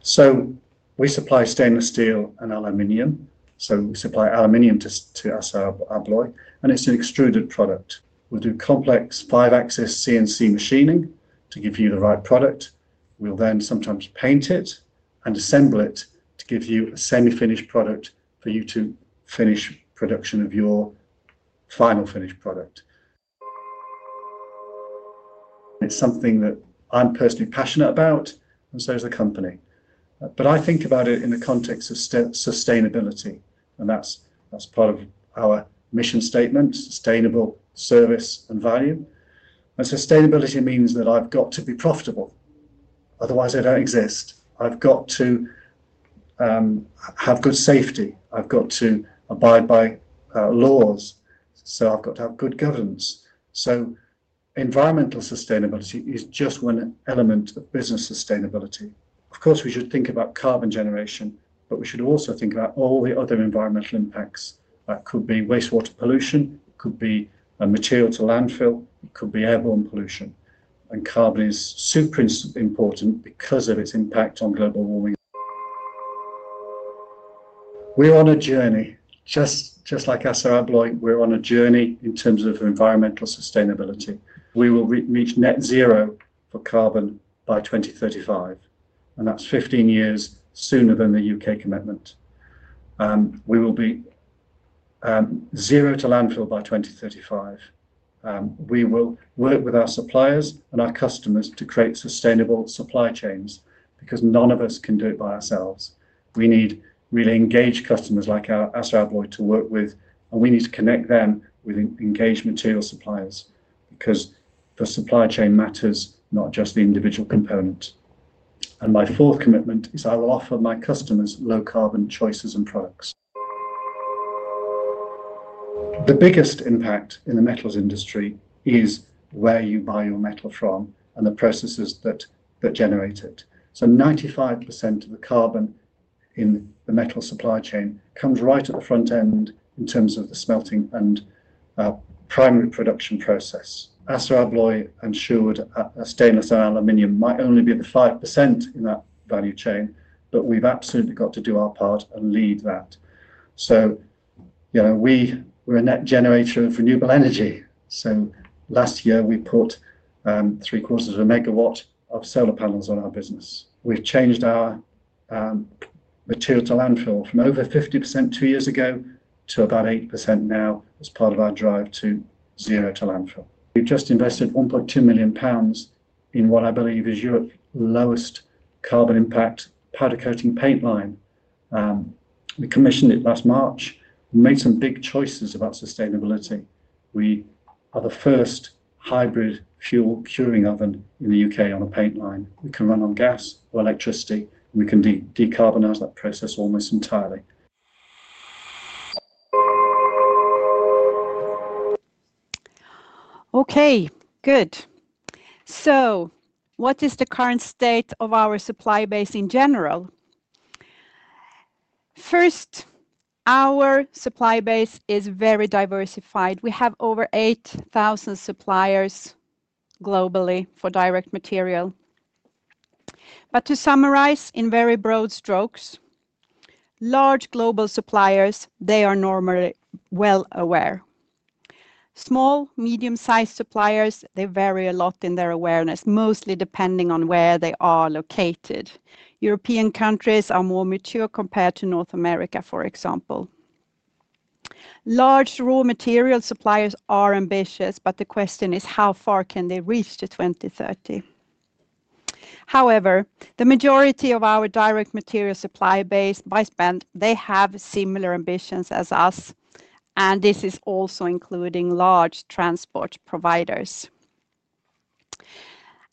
So we supply stainless steel and aluminum. So we supply aluminum to ASSA ABLOY, and it's an extruded product. We'll do complex five-axis CNC machining to give you the right product. We'll then sometimes paint it and assemble it to give you a semi-finished product for you to finish production of your final finished product. It's something that I'm personally passionate about, and so is the company, but I think about it in the context of sustainability, and that's part of our mission statement, sustainable service and value, and sustainability means that I've got to be profitable. Otherwise, I don't exist. I've got to have good safety. I've got to abide by laws, so I've got to have good governance, so environmental sustainability is just one element of business sustainability. Of course, we should think about carbon generation, but we should also think about all the other environmental impacts. That could be wastewater pollution. It could be material to landfill. It could be airborne pollution, and carbon is super important because of its impact on global warming. We're on a journey. Just like ASSA ABLOY, we're on a journey in terms of environmental sustainability. We will reach net zero for carbon by 2035, and that's 15 years sooner than the U.K. commitment. We will be zero to landfill by 2035. We will work with our suppliers and our customers to create sustainable supply chains because none of us can do it by ourselves. We need really engaged customers like ASSA ABLOY to work with, and we need to connect them with engaged material suppliers because the supply chain matters, not just the individual component. And my fourth commitment is I will offer my customers low-carbon choices and products. The biggest impact in the metals industry is where you buy your metal from and the processes that generate it. 95% of the carbon in the metal supply chain comes right at the front end in terms of the smelting and primary production process. ASSA ABLOY and Sherwood Stainless & Aluminium might only be the 5% in that value chain, but we've absolutely got to do our part and lead that. We're a net generator of renewable energy. Last year, we put three quarters of a megawatt of solar panels on our business. We've changed our material to landfill from over 50% two years ago to about 8% now as part of our drive to zero to landfill. We've just invested 1.2 million pounds in what I believe is Europe's lowest carbon impact powder coating paint line. We commissioned it last March. We made some big choices about sustainability. We are the first hybrid fuel curing oven in the UK on a paint line. We can run on gas or electricity, and we can decarbonize that process almost entirely. Okay, good. So what is the current state of our supply base in general? First, our supply base is very diversified. We have over 8,000 suppliers globally for direct material. But to summarize in very broad strokes, large global suppliers, they are normally well aware. Small, medium-sized suppliers, they vary a lot in their awareness, mostly depending on where they are located. European countries are more mature compared to North America, for example. Large raw material suppliers are ambitious, but the question is how far can they reach to 2030? However, the majority of our direct material supply base, by spend, they have similar ambitions as us, and this is also including large transport providers.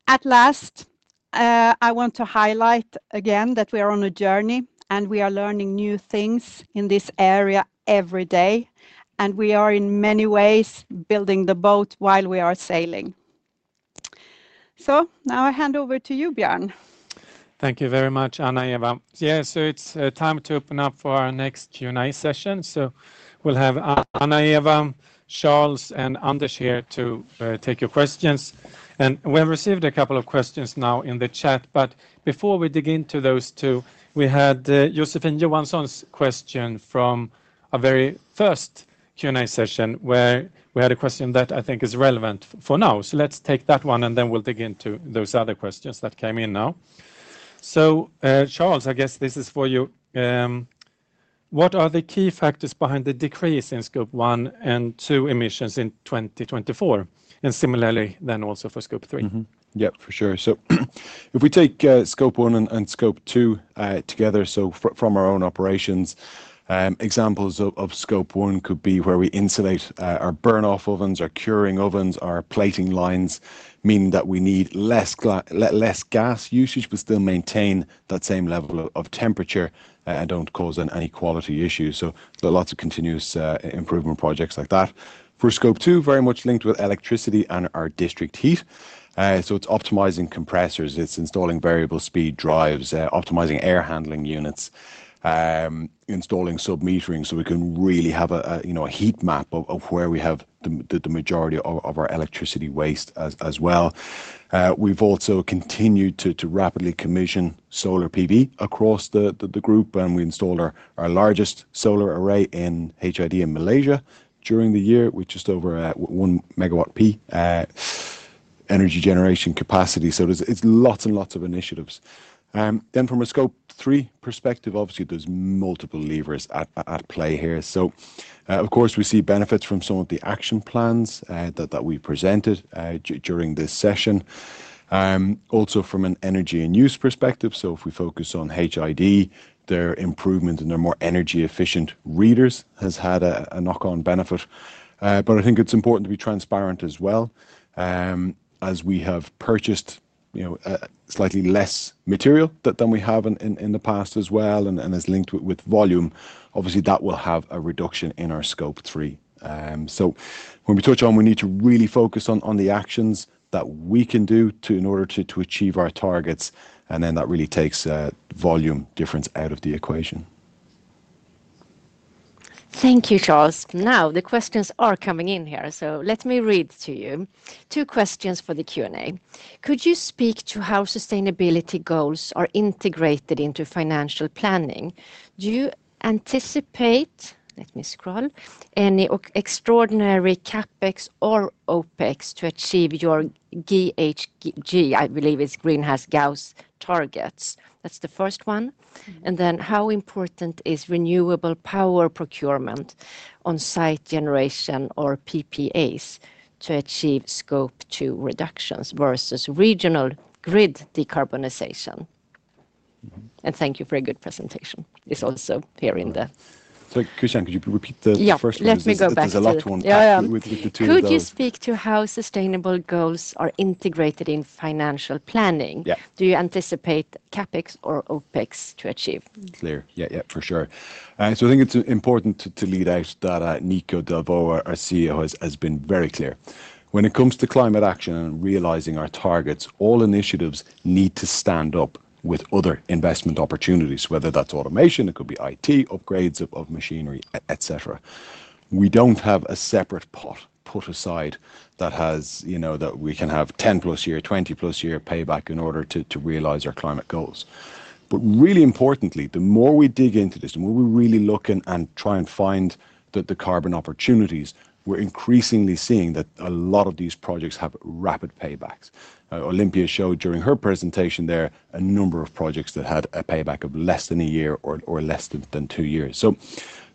At last, I want to highlight again that we are on a journey and we are learning new things in this area every day, and we are in many ways building the boat while we are sailing. So now I hand over to you, Björn. Thank you very much, Anna-Eva. Yeah, so it's time to open up for our next Q&A session. So we'll have Anna-Eva, Charles, and Anders here to take your questions. And we have received a couple of questions now in the chat, but before we dig into those two, we had Josephine Johansson's question from our very first Q&A session where we had a question that I think is relevant for now. So let's take that one and then we'll dig into those other questions that came in now. So Charles, I guess this is for you. What are the key factors behind the decrease in Scope 1 and 2 emissions in 2024? And similarly then also for Scope 3. Yeah, for sure. So if we take Scope 1 and Scope 2 together, so from our own operations, examples of Scope 1 could be where we insulate our burn-off ovens, our curing ovens, our plating lines, meaning that we need less gas usage, but still maintain that same level of temperature and don't cause any quality issues. So lots of continuous improvement projects like that. For Scope 2, very much linked with electricity and our district heat. So it's optimizing compressors. It's installing variable speed drives, optimizing air handling units, installing submetering so we can really have a heat map of where we have the majority of our electricity waste as well. We've also continued to rapidly commission solar PV across the group, and we install our largest solar array in HID in Malaysia during the year, which is just over one megawatt-peak energy generation capacity. It's lots and lots of initiatives. From a Scope 3 perspective, obviously there's multiple levers at play here. Of course, we see benefits from some of the action plans that we presented during this session. From an energy and use perspective, if we focus on HID, their improvement and their more energy-efficient readers has had a knock-on benefit. I think it's important to be transparent as well. We have purchased slightly less material than we have in the past as well and is linked with volume. Obviously that will have a reduction in our Scope 3. So when we touch on, we need to really focus on the actions that we can do in order to achieve our targets, and then that really takes volume difference out of the equation. Thank you, Charles. Now the questions are coming in here, so let me read to you two questions for the Q&A. Could you speak to how sustainability goals are integrated into financial planning? Do you anticipate, let me scroll, any extraordinary CapEx or OpEx to achieve your GHG, I believe it's greenhouse gas targets? That's the first one. And then how important is renewable power procurement on site generation or PPAs to achieve scope two reductions versus regional grid decarbonization? And thank you for a good presentation. It's also here in the. So Christiane, could you repeat the first one? Yeah, let me go back. There's a lot one. Could you speak to how sustainable goals are integrated in financial planning? Do you anticipate CapEx or OpEx to achieve? Clear. Yeah, yeah, for sure. So I think it's important to lead out that Nico Delvaux, our CEO, has been very clear. When it comes to climate action and realizing our targets, all initiatives need to stand up with other investment opportunities, whether that's automation, it could be IT, upgrades of machinery, etc. We don't have a separate pot put aside that we can have 10-plus-year, 20-plus-year payback in order to realize our climate goals. But really importantly, the more we dig into this, the more we really look and try and find the carbon opportunities, we're increasingly seeing that a lot of these projects have rapid paybacks. Olympia showed during her presentation there a number of projects that had a payback of less than a year or less than two years. So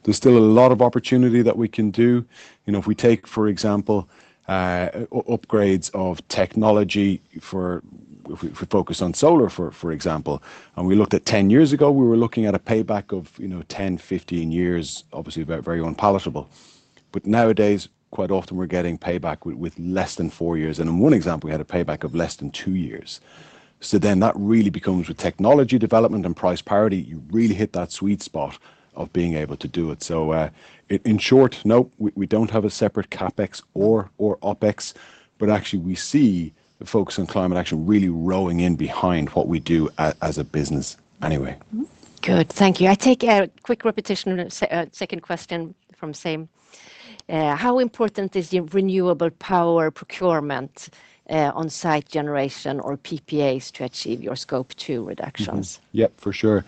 there's still a lot of opportunity that we can do. If we take, for example, upgrades of technology for if we focus on solar, for example, and we looked at 10 years ago, we were looking at a payback of 10, 15 years, obviously very unpalatable. But nowadays, quite often we're getting payback with less than four years. And in one example, we had a payback of less than two years. So then that really becomes with technology development and price parity, you really hit that sweet spot of being able to do it. So in short, no, we don't have a separate CapEx or OpEx, but actually we see the focus on climate action really rowing in behind what we do as a business anyway. Good. Thank you. I take a quick repetition of a second question from Sam. How important is renewable power procurement, on site generation, or PPAs to achieve your Scope 2 reductions? Yep, for sure.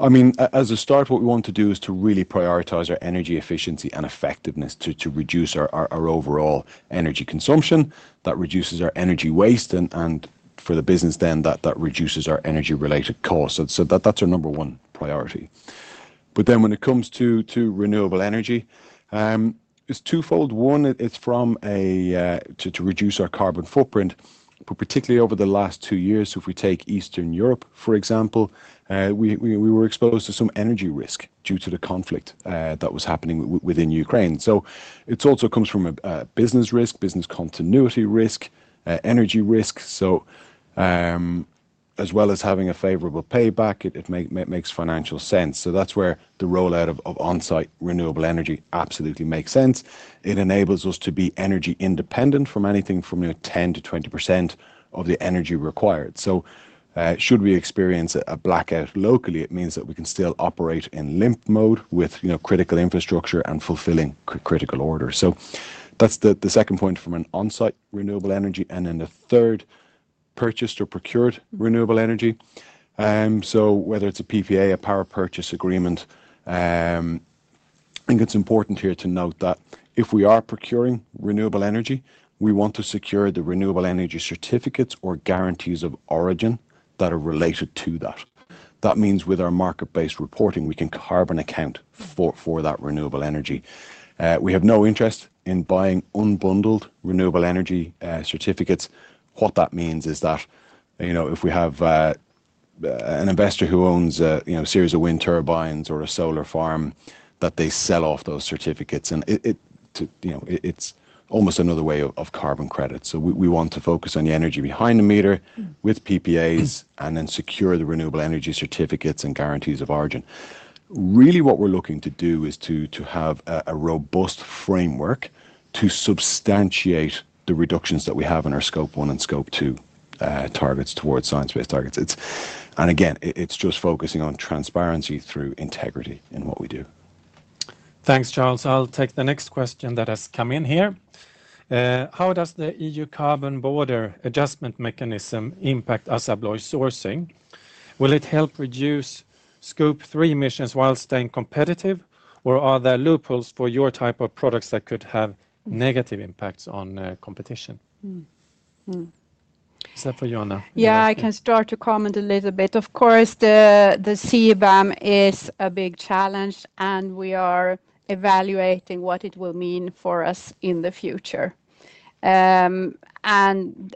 I mean, as a start, what we want to do is to really prioritize our energy efficiency and effectiveness to reduce our overall energy consumption. That reduces our energy waste, and for the business then, that reduces our energy-related costs. So that's our number one priority. But then when it comes to renewable energy, it's twofold. One, it's from a to reduce our carbon footprint, but particularly over the last two years. If we take Eastern Europe, for example, we were exposed to some energy risk due to the conflict that was happening within Ukraine. It also comes from a business risk, business continuity risk, energy risk. As well as having a favorable payback, it makes financial sense. That's where the rollout of on-site renewable energy absolutely makes sense. It enables us to be energy independent from anything from 10%-20% of the energy required. Should we experience a blackout locally, it means that we can still operate in limp mode with critical infrastructure and fulfilling critical orders. That's the second point from an on-site renewable energy. Then the third, purchased or procured renewable energy. Whether it's a PPA, a power purchase agreement. I think it's important here to note that if we are procuring renewable energy, we want to secure the renewable energy certificates or guarantees of origin that are related to that. That means with our market-based reporting, we can carbon account for that renewable energy. We have no interest in buying unbundled renewable energy certificates. What that means is that if we have an investor who owns a series of wind turbines or a solar farm, that they sell off those certificates. And it's almost another way of carbon credit. So we want to focus on the energy behind the meter with PPAs and then secure the renewable energy certificates and guarantees of origin. Really, what we're looking to do is to have a robust framework to substantiate the reductions that we have in our Scope 1 and Scope 2 targets towards Science Based Targets. And again, it's just focusing on transparency through integrity in what we do. Thanks, Charles. I'll take the next question that has come in here. How does the EU Carbon Border Adjustment Mechanism impact ASSA ABLOY sourcing? Will it help reduce Scope 3 emissions while staying competitive, or are there loopholes for your type of products that could have negative impacts on competition? Is that for Anna? Yeah, I can start to comment a little bit. Of course, the CBAM is a big challenge, and we are evaluating what it will mean for us in the future. And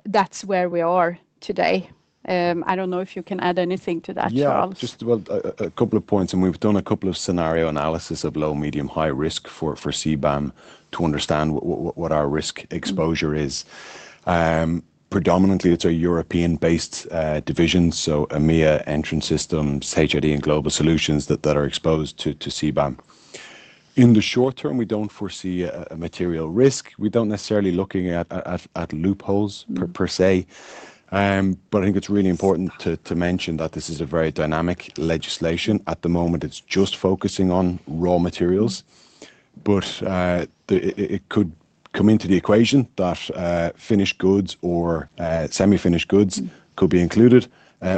that's where we are today. I don't know if you can add anything to that, Charles. Yeah, just a couple of points, and we've done a couple of scenario analyses of low, medium, high risk for CBAM to understand what our risk exposure is. Predominantly, it's a European-based division, so EMEA, Entrance Systems, HID, and Global Solutions that are exposed to CBAM. In the short term, we don't foresee a material risk. We don't necessarily look at loopholes per se, but I think it's really important to mention that this is a very dynamic legislation. At the moment, it's just focusing on raw materials, but it could come into the equation that finished goods or semi-finished goods could be included,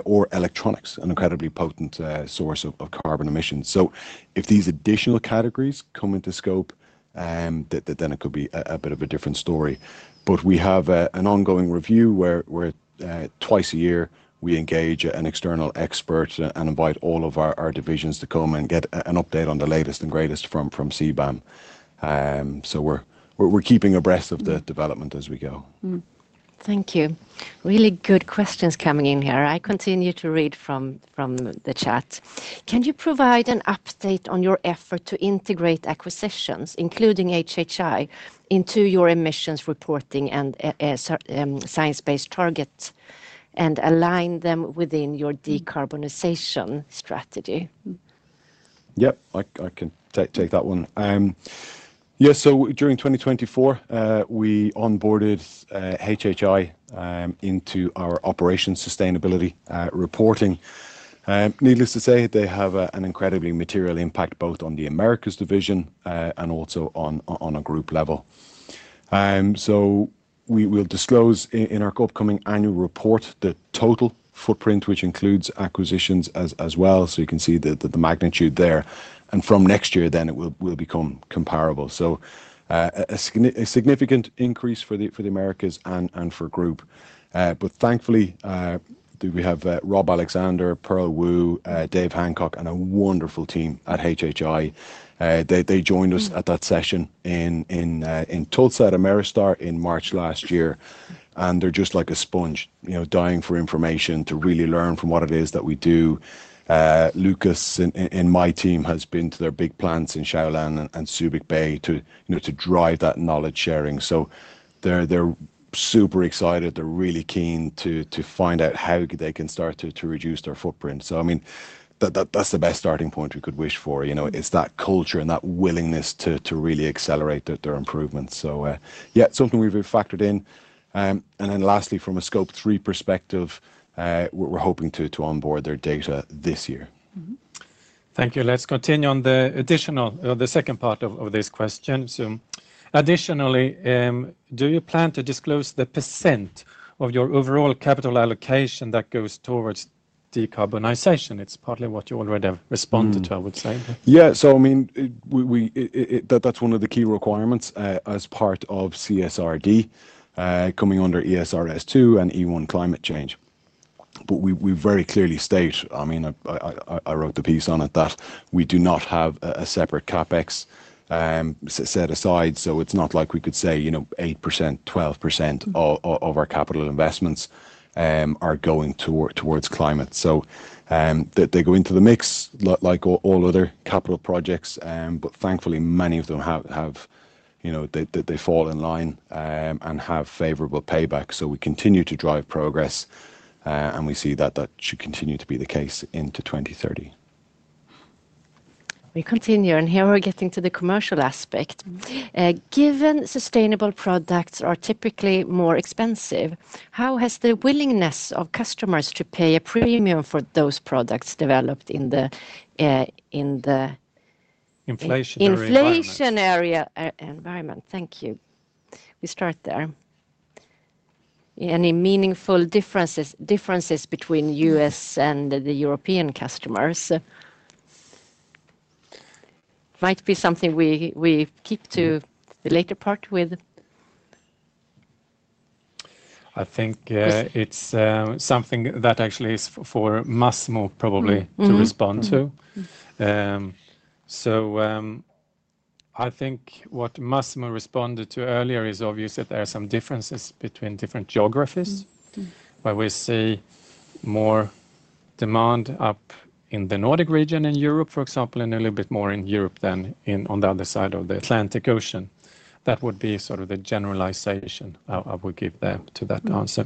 or electronics, an incredibly potent source of carbon emissions. So if these additional categories come into scope, then it could be a bit of a different story. But we have an ongoing review where twice a year we engage an external expert and invite all of our divisions to come and get an update on the latest and greatest from CBAM. So we're keeping abreast of the development as we go. Thank you. Really good questions coming in here. I continue to read from the chat. Can you provide an update on your effort to integrate acquisitions, including HHI, into your emissions reporting and Science Based Targets and align them within your decarbonization strategy? Yep, I can take that one. Yeah, so during 2024, we onboarded HHI into our operation sustainability reporting. Needless to say, they have an incredibly material impact both on the Americas division and also on a group level. So we will disclose in our upcoming annual report the total footprint, which includes acquisitions as well, so you can see the magnitude there. And from next year then, it will become comparable. So a significant increase for the Americas and for group. But thankfully, we have Rob Alexander, Pearl Wu, Dave Hancock, and a wonderful team at HHI. They joined us at that session in Tulsa at Ameristar in March last year, and they're just like a sponge dying for information to really learn from what it is that we do. Lucas and my team have been to their big plants in Xiaolan and Subic Bay to drive that knowledge sharing, so they're super excited. They're really keen to find out how they can start to reduce their footprint, so I mean, that's the best starting point we could wish for. It's that culture and that willingness to really accelerate their improvement, so yeah, something we've factored in. And then lastly, from a Scope 3 perspective, we're hoping to onboard their data this year. Thank you. Let's continue on the additional, the second part of this question, so additionally, do you plan to disclose the percent of your overall capital allocation that goes towards decarbonization? It's partly what you already have responded to, I would say. Yeah, so I mean, that's one of the key requirements as part of CSRD coming under ESRS 2 and E1 climate change. But we very clearly state, I mean, I wrote the piece on it that we do not have a separate CapEx set aside. So it's not like we could say 8%, 12% of our capital investments are going towards climate. So they go into the mix like all other capital projects, but thankfully many of them have, they fall in line and have favorable payback. So we continue to drive progress, and we see that that should continue to be the case into 2030. We continue, and here we're getting to the commercial aspect. Given sustainable products are typically more expensive, how has the willingness of customers to pay a premium for those products developed in the inflationary environment? Thank you. We start there. Any meaningful differences between U.S. and the European customers? Might be something we keep to the later part with. I think it's something that actually is for Massimo probably to respond to. So I think what Massimo responded to earlier is obvious that there are some differences between different geographies where we see more demand up in the Nordic region in Europe, for example, and a little bit more in Europe than on the other side of the Atlantic Ocean. That would be sort of the generalization I would give to that answer.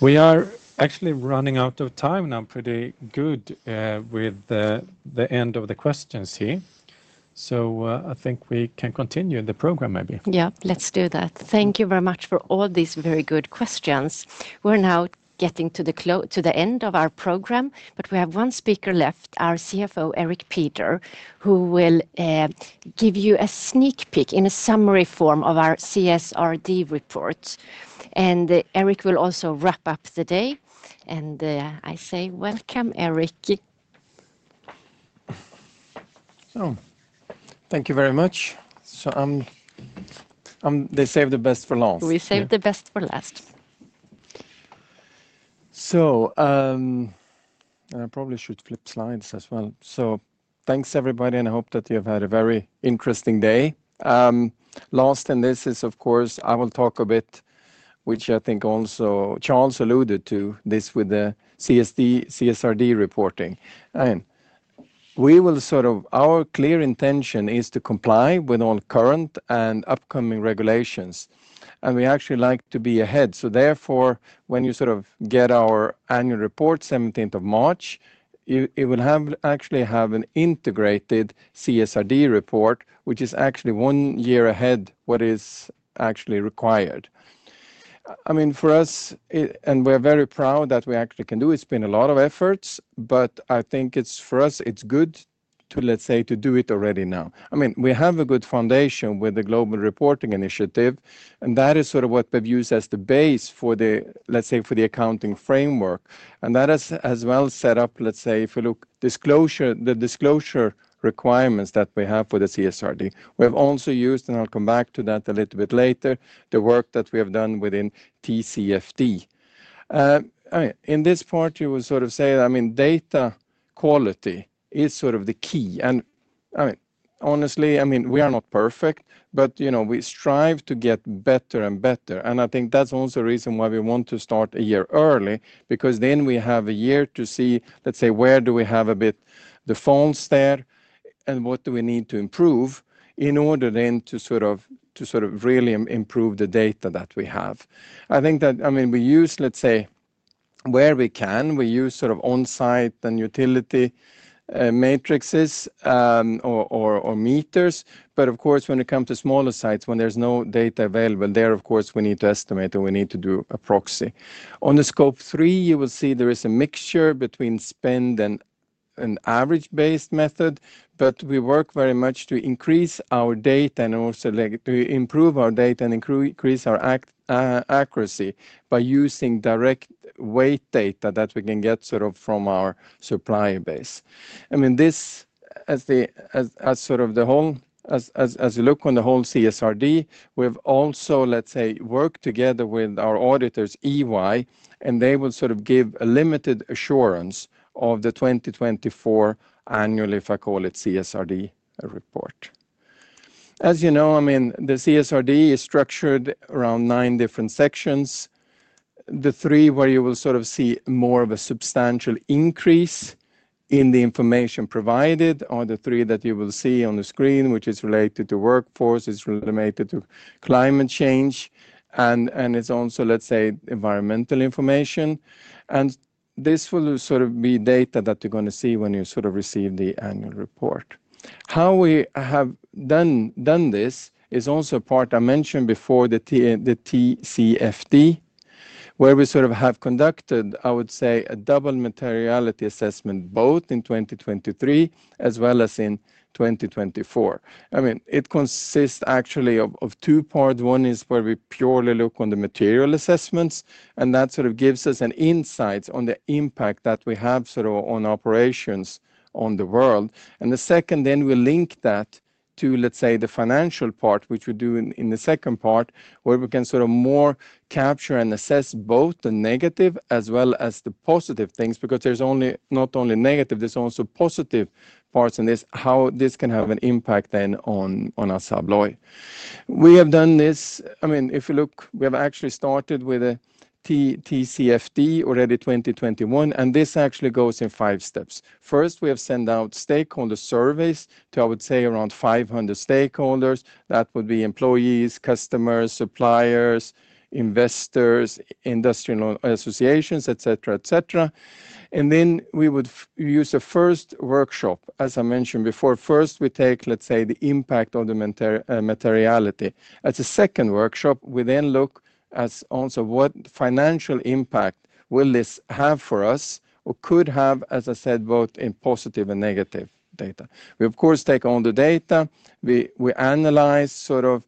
We are actually running out of time now, pretty good with the end of the questions here. So I think we can continue the program maybe. Yeah, let's do that. Thank you very much for all these very good questions. We're now getting to the end of our program, but we have one speaker left, our CFO, Erik Pieder, who will give you a sneak peek in a summary form of our CSRD report. And Erik will also wrap up the day. And I say, welcome, Erik. So Thank you very much. So they save the best for last. We save the best for last. So I probably should flip slides as well. So thanks, everybody, and I hope that you have had a very interesting day. Last in this is, of course, I will talk a bit, which I think also Charles alluded to this with the CSRD reporting. We will sort of, our clear intention is to comply with all current and upcoming regulations. And we actually like to be ahead. So therefore, when you sort of get our annual report, 17th of March, it will actually have an integrated CSRD report, which is actually one year ahead what is actually required. I mean, for us, and we're very proud that we actually can do, it's been a lot of efforts, but I think for us, it's good to, let's say, to do it already now. I mean, we have a good foundation with the Global Reporting Initiative, and that is sort of what we've used as the base for the, let's say, for the accounting framework. And that has as well set up, let's say, if we look at the disclosure requirements that we have for the CSRD. We have also used, and I'll come back to that a little bit later, the work that we have done within TCFD. In this part, you will sort of say, I mean, data quality is sort of the key. And I mean, honestly, I mean, we are not perfect, but we strive to get better and better. And I think that's also the reason why we want to start a year early, because then we have a year to see, let's say, where do we have a bit the faults there and what do we need to improve in order then to sort of really improve the data that we have. I think that, I mean, we use, let's say, where we can, we use sort of on-site and utility invoices or meters. But of course, when it comes to smaller sites, when there's no data available there, of course, we need to estimate and we need to do a proxy. On the Scope 3, you will see there is a mixture between spend and an average-based method, but we work very much to increase our data and also to improve our data and increase our accuracy by using direct weight data that we can get sort of from our supply base. I mean, this as sort of the whole, as you look on the whole CSRD, we've also, let's say, worked together with our auditors, EY, and they will sort of give a limited assurance of the 2024 annual, if I call it CSRD report. As you know, I mean, the CSRD is structured around nine different sections. The three where you will sort of see more of a substantial increase in the information provided are the three that you will see on the screen, which is related to workforce, is related to climate change, and it's also, let's say, environmental information, and this will sort of be data that you're going to see when you sort of receive the annual report. How we have done this is also part, I mentioned before, the TCFD, where we sort of have conducted, I would say, a double materiality assessment both in 2023 as well as in 2024. I mean, it consists actually of two parts. One is where we purely look on the material assessments, and that sort of gives us an insight on the impact that we have sort of on operations on the world. And the second, then we link that to, let's say, the financial part, which we do in the second part, where we can sort of more capture and assess both the negative as well as the positive things, because there's not only negative. There's also positive parts in this, how this can have an impact then on ASSA ABLOY. We have done this. I mean, if you look, we have actually started with a TCFD already 2021, and this actually goes in five steps. First, we have sent out stakeholder surveys to, I would say, around 500 stakeholders. That would be employees, customers, suppliers, investors, industrial associations, etc., etc. And then we would use the first workshop, as I mentioned before. First, we take, let's say, the impact of the materiality. At the second workshop, we then look at also what financial impact will this have for us or could have, as I said, both in positive and negative data. We, of course, take all the data. We analyze sort of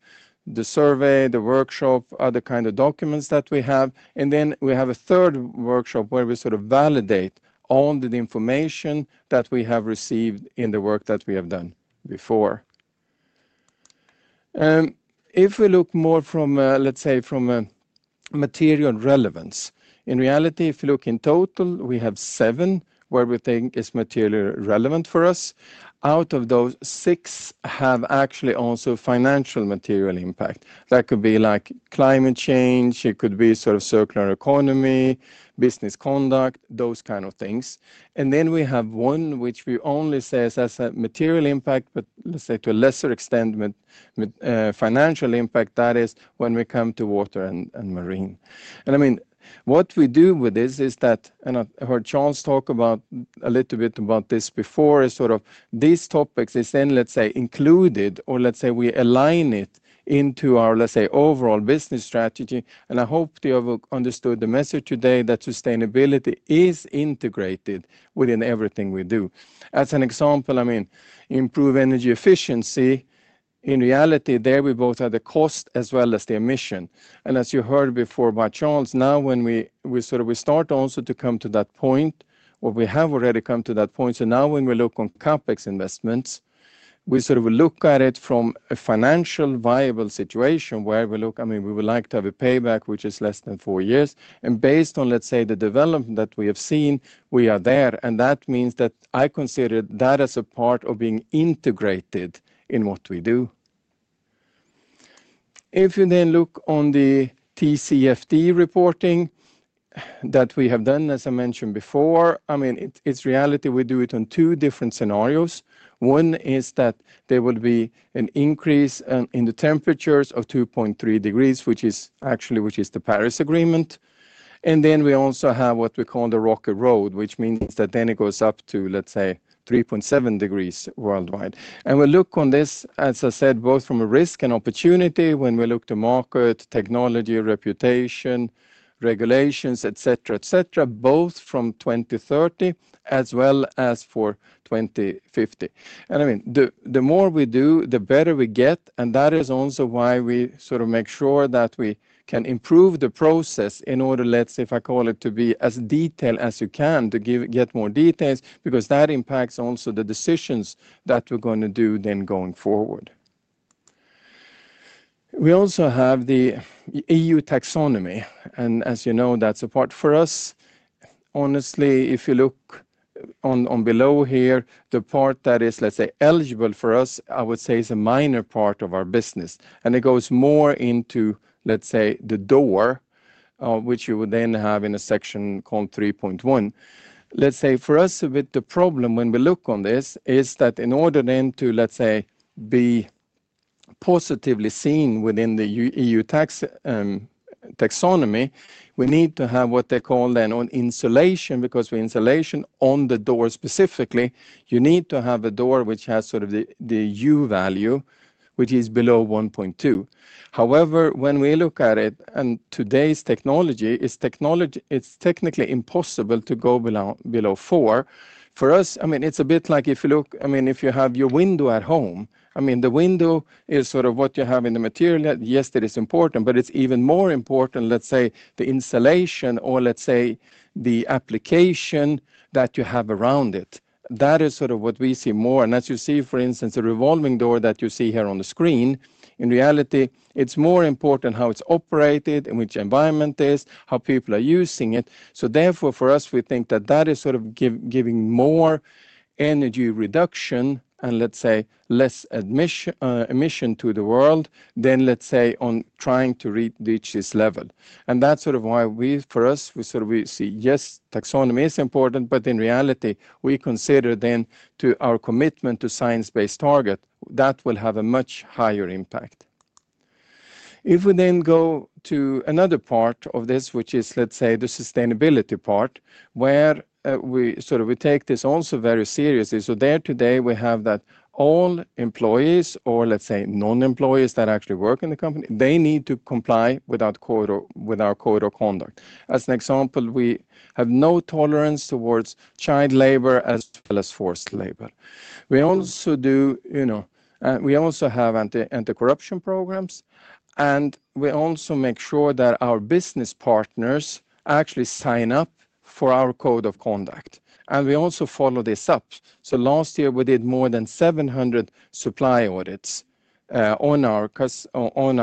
the survey, the workshop, other kinds of documents that we have, and then we have a third workshop where we sort of validate all the information that we have received in the work that we have done before. If we look more from, let's say, from a material relevance, in reality, if you look in total, we have seven where we think it's materially relevant for us. Out of those, six have actually also financial material impact. That could be like climate change. It could be sort of circular economy, business conduct, those kinds of things. And then we have one, which we only say is as a material impact, but let's say to a lesser extent, financial impact, that is when we come to water and marine. I mean, what we do with this is that, and I heard Charles talk about a little bit about this before, is sort of these topics is then, let's say, included or let's say we align it into our, let's say, overall business strategy. I hope you have understood the message today that sustainability is integrated within everything we do. As an example, I mean, improve energy efficiency. In reality, there we both have the cost as well as the emission. As you heard before by Charles, now when we sort of start also to come to that point, or we have already come to that point, so now when we look on CapEx investments, we sort of look at it from a financial viable situation where we look, I mean, we would like to have a payback, which is less than four years. Based on, let's say, the development that we have seen, we are there. That means that I consider that as a part of being integrated in what we do. If you then look on the TCFD reporting that we have done, as I mentioned before, I mean, it's reality. We do it on two different scenarios. One is that there will be an increase in the temperatures of 2.3 degrees, which is actually what is the Paris Agreement. And then we also have what we call the Rocky Road, which means that then it goes up to, let's say, 3.7 degrees worldwide. And we look on this, as I said, both from a risk and opportunity when we look to market, technology, reputation, regulations, etc., etc., both from 2030 as well as for 2050. And I mean, the more we do, the better we get. And that is also why we sort of make sure that we can improve the process in order, let's say, if I call it to be as detailed as you can to get more details, because that impacts also the decisions that we're going to do then going forward. We also have the EU Taxonomy. And as you know, that's a part for us. Honestly, if you look on below here, the part that is, let's say, eligible for us, I would say is a minor part of our business. And it goes more into, let's say, the door, which you would then have in a section called 3.1. Let's say for us, a bit the problem when we look on this is that in order then to, let's say, be positively seen within the EU Taxonomy, we need to have what they call then on insulation, because for insulation on the door specifically, you need to have a door which has sort of the U value, which is below 1.2. However, when we look at it and today's technology, it's technically impossible to go below four. For us, I mean, it's a bit like if you look, I mean, if you have your window at home, I mean, the window is sort of what you have in the material. Yes, it is important, but it's even more important, let's say, the insulation or let's say the application that you have around it. That is sort of what we see more, and as you see, for instance, a revolving door that you see here on the screen. In reality, it's more important how it's operated and which environment it is, how people are using it, so therefore, for us, we think that that is sort of giving more energy reduction and, let's say, less emission to the world than, let's say, on trying to reach this level. That's sort of why we, for us, we sort of see, yes, Taxonomy is important, but in reality, we consider then to our commitment to Science Based Targets that will have a much higher impact. If we then go to another part of this, which is, let's say, the sustainability part, where we sort of take this also very seriously so there today, we have that all employees or, let's say, non-employees that actually work in the company, they need to comply with our Code of Conduct. As an example, we have no tolerance towards child labor as well as forced labor. We also do, you know, we also have anti-corruption programs, and we also make sure that our business partners actually sign up for our Code of Conduct, and we also follow this up. So last year, we did more than 700 supply audits on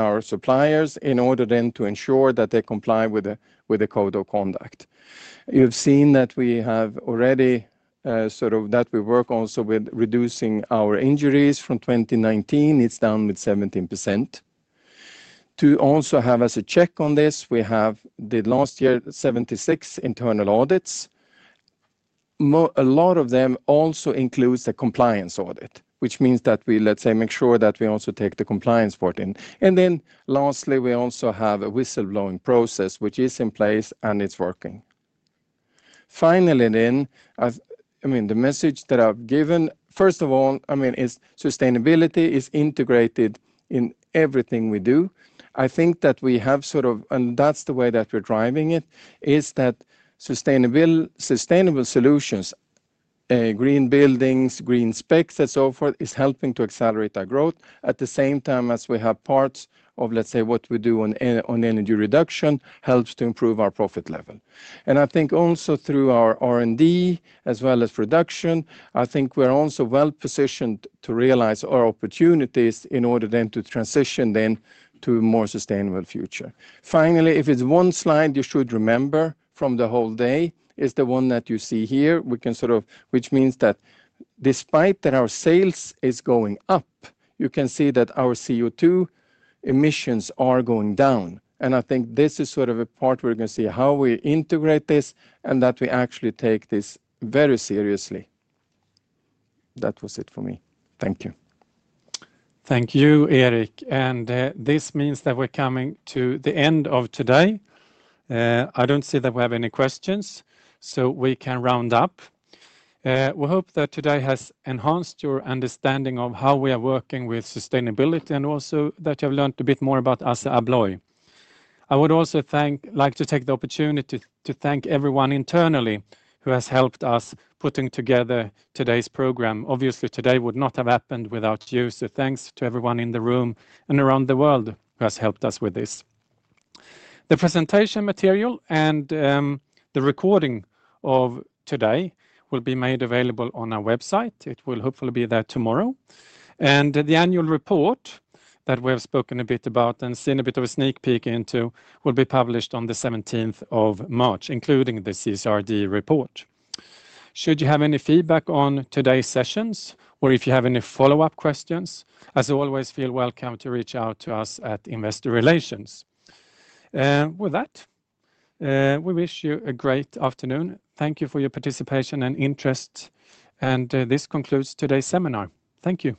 our suppliers in order then to ensure that they comply with the Code of Conduct. You've seen that we have already sort of that we work also with reducing our injuries from 2019. It's down with 17%. To also have us a check on this, we have the last year, 76 internal audits. A lot of them also includes a compliance audit, which means that we, let's say, make sure that we also take the compliance part in. And then lastly, we also have a whistle-blowing process, which is in place and it's working. Finally then, I mean, the message that I've given, first of all, I mean, is sustainability is integrated in everything we do. I think that we have sort of, and that's the way that we're driving it, is that sustainable solutions, green buildings, green specs, and so forth, is helping to accelerate our growth at the same time as we have parts of, let's say, what we do on energy reduction helps to improve our profit level, and I think also through our R&D as well as production, I think we're also well positioned to realize our opportunities in order then to transition then to a more sustainable future. Finally, if it's one slide you should remember from the whole day, it's the one that you see here, which means that despite that our sales is going up, you can see that our CO2 emissions are going down. I think this is sort of a part we're going to see how we integrate this and that we actually take this very seriously. That was it for me. Thank you. Thank you, Erik. This means that we're coming to the end of today. I don't see that we have any questions, so we can round up. We hope that today has enhanced your understanding of how we are working with sustainability and also that you have learned a bit more about ASSA ABLOY. I would also like to take the opportunity to thank everyone internally who has helped us putting together today's program. Obviously, today would not have happened without you. Thanks to everyone in the room and around the world who has helped us with this. The presentation material and the recording of today will be made available on our website. It will hopefully be there tomorrow, and the annual report that we have spoken a bit about and seen a bit of a sneak peek into will be published on the 17th of March, including the CSRD report. Should you have any feedback on today's sessions or if you have any follow-up questions, as always, feel welcome to reach out to us at Investor Relations, and with that, we wish you a great afternoon. Thank you for your participation and interest, and this concludes today's seminar. Thank you.